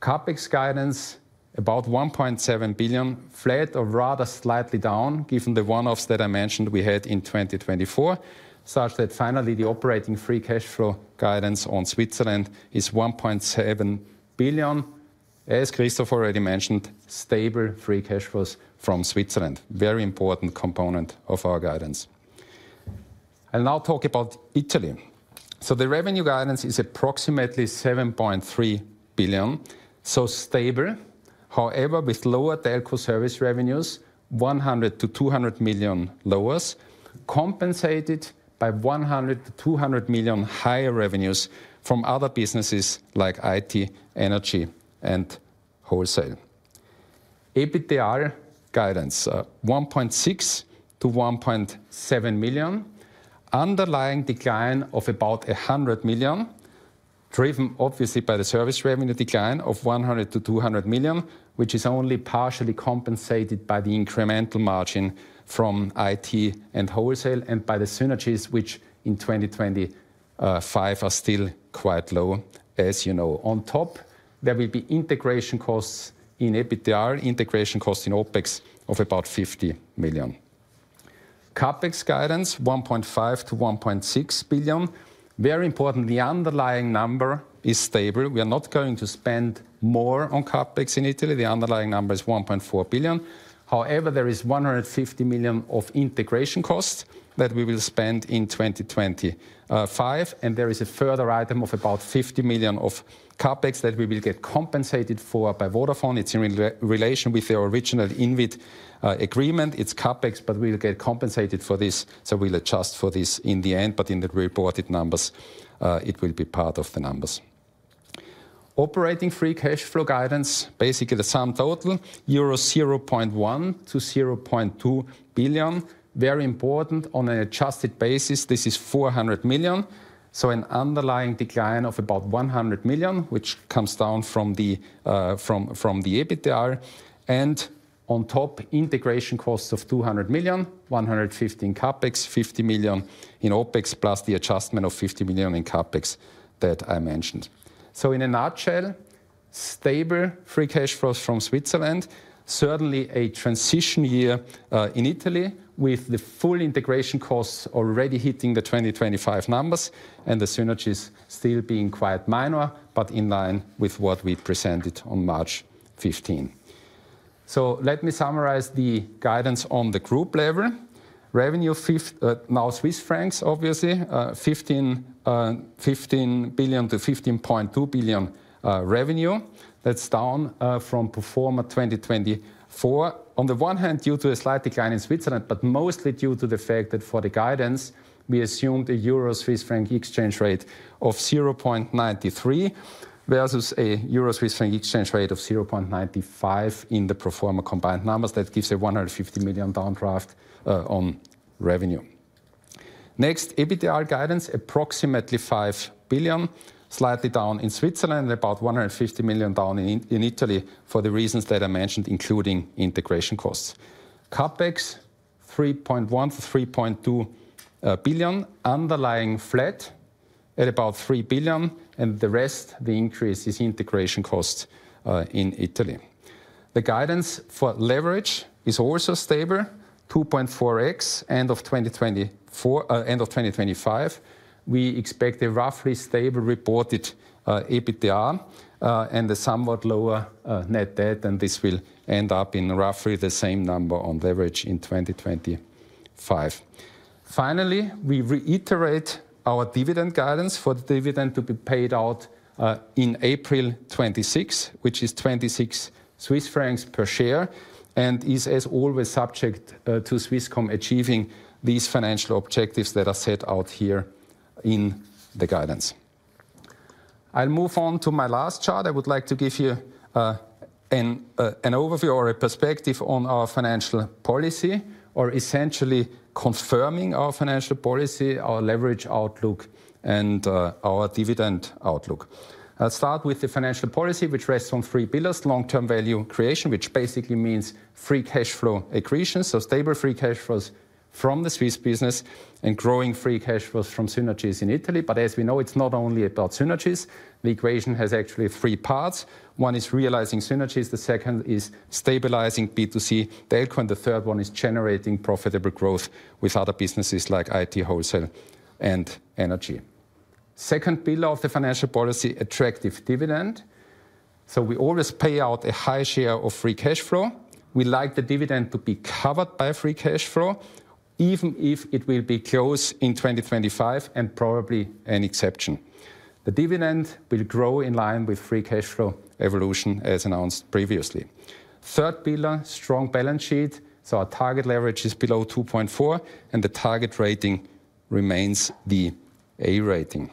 Speaker 4: CapEx guidance about 1.7 billion. Flat or rather slightly down given the one-offs that I mentioned we had in 2024, such that finally the operating free cash flow guidance on Switzerland is 1.7 billion. As Christoph already mentioned, stable free cash flows from Switzerland, very important component of our guidance. I'll now talk about Italy. The revenue guidance is approximately 7.3 billion, so stable. However, with lower telco service revenues 100 million-200 million lower compensated by 100 million-200 million higher revenues from other businesses like IT, Energy and Wholesale. EBITDA guidance 1.6billion-1.7 billion. Underlying decline of about 100 million, driven obviously by the service revenue decline of 100 million-200 million which is only partially compensated by the incremental margin from it and wholesale and by the synergies which in 2025 are still quite low. As you know. On top there will be integration costs in EBITDA. Integration cost in OpEx of about 50 million. CapEx guidance 1.5 billion-1.6 billion. Very important. The underlying number is stable. We are not going to spend more on CapEx. In Italy the underlying number is 1.4 billion. However there is 150 million of integration costs that we will spend in 2025. And there is a further item of about 50 million of CapEx that we will get compensated for by Vodafone. It's in relation with the original INWIT agreement. It's CapEx, but we will get compensated for this. So we'll adjust for this in the end. But in the reported numbers it will be part of the numbers operating free cash flow guidance. Basically the sum total 0.1 billion-0.2 billion euro. Very important. On an adjusted basis this is 400 million. So an underlying decline of about 100 million which comes down from the EBITDA. And on top, integration costs of 200 million: 150 in CapEx, 50 million in OpEx, plus the adjustment of 50 million in CapEx that I mentioned. So in a nutshell, stable free cash flows from Switzerland. Certainly a transition year in Italy with the full integration costs already hitting the 2025 numbers and the synergies still being quite minor but in line with what we presented on March 15. So let me summarize the guidance on the group level. Revenue, now Swiss francs obviously, 15 billion-15.2 billion revenue. That's down from pro forma 2024 on the one hand due to a slight decline in Switzerland, but mostly due to the fact that for the guidance we assumed a euro Swiss franc exchange rate of 0.93 versus a euro Swiss franc exchange rate of 0.95. In the pro forma combined numbers that gives a 150 million downdraft on revenue. Next, EBITDA guidance approximately 5 billion slightly down in Switzerland, about 150 million down in Italy. For the reasons that I mentioned, including integration costs CapEx 3.1 billion-3.2 billion underlying flat at about 3 billion and the rest the increase is integration cost in Italy. The guidance for leverage is also stable 2.4x end of 2025 we expect a roughly stable reported EBITDA and a somewhat lower net debt and this will end up in roughly the same number on leverage in 2025. Finally, we reiterate our dividend guidance for the dividend to be paid out in April 2026, which is 26 Swiss francs per share and is as always subject to Swisscom achieving these financial objectives that are set out here in the guidance. I'll move on to my last chart. I would like to give you an overview or a perspective on our financial policy or essentially confirming our financial policy, our leverage outlook and our dividend outlook. I'll start with the financial policy which rests on three pillars. Long-term value creation, which basically means free cash flow accretion, so stable free cash flows from the Swiss business and growing free cash flows from synergies in Italy, but as we know, it's not only about synergies. The equation has actually three parts. One is realizing synergies, the second is stabilizing B2C decline. The third one is generating profitable growth with other businesses like IT wholesale and Energy. Second pillar of the financial policy, attractive dividend, so we always pay out a high share of free cash flow. We like the dividend to be covered by free cash flow even if it will be close in 2025 and probably an exception. The dividend will grow in line with free cash flow evolution as announced previously. Third pillar, strong balance sheet. So our target leverage is below 2.4 and the target rating remains the A rating.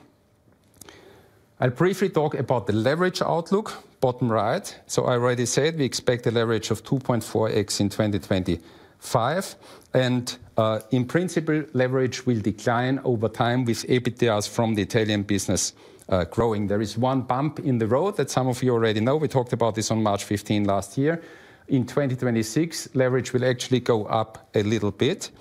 Speaker 4: I'll briefly talk about the leverage Outlook bottom right so I already said we expect a leverage of 2.4x in 2025 and in principle leverage will decline over time. With EBITDA from the Italian business growing, there is one bump in the road that some of you already know. We talked about this on March 15th last year. In 2026 leverage will actually go up a little bit.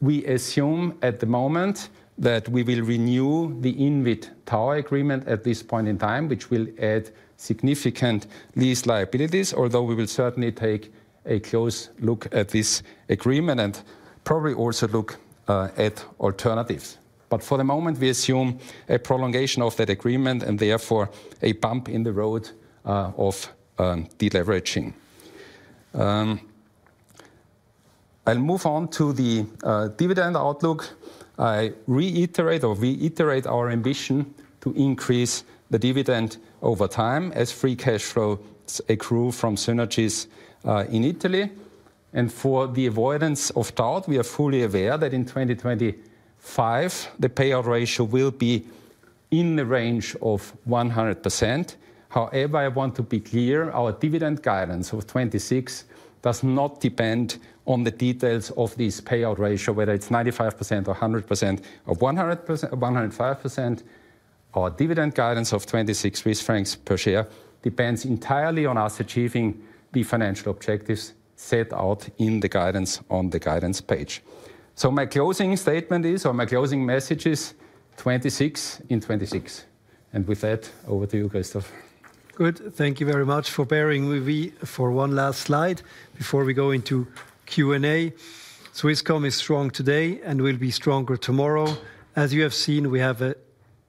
Speaker 4: We assume at the moment that we will renew the INWIT tower agreement at this point in time, which will add significant lease liabilities. Although we will certainly take a close look at this agreement and probably also look at alternatives, but for the moment we assume a prolongation of that agreement and therefore a bump in the road of deleveraging. I'll move on to the dividend outlook. I reiterate our ambition to increase the dividend over time as free cash flow accrue from synergies in Italy, and for the avoidance of doubt, we are fully aware that in 2025 the payout ratio will be in the range of 100%. However, I want to be clear. Our dividend guidance of 2026 does not depend on the details of this payout ratio, whether it's 95% or 100% or 105%. Our dividend guidance of 26 Swiss francs per share depends entirely on us achieving the financial objectives set out in the guidance on the guidance page. So my closing statement is or my closing message is 26 in 26. And with that over to you, Christoph.
Speaker 2: Good. Thank you very much for bearing with me for one last slide before we go into Q&A. Swisscom is strong today and will be stronger tomorrow. As you have seen, we have a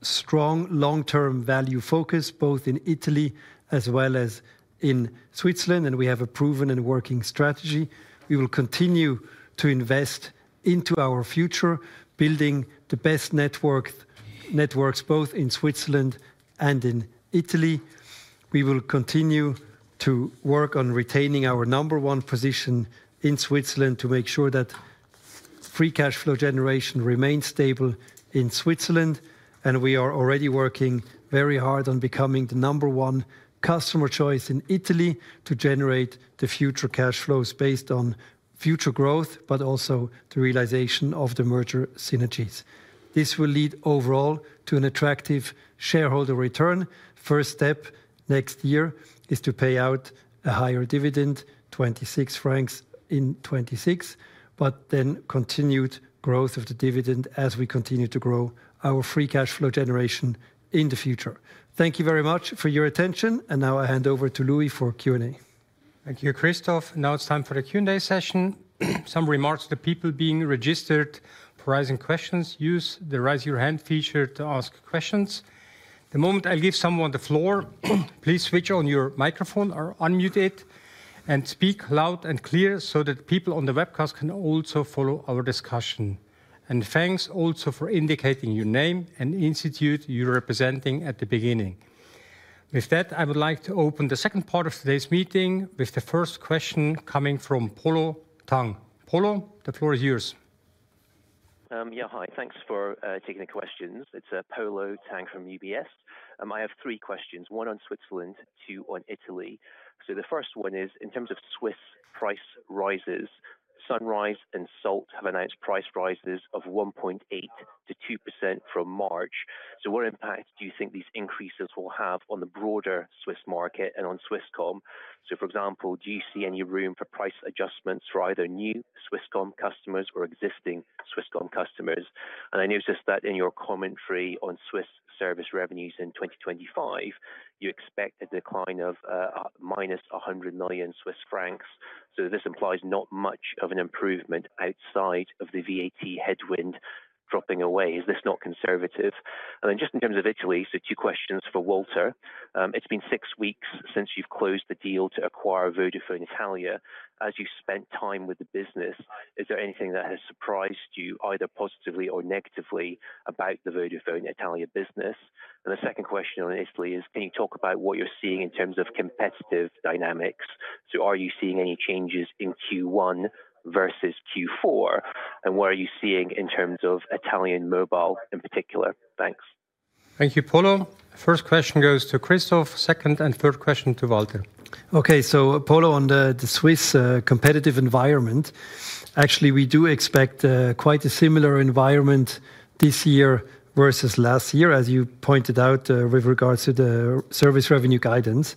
Speaker 2: strong long term value focus both in Italy as well as in Switzerland and we have a proven and working strategy. We will continue to invest into our future, building the best networks both in Switzerland and in Italy. We will continue to work on retaining our number one position in Switzerland to make sure that free cash flow generation remains stable in Switzerland. And we are already working very hard on becoming the number one customer choice in Italy to generate the future cash flows based on future growth but also the realization of the merger synergies. This will lead overall to an attractive shareholder return. First step next year is to pay out a higher dividend, 26 francs in 2026. But then continued growth of the dividend as we continue to grow our free cash flow generation in the future. Thank you very much for your attention, and now I hand over to Louis for Q&A.
Speaker 1: Thank you, Christoph. Now it's time for the Q&A session. Some remarks to people being registered. Raising questions. Use the raise your hand feature to ask questions. The moment I'll give someone the floor, please switch on your microphone or unmute it and speak loud and clear so that people on the webcast can also follow our discussion. And thanks also for indicating your name and institute you're representing at the beginning. With that, I would like to open the second part of today's meeting with the first question coming from Polo Tang. Polo, the floor is yours.
Speaker 5: Yeah.Hi. Thanks for taking the questions. It's Polo Tang from UBS. I have three questions. One on Switzerland, two on Italy. So the first one is in terms of Swiss price rises. Sunrise and Salt have announced price rises of 1.8%-2% from March. So what impact do you think these increases will have on the broader Swiss market and on Swisscom? So, for example, do you see any room for price adjustments for either new Swisscom customers or existing Swisscom customers? And I noticed that in your commentary on Swiss service revenues in 2025 you expect a decline of -100 million Swiss francs. So this implies not much of an improvement outside of the VAT headwind dropping away. Is this not conservative? And then just in terms of Italy. So two questions for Walter. It's been six weeks since you've closed the deal to acquire Vodafone Italia. As you spent time with the business, is there anything that has surprised you, either positively or negatively, about the Vodafone Italia business? And the second question on Italy, can you talk about what you're seeing in terms of competitive dynamics? So are you seeing any changes in Q1 versus Q4? And what are you seeing in terms of Italian mobile in particular? Thanks.
Speaker 1: Thank you, Polo. First question goes to Christoph. Second and third question to Walter.
Speaker 2: Okay, so Polo, on the Swiss competitive environment. Actually, we do expect quite a similar environment this year versus last year, as you pointed out with regards to the service revenue guidance.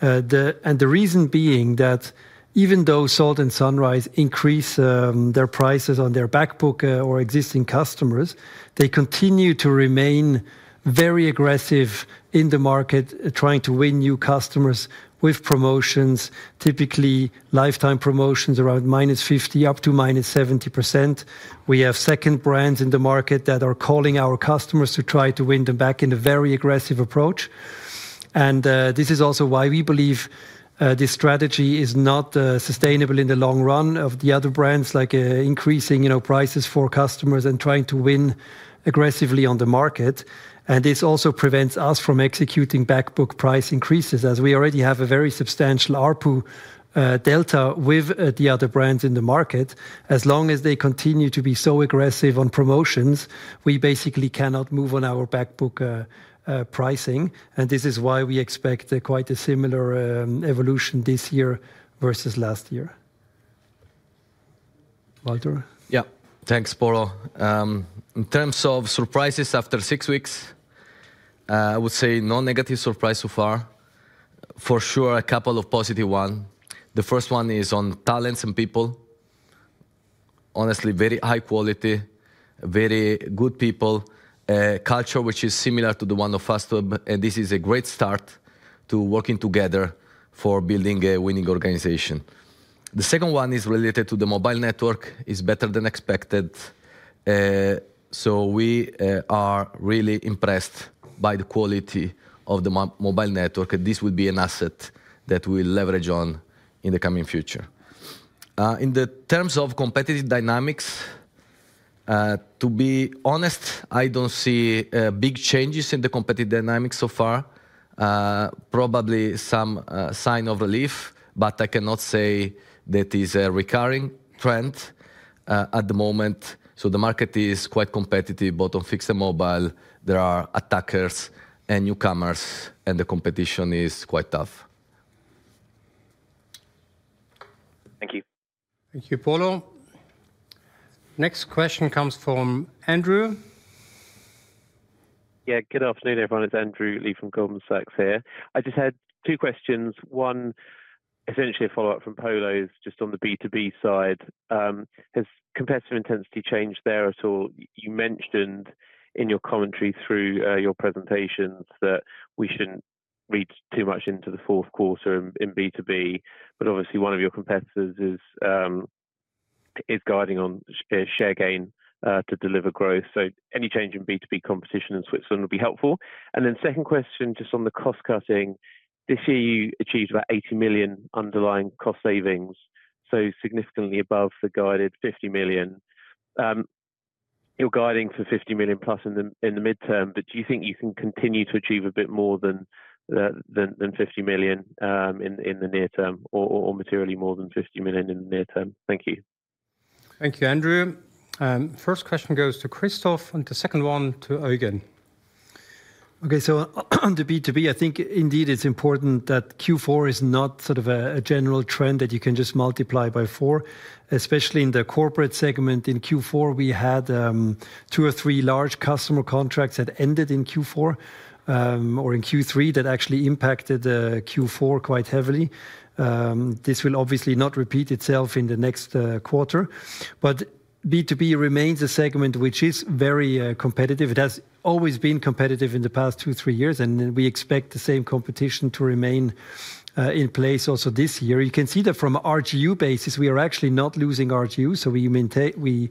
Speaker 2: The reason being that even though Salt and Sunrise increase their prices on their back book or existing customers, they continue to remain very aggressive in the market trying to win new customers with promotions, typically lifetime promotions around -50% to -70%. We have second brands in the market that are calling our customers to try to win them back in a very aggressive approach. This is also why we believe this strategy is not sustainable in the long run of the other brands, like increasing prices for customers and trying to win aggressively on the market. This also prevents us from executing back book price increases as we already have a very substantial ARPU delta with the other brands in the market. As long as they continue to be so aggressive on promotions, we basically cannot move on our back book pricing. This is why we expect quite a similar evolution this year versus last year. Walter?
Speaker 3: Yeah, thanks Paul. In terms of surprises after six weeks, I would say no negative surprise so far for sure. A couple of positive. One, the first one is on talents and people. Honestly very high quality, very good people culture which is similar to the one of Fastweb and this is a great start to working together for building a winning organization. The second one is related to the mobile network is better than expected. So we are really impressed by the quality of the mobile network. This would be an asset that we leverage on in the coming future in the terms of competitive dynamics. To be honest, I don't see big changes in the competitive dynamics so far. Probably some sign of relief, but I cannot say that is a recurring trend at the moment. So the market is quite competitive both on fixed and mobile. There are attackers and newcomers and the competition is quite tough.
Speaker 5: Thank you.
Speaker 1: Thank you, Polo. Next question comes from Andrew.
Speaker 6: Yeah, good afternoon everyone. It's Andrew Lee from Goldman Sachs here. I just had two questions. One, essentially a follow-up from Polo's, just on the B2B side. Has competitive intensity changed there at all? You mentioned in your commentary, through your presentations, that we shouldn't read too much into the fourth quarter in B2B, but obviously one of your competitors is guiding on share gain to deliver growth. So any change in B2B competition in Switzerland will be helpful. And then second question just on the cost cutting. This year you achieved about 80 million underlying cost savings. So significantly above the guided 50 million. You're guiding for 50 million+ in the midterm. But do you think you can continue to achieve a bit more than 50 million in the near term or materially more than 50 million in the near term? Thank you.
Speaker 1: Thank you, Andrew. First question goes to Christoph and the second one to Eugen.
Speaker 2: Okay, so on the B2B, I think indeed it's important that Q4 is not sort of a general trend that you can just multiply by four, especially in the corporate segment. In Q4 we had two or three large customer contracts that ended in Q4 or in Q3 that actually impacted Q4 quite heavily. This will obviously not repeat itself in the next quarter, but B2B remains a segment which is very competitive. It has always been competitive in the past two, three years and we expect the same competition to remain in place also this year. You can see that from RGU basis we are actually not losing RGU. So we maintain we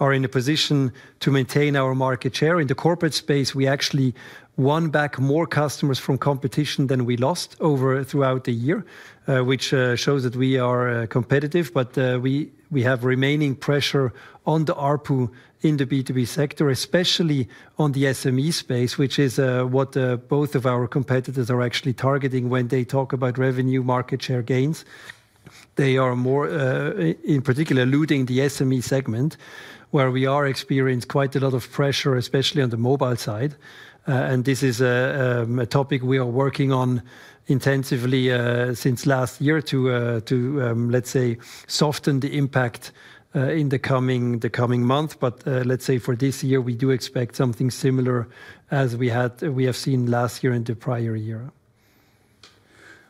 Speaker 2: are in a position to maintain our market share in the corporate space. We actually won back more customers from competition than we lost throughout the year, which shows that we are competitive. But we have remaining pressure on the ARPU in the B2B sector, especially on the SME space, which is what both of our competitors are actually targeting when they talk about revenue market share gains. They are more in particular looting the SME segment where we are experiencing quite a lot of pressure, especially on the mobile side. And this is a topic we are working on intensively since last year to let's say soften the impact in the coming months. But let's say for this year we do expect something similar as we have seen last year in the prior year.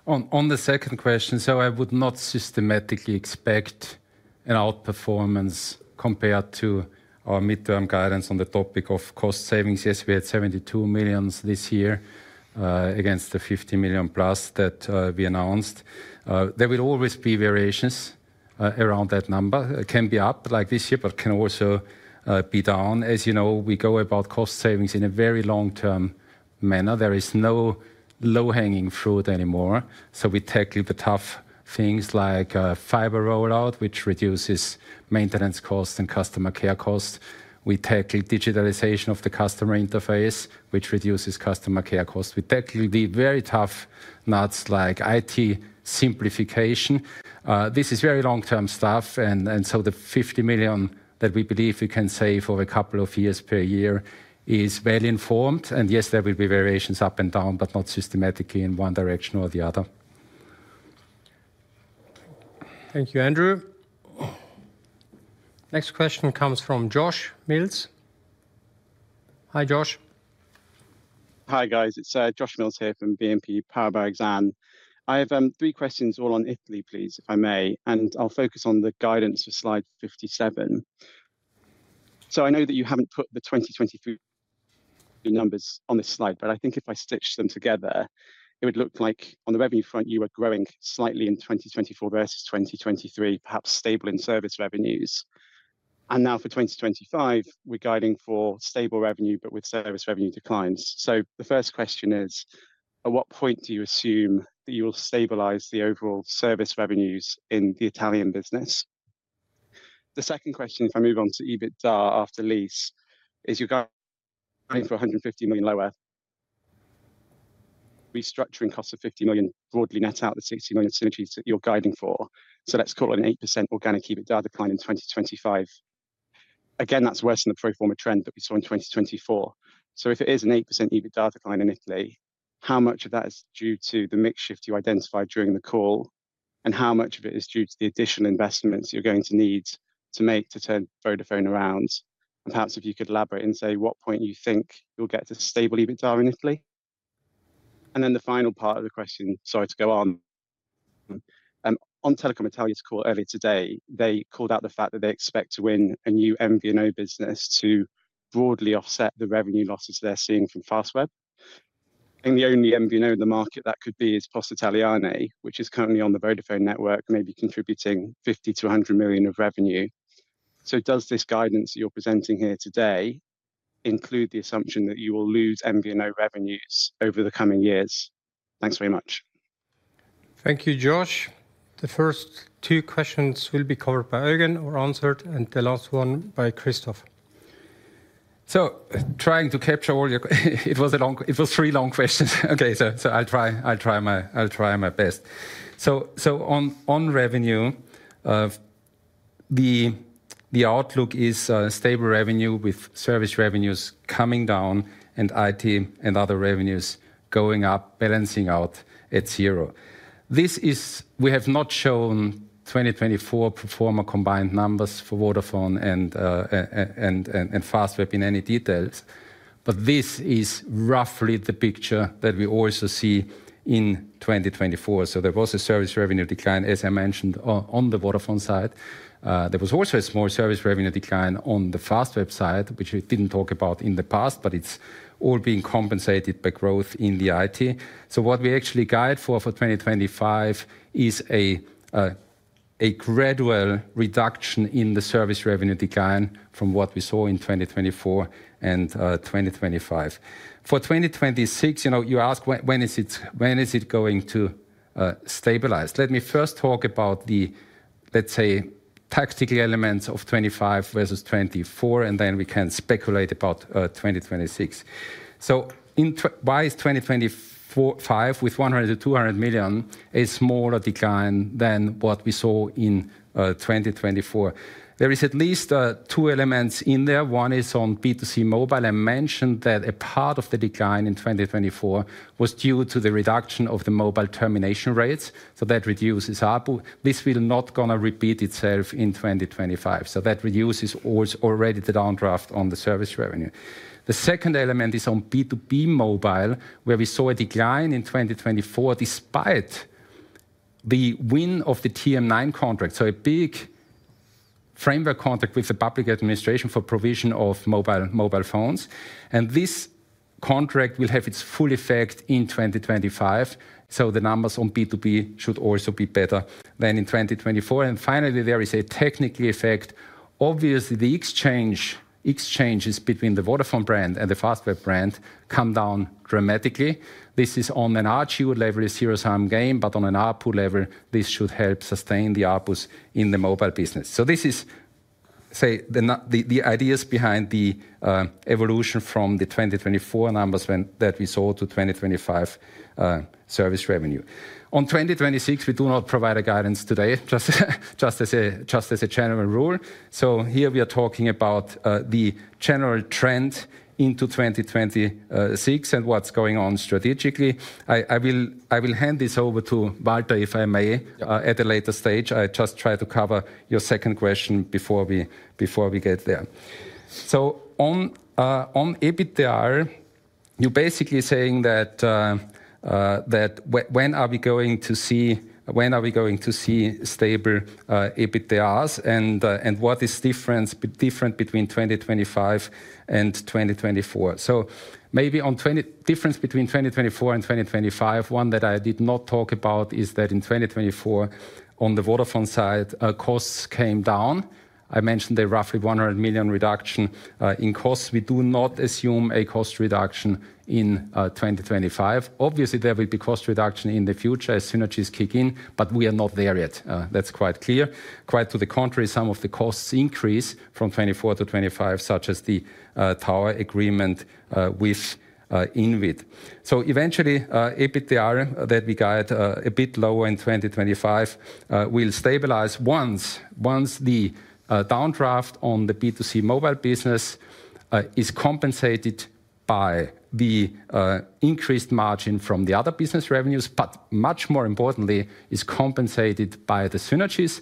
Speaker 4: On the second question, so I would not systematically expect an outperformance compared to our midterm guidance. On the topic of cost savings, yes, we had 72 million this year against the 50 million+ that we announced. There will always be variations around that number. It can be up like this year, but can also be down. As you know, we go about cost savings in a very long term manner. There is no low-hanging fruit anymore. So we tackle the tough things like fiber rollout which reduces maintenance costs and customer care costs. We tackle digitalization of the customer interface which reduces customer care costs. We tackle the very tough nuts like IT simplification. This is very long term stuff. And so the 50 million that we believe we can save over a couple of years per year is well informed. Yes, there will be variations up and down, but not systematically in one direction or the other.
Speaker 1: Thank you, Andrew. Next question comes from Josh Mills.Hi Josh.
Speaker 7: Hi guys. It's Josh Mills here from Exane BNP Paribas. I have three questions all on Italy please if I may. I'll focus on the guidance for slide 57. I know that you haven't put the 2023 numbers on this slide, but I think if I stitch them together it would look like on the revenue front you were growing slightly in 2024 versus 2023, perhaps stable in service revenues. Now for 2025 we're guiding for stable revenue but with service revenue declines. The first question is at what point do you assume that you will stabilize the overall service revenues in the Italian business? The second question, if I move on to EBITDA after leases, you're going for $150 million lower. Restructuring costs of $50 million broadly net out the $60 million synergies that you're guiding for. So let's call it an 8% organic EBITDA decline in 2025. Again, that's worse than the pro forma trend that we saw in 2024. So if it is an 8% EBITDA decline in Italy, how much of that is due to the mix shift you identified during the call and how much of it is due to the additional investments you're going to need to make to turn Vodafone around? Perhaps if you could elaborate and say what point you think you'll get to stable EBITDA in Italy. And then the final part of the question. Sorry to go on. On Telecom Italia's call earlier today, they called out the fact that they expect to win a new MVNO business to broadly offset the revenue losses they're seeing from Fastweb. The only MVNO in the market that could be is Poste Italiane, which is currently on the Vodafone network maybe contributing 50 million-100 million of revenue. Does this guidance you're presenting here today include the assumption that you will lose MVNO revenues over the coming years? Thanks very much.
Speaker 1: Thank you, Josh. The first two questions will be covered by Eugen or answered and the last one by Christoph.
Speaker 4: It was three long questions. Okay, so I'll try my best. On revenue, the outlook is stable revenue with service revenues coming down and IT and other revenues going up, balancing out at zero. We have not shown 2024 pro forma combined numbers for Vodafone and Fastweb in any details, but this is roughly the picture that we also see in 2024. So there was a service revenue decline, as I mentioned on the Vodafone side. There was also a small service revenue decline on the Fastweb side, which we didn't talk about in the past, but it's all being compensated by growth in the IT. So what we actually guide for 2025 is a gradual reduction in the service revenue decline from what we saw in 2024 and 2025. For 2026, you know, you ask when is it, when is it going to stabilize? Let me first talk about the, let's say tactical elements of 2025 versus 2024, and then we can speculate about 2026. So why is 2025, with 100 million-200 million, a smaller decline than what we saw in 2024? There is at least two elements in there. One is on B2C mobile and mentioned that a part of the decline in 2024 was due to the reduction of the mobile termination rates. So that reduces ARPU. This will not going to repeat itself in 2025. So that reduces all or already the downdraft on the service revenue. The second element is on B2B mobile where we saw a decline in 2024 despite the win of the TM9 contract. So a big framework contract with the public administration for provision of mobile phones, and this contract will have its full effect in 2025. So the numbers on B2B should also be better than in 2024, and finally there is a technical effect. Obviously the exchanges between the Vodafone brand and the Fastweb brand come down dramatically. This is on an ARPU level a zero-sum game. But on an ARPU level this should help sustain the ARPUs in the mobile business. So these are the ideas behind the evolution from the 2024 numbers that we saw to 2025 service revenue and 2026. We do not provide a guidance today just as a general rule. So here we are talking about the general trend into 2026 and what's going on strategically. I will hand this over to Walter if I may at a later stage. I just try to cover your second question before we get there. So on EBITDA, you're basically saying that when are we going to see. When are we going to see stable EBITDA and what is different between 2025 and 2024? So maybe on the difference between 2024 and 2025. One that I did not talk about is that in 2024 on the wireline side costs came down. I mentioned a roughly 100 million reduction in costs. We do not assume a cost reduction in 2025. Obviously there will be cost reduction in the future as synergies kick in, but we are not there yet. That's quite clear. Quite to the contrary, some of the costs increase from 24 to 25, such as the tower agreement with INWIT. So eventually EBITDA that we got a bit lower in 2025 will stabilize once the downdraft on the B2C mobile business is compensated by the increased margin from the other business revenues. But much more importantly is compensated by the synergies.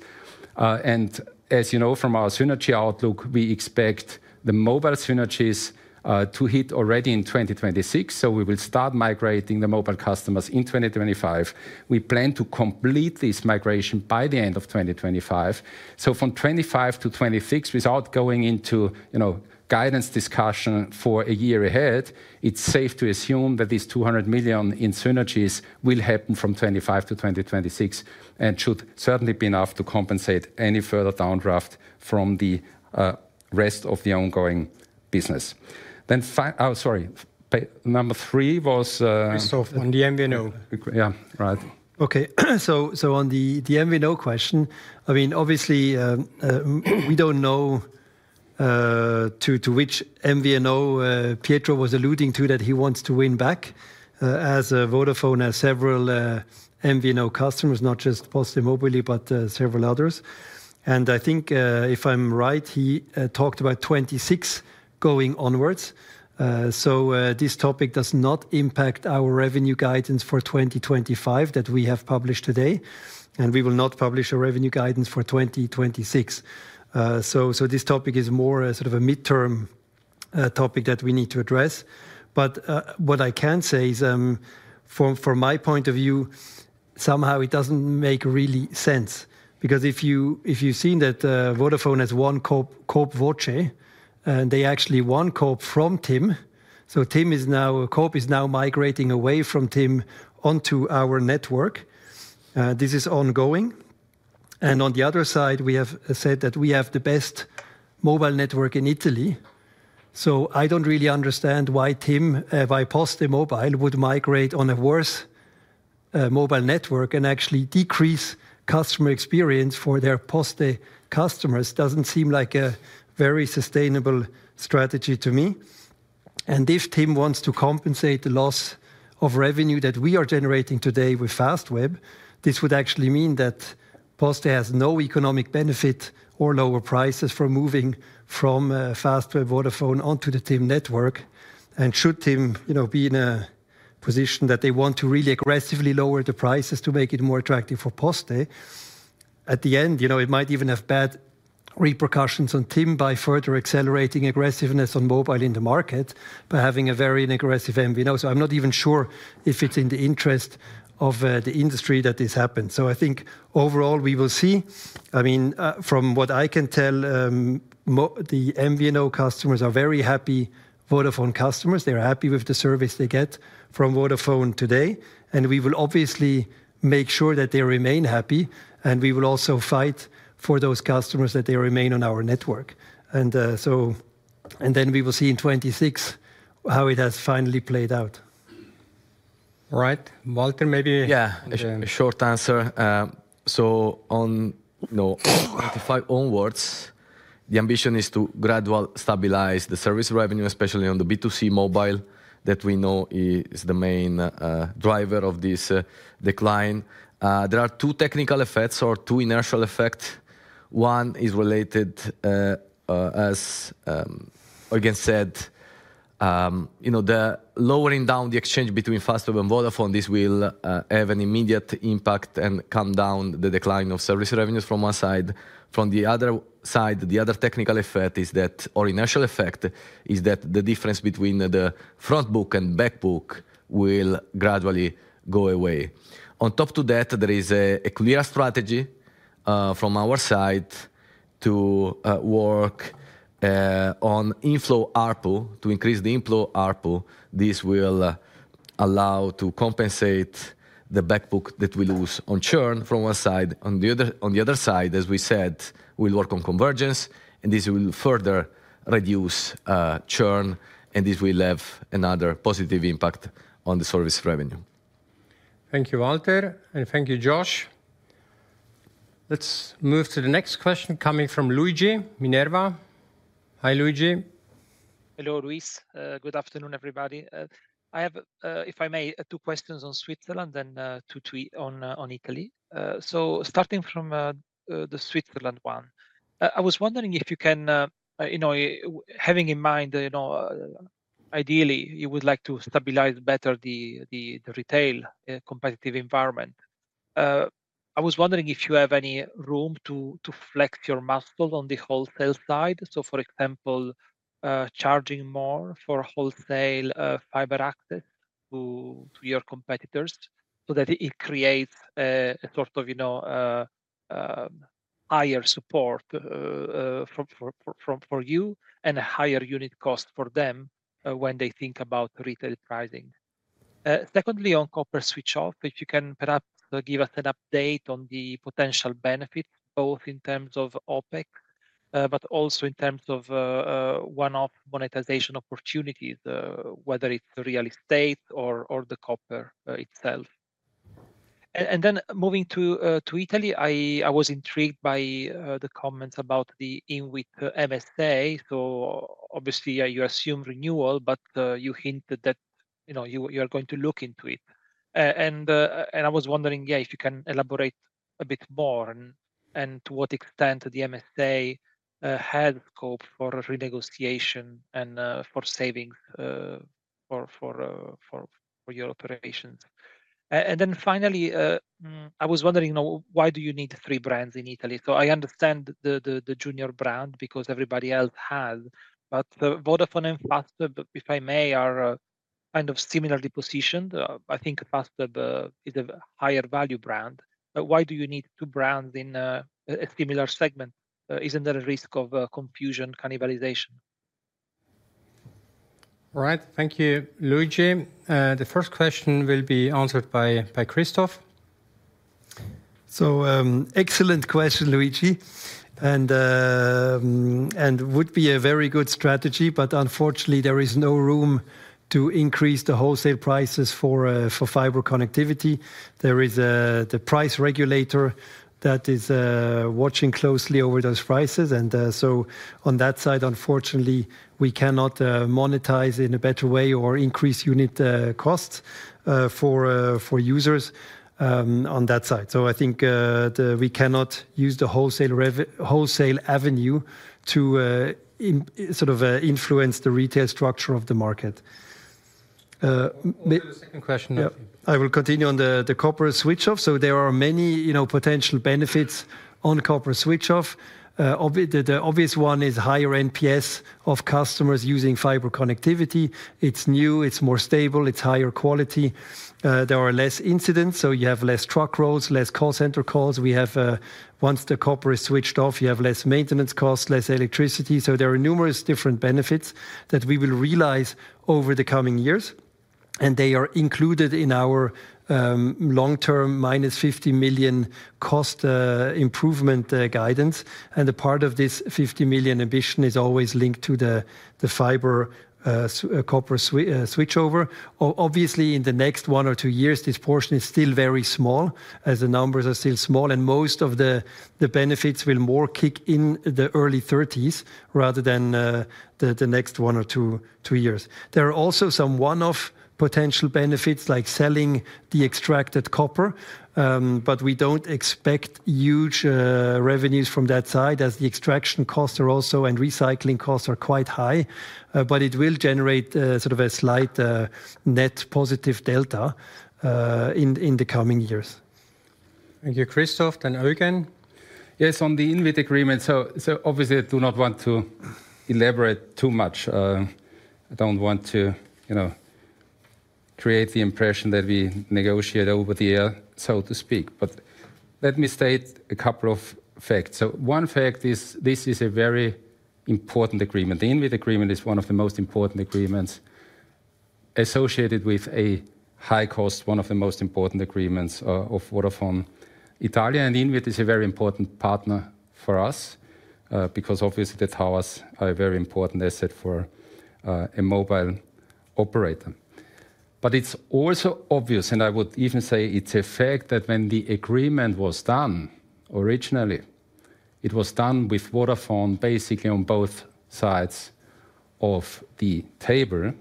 Speaker 4: And as you know from our synergy outlook, we expect the mobile synergies to hit already in 2026. So we will start migrating the mobile customers in 2025. We plan to complete this migration by the end of 2025. So from 2025 to 2026 without going into guidance discussion for a year ahead, it is safe to assume that these 200 million in synergies will happen from 2025 to 2026 and should certainly be enough to compensate any further downdraft from the rest of the ongoing business. Then number three was on the MVNO. Yeah. Right.
Speaker 2: Okay. On the MVNO question, I mean, obviously we don't know to which MVNO Pietro was alluding to that he wants to win back as Vodafone has several MVNO customers, not just PosteMobile, but several others. I think if I'm right, he talked about 2026 going onwards. This topic does not impact our revenue guidance for 2025 that we have published today and we will not publish a revenue guidance for 2026. This topic is more sort of a midterm topic that we need to address. What I can say is, from my point of view, somehow it doesn't make really sense because if you've seen that Vodafone has won CoopVoce and they actually won CoopVoce from TIM. TIM is now CoopVoce is now migrating away from TIM onto our network. This is ongoing. On the Other side we have said that we have the best mobile network in Italy. I don't really understand why TIM by PosteMobile would migrate on a worse mobile network and actually decrease customer experience for their Poste customers. Doesn't seem like a very sustainable strategy to me. If TIM wants to compensate the loss of revenue that we are generating today with Fastweb, this would actually mean that Poste has no economic benefit or lower prices for moving from Fastweb Vodafone onto the TIM network? Should TIM, you know, be in a position that they want to really aggressively lower the prices to make it more attractive for Poste at the end, you know, it might even have bad repercussions on TIM by further accelerating aggressiveness on mobile in the market by having a very aggressive MVNO. So, I'm not even sure if it's in the interest of the industry that this happens. I think overall we will see. I mean, from what I can tell, the MVNO customers are very happy Vodafone customers. They're happy with the service they get from Vodafone today. We will obviously make sure that they remain happy, and we will also fight for those customers that they remain on our network, and then we will see in 2026 how it has finally played out.
Speaker 1: Right, Walter, maybe a short answer.
Speaker 3: So on 2025 onwards, the ambition is to gradually stabilize the service revenue, especially on the B2C mobile that we know is the main driver of this decline. There are two technical effects or two inertial effects. One is related as I said, you know, the lowering down the exchange between Fastweb and Vodafone. This will have an immediate impact and come down the decline of service revenues from one side from the Other side. The other technical effect is that or inertial effect is that the difference between the front book and back book will gradually go away on top of that there is a clear strategy from our side to work on inflow ARPU to increase the inflow ARPU. This will allow to compensate the back book that we lose on churn from one side. On the Other side, as we said, will work on convergence and this will further reduce churn and this will have another positive impact on the service revenue.
Speaker 1: Thank you, Walter, and thank you, Josh. Let's move to the next question coming from Luigi Minerva. Hi, Luigi.
Speaker 8: Hello, Louis. Good afternoon, everybody. I have, if I may, two questions on Switzerland and two questions on Italy. So, starting from the Switzerland one, I was wondering if you can, you know, having in mind, you know, ideally you would like to stabilize better the retail competitive environment. I was wondering if you have any room to flex your muscle on the Wholesale side. So, for example, charging more for Wholesale fiber access to your competitors so that it creates a sort of, you know, higher support for you and a higher unit cost for them when they think about retail pricing. Secondly, on copper switch-off, if you can perhaps give us an update on the potential benefits both in terms of OpEx but also in terms of one-off monetization opportunities, whether it's real estate or the copper itself. And then moving to Italy, I was intrigued by the comments about the INWIT MSA. So obviously you assume renewal but you hinted that you know you are going to look into it. And I was wondering, yeah, if you can elaborate a bit more and to what extent the MSA has scope for renegotiation and for savings for your operations. And then finally I was wondering why do you need three brands in Italy? So I understand the junior brand because everybody else has but Vodafone and Fastweb if I may, are kind of similarly positioned. I think Fastweb is a higher value brand. Why do you need two brands in a similar segment? Isn't there a risk of confusion? Cannibalization?
Speaker 1: Right. Thank you Luigi. The first question will be answered by Christoph.
Speaker 2: So, excellent question, Luigi, and would be a very good strategy, but unfortunately there is no room to increase the wholesale prices for fiber connectivity. There is the price regulator that is watching closely over those prices. And so on that side, unfortunately we cannot monetize in a better way or increase unit costs for users on that side. So I think we cannot use the wholesale avenue to sort of influence the retail structure of the market. I will continue on the copper switch off. So there are many potential benefits on copper switch off. The obvious one is higher NPS of customers using fiber connectivity. It's new, it's more stable, it's higher quality. There are less incidents, so you have less truck rolls, less call center calls. We have, once the copper is switched off, you have less maintenance costs, less electricity. There are numerous different benefits that we will realize over the coming years and they are included in our long-term 50 million cost improvement guidance. The part of this 50 million ambition is always linked to the fiber copper switchover. Obviously in the next one or two years this portion is still very small as the numbers are still small and most of the benefits will more kick in the early 30s rather than the next one or two years. There are also some one-off potential benefits like selling the extracted copper, but we don't expect huge revenues from that side as the extraction costs are also and recycling costs are quite high. But it will generate sort of a slight net positive delta in the coming years.
Speaker 1: Thank you. Christoph and Eugen.
Speaker 4: Yes, on the INWIT agreement. So obviously I do not want to elaborate too much. I don't want to create the impression that we negotiate over the air, so to speak. But let me state a couple of facts. So one fact is this is a very important agreement. The INWIT agreement is one of the most important agreements associated with a high cost, one of the most important agreements of Vodafone Italia. And INWIT is a very important partner for us because obviously the towers are a very important asset for a mobile operator. But it's also obvious, and I would even say in effect that when the agreement was done originally, it was done with Vodafone basically on both sides of the table.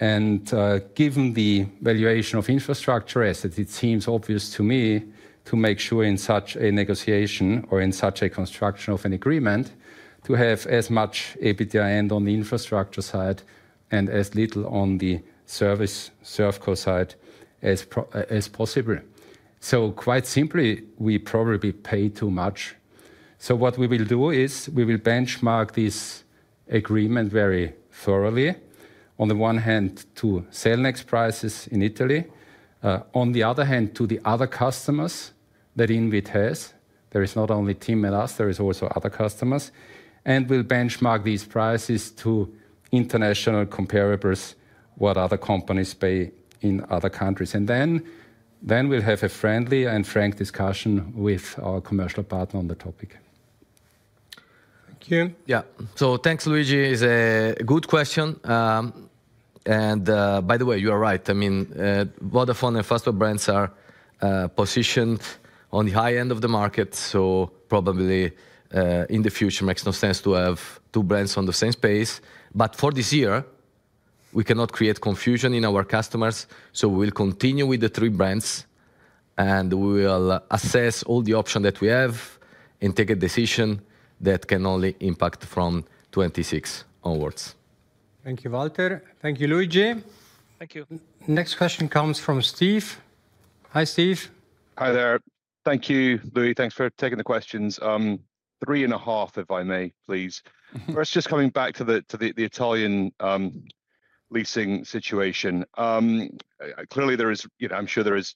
Speaker 4: Given the valuation of infrastructure assets, it seems obvious to me to make sure in such a negotiation or in such a construction of an agreement to have as much EBITDA on the infrastructure side and as little on the ServCo side as possible. Quite simply, we probably pay too much. What we will do is we will benchmark this agreement very thoroughly, on the one hand to Cellnex prices in Italy, on the other hand, to the other customers that INWIT has. There is not only TIM and us, there is also other customers and we'll benchmark these prices to international comparables what other companies pay in other countries and then we'll have a friendly and frank discussion with our commercial partner on the topic.
Speaker 1: Thank you.
Speaker 3: Yeah, so thanks, Luigi. It's a good question, and by the way, you are right, I mean Vodafone and Fastweb brands are positioned on the high end of the market, so probably in the future makes no sense to have two brands on the same space, but for this year we cannot create confusion in our customers, so we will continue with the three brands and we will assess all the options that we have and take a decision that can only impact from 2026 onwards.
Speaker 1: Thank you, Walter. Thank you, Luigi.
Speaker 6: Thank you.
Speaker 1: Next question comes from Steve. Hi Steve.
Speaker 8: Hi there. Thank you, Louis. Thanks for taking the questions. Three and a half if I may, please. First, just coming back to the Italian leasing situation. Clearly there is, you know, I'm sure there is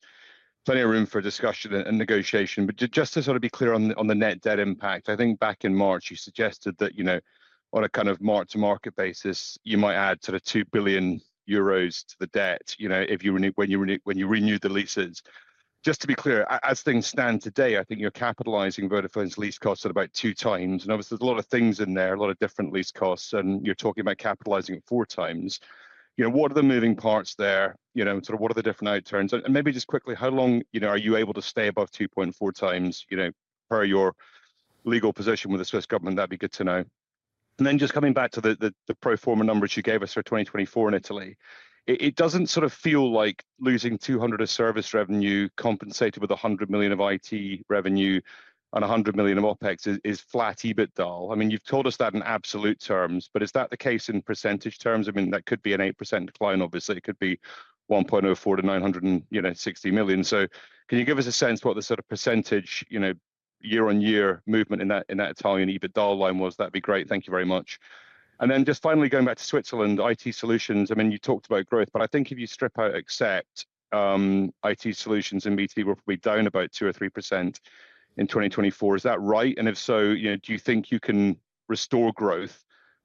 Speaker 8: plenty of room for discussion and negotiation. But just to sort of be clear on the net debt impact, I think back in March you suggested that, you know, on a kind of mark to market basis, you might add 2 billion euros to the debt when you renew the leases. Just to be clear, as things stand today, I think you're capitalizing Vodafone's lease costs at about two times. And obviously there's a lot of things in there, a lot of different lease costs and you're talking about capitalizing at four times. What are the moving parts there, what are the different outturns? Maybe just quickly, how long are you able to stay above 2.4 times per your legal position with the Swiss government? That'd be good to know. Then just coming back to the pro forma numbers you gave us for 2024 in Italy, it doesn't sort of feel like losing 200 of service revenue compensated with 100 million of IT revenue and 100 million of OpEx is flat EBITDA. I mean you've told us that in absolute terms. Is that the case in percentage terms? I mean that could be an 8% decline, obviously it could be 1,040 to 960 million. Can you give us a sense what the sort of percentage year-on-year movement in that Italian EBITDA line was? That'd be great. Thank you very much. And then just finally going back to Switzerland, IT Solutions. I mean you talked about growth, but I think if you strip out Axept IT solutions and B2B will be down about 2%-3% in 2024. Is that right? And if so, do you think you can restore growth?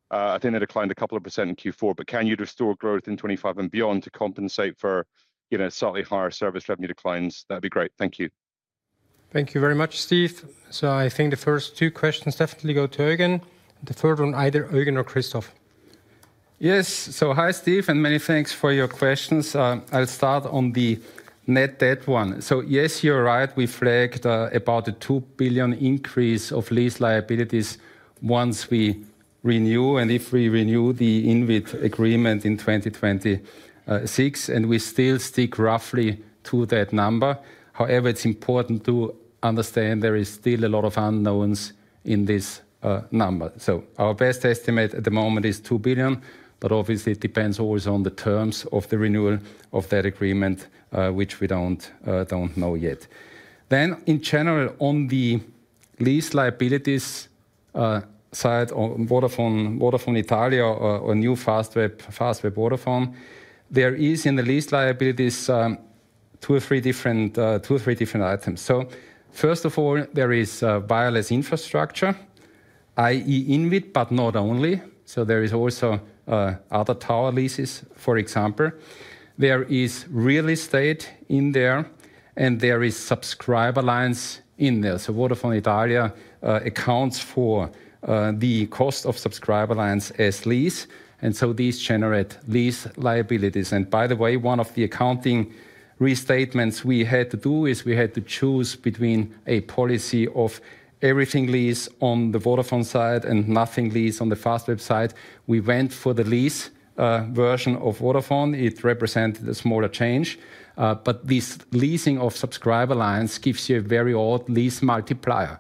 Speaker 8: I think they declined a couple of percent in Q4, but can you restore growth in 2025 and beyond to compensate for slightly higher service revenue declines? That'd be great. Thank you.
Speaker 1: Thank you very much, Steve. So I think the first two questions definitely go to Eugen. The third one, either Eugen or Christoph.
Speaker 4: Yes. So, hi Steve, and many thanks for your questions. I'll start on the net debt one. So, yes, you're right. We flagged about a 2 billion increase of lease liabilities once we renew, and if we renew the INWIT agreement in 2020 and we still stick roughly to that number. However, it's important to understand there is still a lot of unknowns in this number. So our best estimate at the moment is 2 billion, but obviously it depends always on the terms of the renewal of that agreement, which we don't know yet, then in general, on the lease liabilities side, Vodafone Italia, our new Fastweb, Fastweb or Vodafone, there is in the lease liabilities two or three different items. So first of all there is wireless infrastructure that is INWIT, but not only so there is also other tower leases. For example, there is real estate in there and there is subscriber lines in there, so Fastweb Italia accounts for the cost of subscriber lines as lease and so these generate lease liabilities, and by the way, one of the accounting restatements we had to do is we had to choose between a policy of everything lease on the Vodafone side and nothing lease on the Fastweb side. We went for the lease version of Vodafone. It represented a smaller change, but this leasing of subscriber lines gives you a very odd lease multiplier.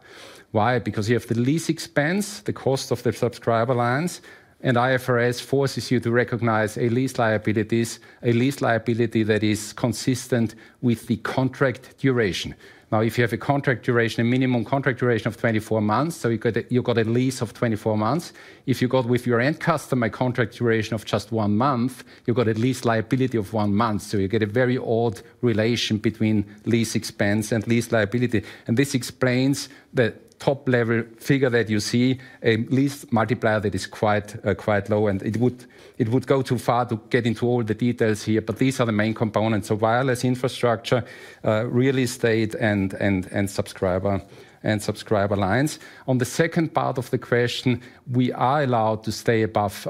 Speaker 4: Why? Because you have the lease expense, the cost of the subscriber lines, and IFRS forces you to recognize a lease liabilities, a lease liability that is consistent with the contract duration. Now, if you have a contract duration, a minimum contract duration of 24 months, so you've got a lease of 24 months. If you got with your end customer a contract duration of just one month, you've got at least liability of one month. So you get a very odd relation between lease expense and lease liability. And this explains the top level figure that you see a lease multiplier that is quite low and it would go too far to get into all the details here, but these are the main components of wireless infrastructure, real estate and subscriber lines. On the second part of the question we are allowed to stay above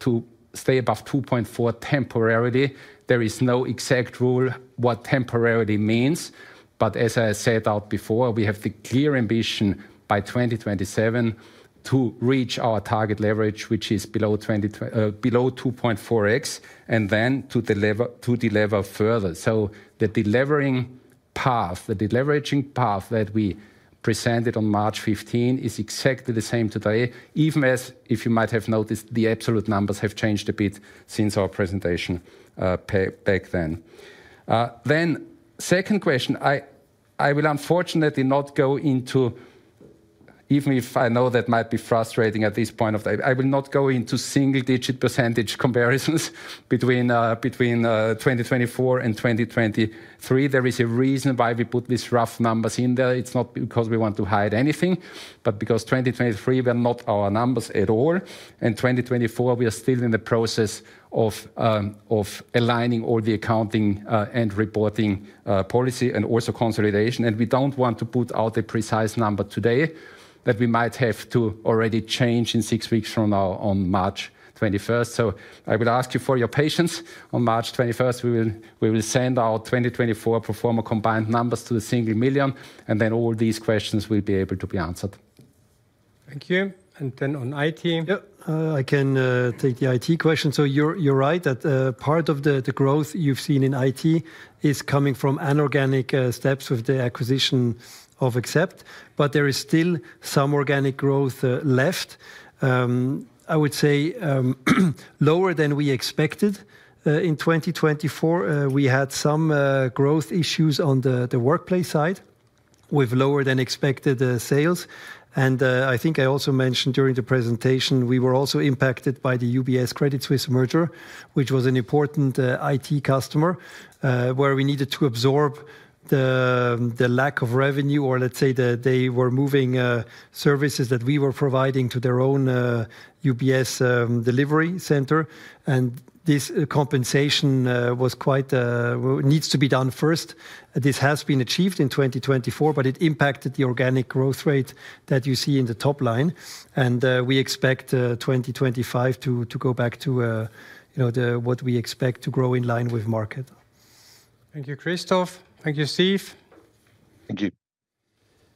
Speaker 4: 2, stay above 2.4 temporarily. There is no exact rule what temporarily means. But as I said out before, we have the clear ambition by 2027 to reach our target leverage which is below 2.0, below 2.4x and then to deliver, to deliver further. So the deleveraging path, the deleveraging path that we presented on March 15 is exactly the same today. Even if, as you might have noticed, the absolute numbers have changed a bit since our presentation back then. Then, the second question I will unfortunately not go into. Even if I know that might be frustrating at this point in time, I will not go into single digit percentage comparisons between 2024 and 2023. There is a reason why we put these rough numbers in there. It's not because we want to hide anything, but because 2023 were not our numbers at all. And 2024, we are still in the process of aligning all the accounting and reporting policy and also consolidation. And we don't want to put out a precise number today that we might have to already change in six weeks from now on March 21st. I would ask you for your patience. On March 21st we will send our 2024 pro forma combined numbers to a single million and then all these questions will be able to be answered.
Speaker 1: Thank you. And then on IT.
Speaker 2: I can take the IT question. So you're right that part of the growth you've seen in IT is coming from inorganic steps with the acquisition of Axept. But there is still some organic growth left, I would say lower than we expected in 2024. We had some growth issues on the workplace side with lower than expected sales. And I think I also mentioned during the presentation we were also impacted by the UBS Credit Suisse merger which was an important IT customer where we needed to absorb the lack of revenue or let's say that they were moving services that we were providing to their own UBS delivery center. And this compensation was quite needs to be done first. This has been achieved in 2024 but it impacted the organic growth rate that you see in the top line. We expect 2025 to go back to you know what we expect to grow in line with market.
Speaker 1: Thank you Christoph. Thank you Steve.
Speaker 6: Thank you.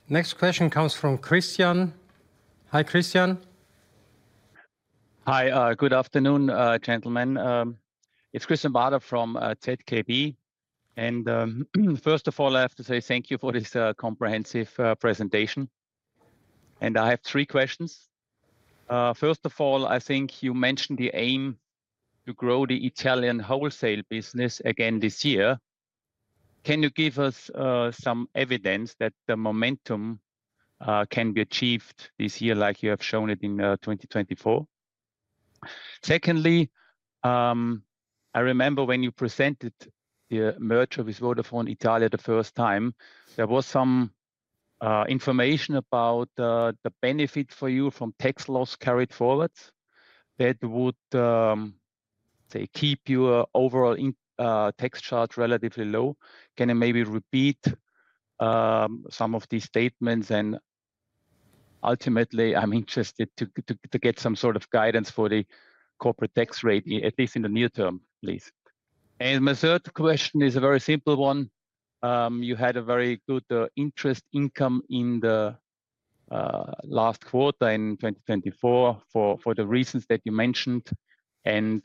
Speaker 1: Next question comes from Christian. Hi Christian.
Speaker 6: Hi, good afternoon gentlemen. It's Christian Bader from ZKB. And first of all I have to say thank you for this comprehensive presentation and I have three questions. First of all, I think you mentioned the aim to grow the Italian Wholesale business again this year. Can you give us some evidence that the momentum can be achieved this year like you have shown it in 2024. Secondly, I remember when you presented the merger with Vodafone Italia the first time, there was some information about the benefit for you from tax loss carried forwards that would keep your overall tax charge relatively low. Can I maybe repeat some of these statements? And ultimately I'm interested to get some sort of guidance for the corporate tax rate at least in the near term, please. And my third question is a very simple one. You had a very good interest income in the last quarter in 2024 for the reasons that you mentioned. And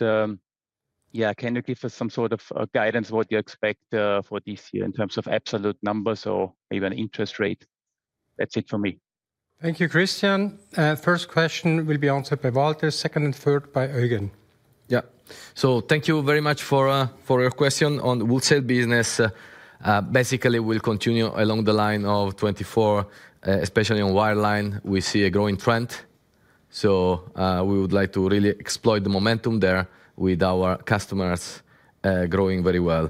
Speaker 6: yeah. Can you give us some sort of guidance what you expect for this year in terms of absolute numbers or even interest rate? That's it for me.
Speaker 1: Thank you, Christian. First question will be answered by Walter, second and third by Eugen.
Speaker 3: Yeah, so thank you very much for your question. On Wholesale business basically will continue along the line of 2024. Especially on wireline, we see a growing trend. So we would like to really exploit the momentum there. With our customers growing very well.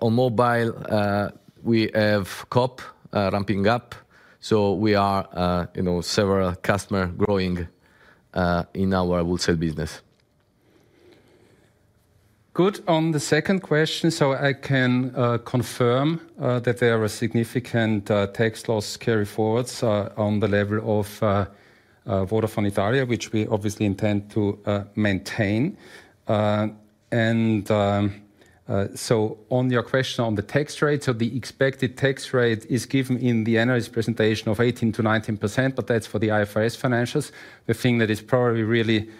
Speaker 3: On mobile, we have Coop ramping up. So we are, you know, several customers growing in our Wholesale business.
Speaker 4: Good. On the second question, so I can confirm that there are significant tax loss carryforwards on the level of Vodafone Italia, which we obviously intend to maintain, and so on your question on the tax rate. So the expected tax rate is given in the annual presentation of 18%-19%, but that's for the IFRS financials. The thing that is probably really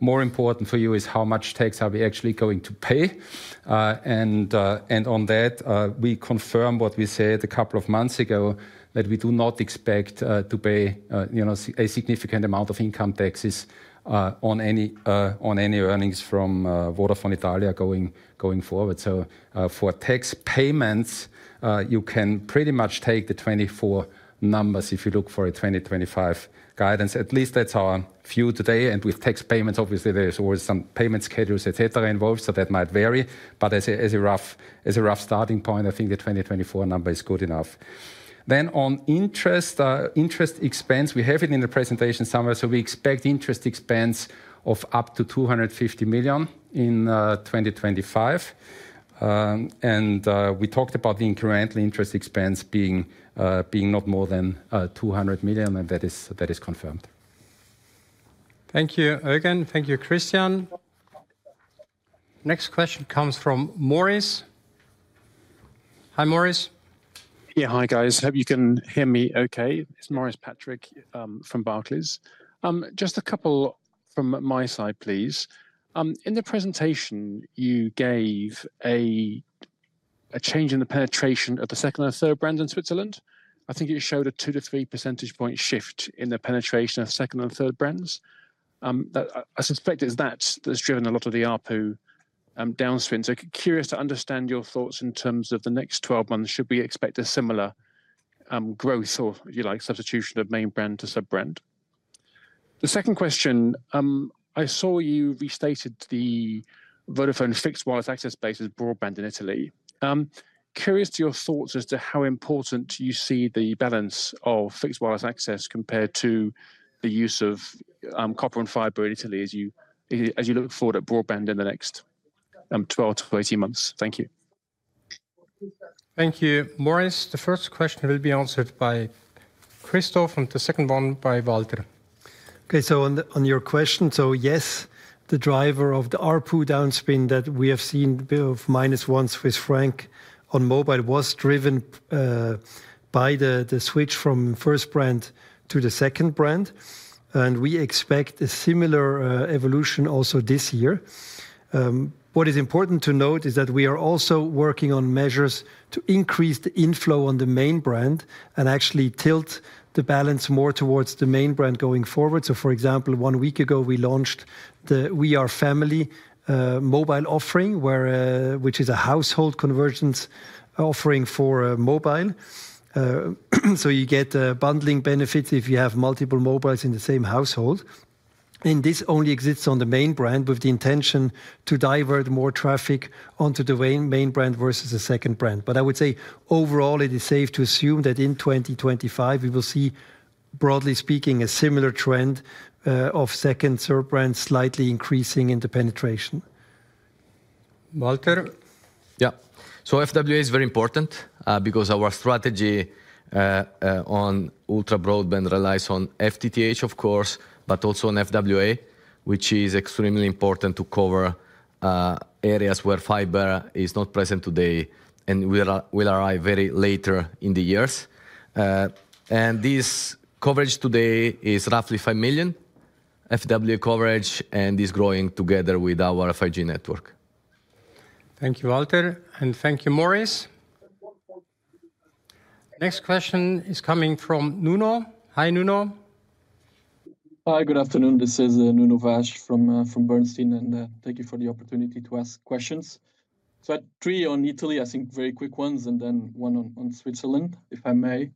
Speaker 4: more important for you is how much tax are we actually going to pay? And on that we confirmed what we said a couple of months ago, that we do not expect to pay a significant amount of income taxes on any earnings from Vodafone Italia going forward. So for tax payments you can pretty much take the 2024 numbers if you look for a 2025 guidance, at least that's our view today. And with tax payments, obviously there's always some payment schedules, etc., involved. That might vary. But as a rough starting point, I think the 2024 number is good enough. Then on interest expense, we have it in the presentation somewhere. We expect interest expense of up to 250 million in 2025. And we talked about the incremental interest expense being not more than 200 million. And that is confirmed.
Speaker 1: Thank you, Eugen. Thank you, Christian. Next question comes from Maurice. Hi, Maurice.
Speaker 9: Yeah, hi guys. Hope you can hear me. Okay. It's Maurice Patrick from Barclays. Just a couple from my side, please. In the presentation you gave a change in the penetration of the second and third brand in Switzerland. I think it showed a 2-3 percentage point shift in the penetration of second and third brands. I suspect it's that that's driven a lot of the ARPU downswing. So, curious to understand your thoughts in terms of the next 12 months. Should we expect a similar growth or substitution of main brand to sub brand? The second question, I saw you restated the Vodafone fixed wireless access base as broadband in Italy. Curious to your thoughts as to how important you see the balance of fixed wireless access compared to the use of copper and fiber in Italy as you look forward to broadband in the next 12-18 months. Thank you.
Speaker 1: Thank you, Maurice. The first question will be answered by Christoph and the second one by Walter.
Speaker 2: Okay, on your question, yes, the driver of the ARPU downspin that we have seen of -1 Swiss franc on mobile was driven by the switch from first brand to the second brand, and we expect a similar evolution also this year. What is important to note is that we are also working on measures to increase the inflow on the main brand and actually tilt the balance more towards the main brand going forward, so for example, one week ago we launched the We Are Family mobile offering, which is a household convergence offering for mobile, so you get bundling benefits if you have multiple mobiles in the same household, and this only exists on the main brand with the intention to divert more traffic onto the main brand versus the second brand. But I would say overall it is safe to assume that in 2025 we will see, broadly speaking, a similar trend of second third brand slightly increasing in the penetration.
Speaker 1: Walter?
Speaker 3: Yeah, so FWA is very important because our strategy on ultra broadband relies on FTTH, of course, but also on FWA, which is extremely important to cover areas where fiber is not present today and will arrive very later in the years. And this coverage today is roughly 5 million FWA coverage and is growing together with our 5G network.
Speaker 1: Thank you, Walter, and thank you, Maurice. Next question is coming from Nuno. Hi Nuno.
Speaker 10: Hi, good afternoon. This is Nuno Vaz from Bernstein and thank you for the opportunity to ask questions. So three on Italy, I think, very quick ones, and then one on Switzerland, if I may.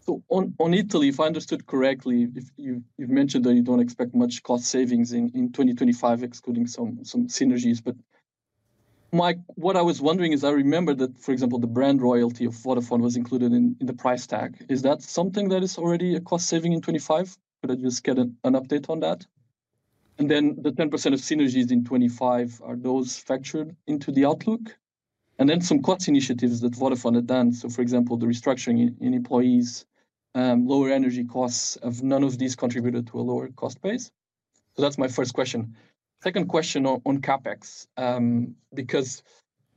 Speaker 10: So on Italy, if I understood correctly, you've mentioned that you don't expect much cost savings in 2025, excluding some synergies. But like, what I was wondering is I remember that, for example, the brand royalty of Vodafone was included in the price tag. Is that something that is already a cost saving in 25? Could I just get an update on that? And then the 10% of synergies in 25, are those factored into the outlook? And then some cost initiatives that Vodafone had done. So for example the restructuring in employees, lower energy costs, have none of these contributed to a lower cost base? So that's my first question. Second question on CapEx because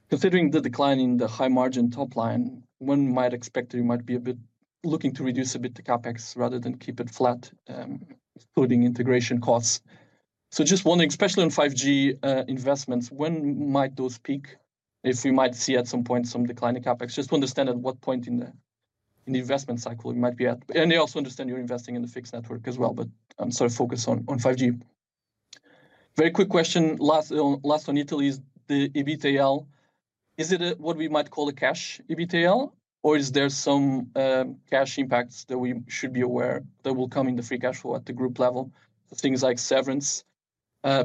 Speaker 10: considering the decline in the high margin top line, one might expect that you might be looking to reduce a bit to CapEx rather than keep it flat, including integration costs. So just wondering, especially on 5G investments, when might those peak? If we might see at some point some declining CapEx just to understand at what point in the investment cycle it might be at. And I also understand you're investing in the fixed network as well. But I'm sorry, focus on 5G. Very quick question: last on Italy, is the EBITDA what we might call a cash EBITDA or is there some cash impacts that we should be aware that will come in the free cash flow at the group level? Things like severance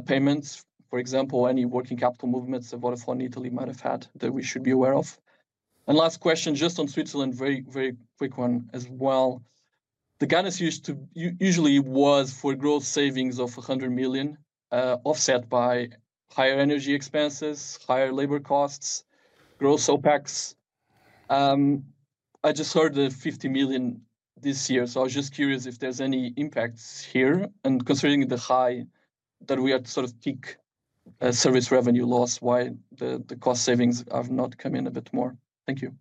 Speaker 10: payments, for example, any working capital movements of Vodafone in Italy might have had that we should be aware of. And last question just on Switzerland, very very quick one as well. The guidance used to usually was for gross savings of 100 million offset by higher energy expenses, higher labor costs, gross OpEx. I just heard the 50 million this year so I was just curious if there's any impacts here and considering the fact that we are sort of peak service revenue loss, why the cost savings have not come in a bit more. Thank you.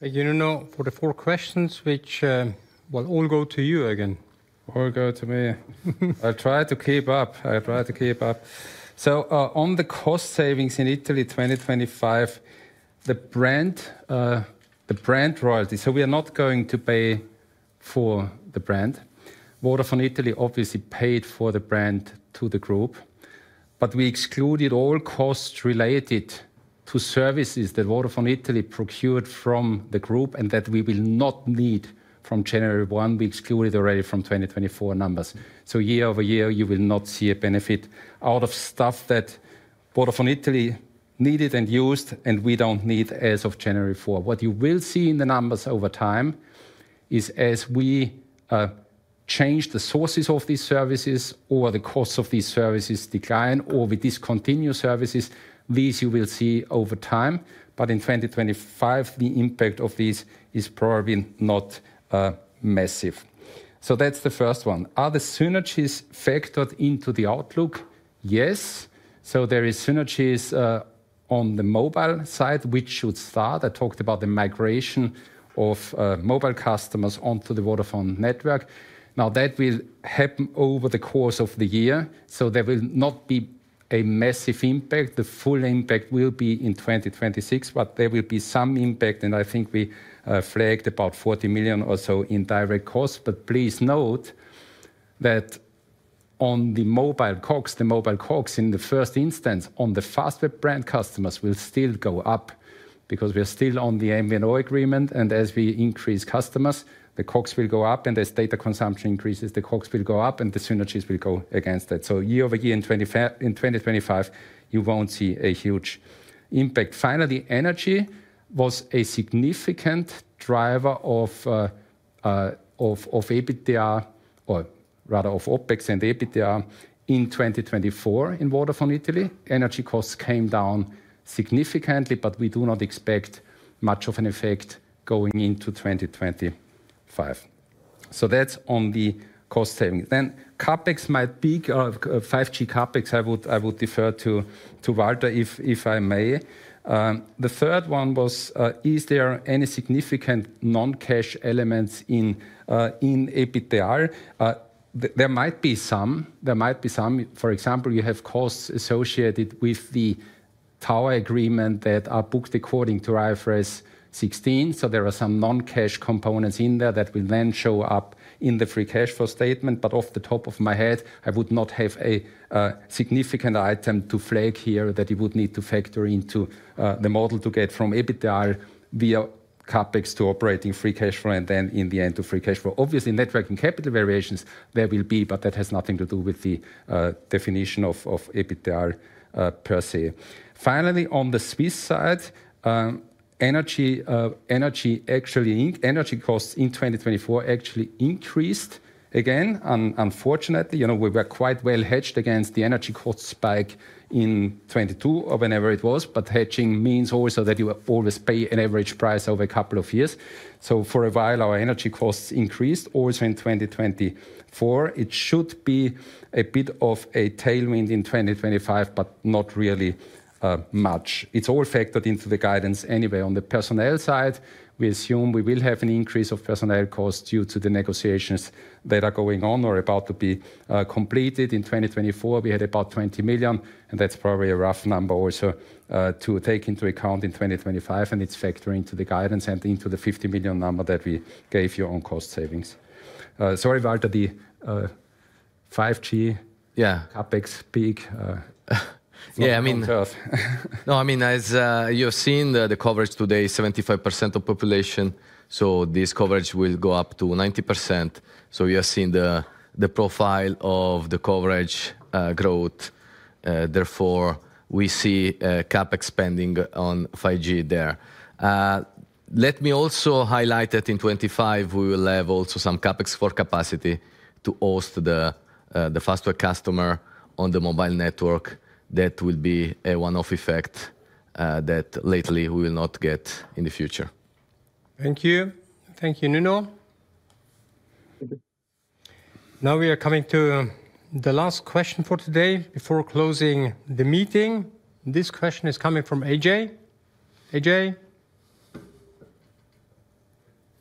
Speaker 1: Nuno for the four questions which will all go to you again.
Speaker 4: All go to me. I try to keep up. I try to keep up. On the cost savings in Italy, 2025, the brand, the brand royalty. We are not going to pay for the brand. Vodafone Italia obviously paid for the brand to the group. But we excluded all costs related to services that Vodafone Italia procured from the group and that we will not need from January 1st. We excluded already from 2024 numbers. Year-over-year you will not see a benefit out of stuff that Vodafone Italia needed and used and we don't need as of January 1st. What you will see in the numbers over time is as we change the sources of these services or the costs of these services decline or we discontinue services. These you will see over time but in 2025 the impact of these is probably not massive. So that's the first one. Are the synergies factored into the outlook? Yes. So there is synergies on the mobile side which should start. I talked about the migration of mobile customers onto the Vodafone network. Now that will happen over the course of the year, so there will not be a massive impact. The full impact will be in 2026, but there will be some impact and I think we flagged about 40 million or so in direct costs. But please note that on the mobile COGS, the mobile COGS in the first instance, on the Fastweb brand, customers will still go up because we are still on the MVNO agreement and as we increase customers, the COGS will go up and as data consumption increases, the COGS will go up and the synergies will go against that. Year-over-year, in 2025 you won't see a huge impact. Finally, energy was a significant driver of EBITDA, or rather of OpEx and EBITDA in 2024. In Vodafone Italy, energy costs came down significantly, but we do not expect much of an effect going into 2025. So that's on the cost savings. Then CapEx might be 5G CapEx. I would defer to Walter, if I may. The third one was, is there any significant non-cash elements in EBITDA? There might be some. For example, you have costs associated with the tower agreement that are booked according to IFRS 16. So there are some non-cash components in there that will then show up in the free cash flow statement. Off the top of my head, I would not have a significant item to flag here that you would need to factor into the model to get from EBITDA. There are, via CapEx, to operating free cash flow and then in the end to free cash flow. Obviously working capital variations there will be, but that has nothing to do with the definition of EBITDA per se. Finally, on the Swiss side, energy costs in 2024 actually increased again. Unfortunately we were quite well hedged against the energy cost spike in 2022 or whenever it was. But hedging means also that you always pay an average price over a couple of years. So for a while our energy costs increased also in 2024. It should be a bit of a tailwind in 2025, but not really much. It's all factored into the guidance. Anyway, on the personnel side, we assume we will have an increase of personnel costs due to the negotiations that are going on or about to be completed in 2024. We had about 20 million and that's probably a rough number also to take into account in 2025 and it's factoring into the guidance and into the 50 million number that we gave you on cost savings. Sorry Walter, the 5G CapEx big.
Speaker 3: Yeah, I mean, no, I mean, as you've seen, the coverage today is 75% of population, so this coverage will go up to 90%, so you're seeing the profile of the coverage growth. Therefore, we see CapEx spending on 5G there. Let me also highlight that in 2025 we will have also some CapEx for capacity to host the Fastweb customer on the mobile network. That will be a one-off effect that later we will not get in the future.
Speaker 1: Thank you. Thank you, Nuno. Now we are coming to the last question for today before closing the meeting. This question is coming from Ajay.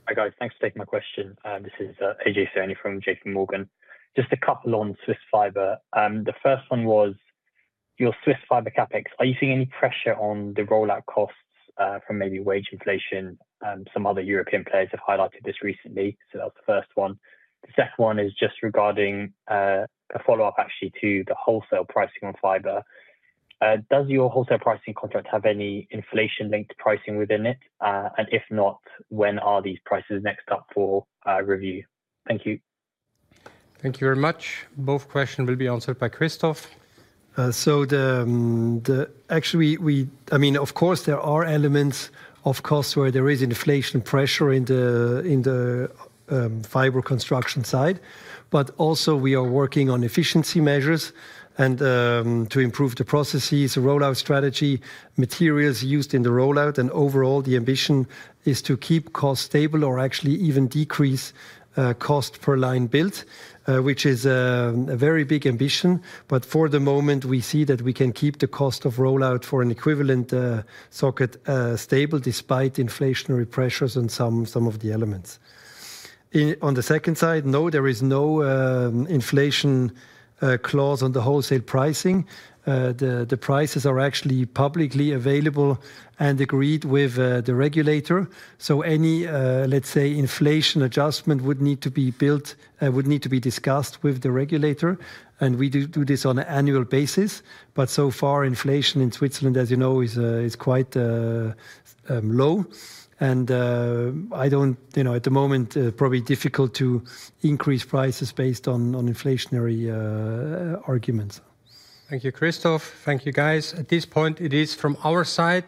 Speaker 11: Hi guys, thanks for taking my question. This is Ajay Soni from JPMorgan. Just a couple on Swiss fiber. The first one was your Swiss fiber CapEx. Are you seeing any pressure on the rollout costs from maybe wage inflation? Some other European players have highlighted this recently. So that was the first one. The second one is just regarding a follow up actually to the wholesale pricing on fiber. Does your wholesale pricing contract have any inflation linked pricing within it and if not when are these prices next up for review?
Speaker 1: Thank you, thank you very much. Both questions will be answered by Christoph.
Speaker 2: So actually we, I mean, of course there are elements of costs where there is inflation pressure in the fiber construction side, but also we are working on efficiency measures and to improve the processes, rollout strategy, materials used in the rollout, and overall the ambition is to keep cost stable or actually even decrease cost per line built, which is a very big ambition. But for the moment we see that we can keep the cost of rollout for an equivalent socket stable despite inflationary pressures on some of the elements on the second side. No, there is no inflation clause on the wholesale pricing. The prices are actually publicly available and agreed with the regulator. Any, let's say, inflation adjustment would need to be discussed with the regulator and we do this on an annual basis but so far inflation in Switzerland as you know is quite low and I don't, you know at the moment probably difficult to increase prices based on inflationary arguments.
Speaker 1: Thank you, Christoph. Thank you, guys. At this point, it is from our side,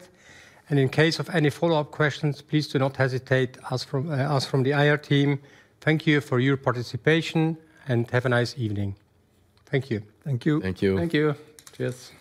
Speaker 1: and in case of any follow-up questions, please do not hesitate to ask the IR team. Thank you for your participation, and have a nice evening. Thank you.
Speaker 2: Thank you.
Speaker 3: Thank you.
Speaker 4: Thank you. Cheers.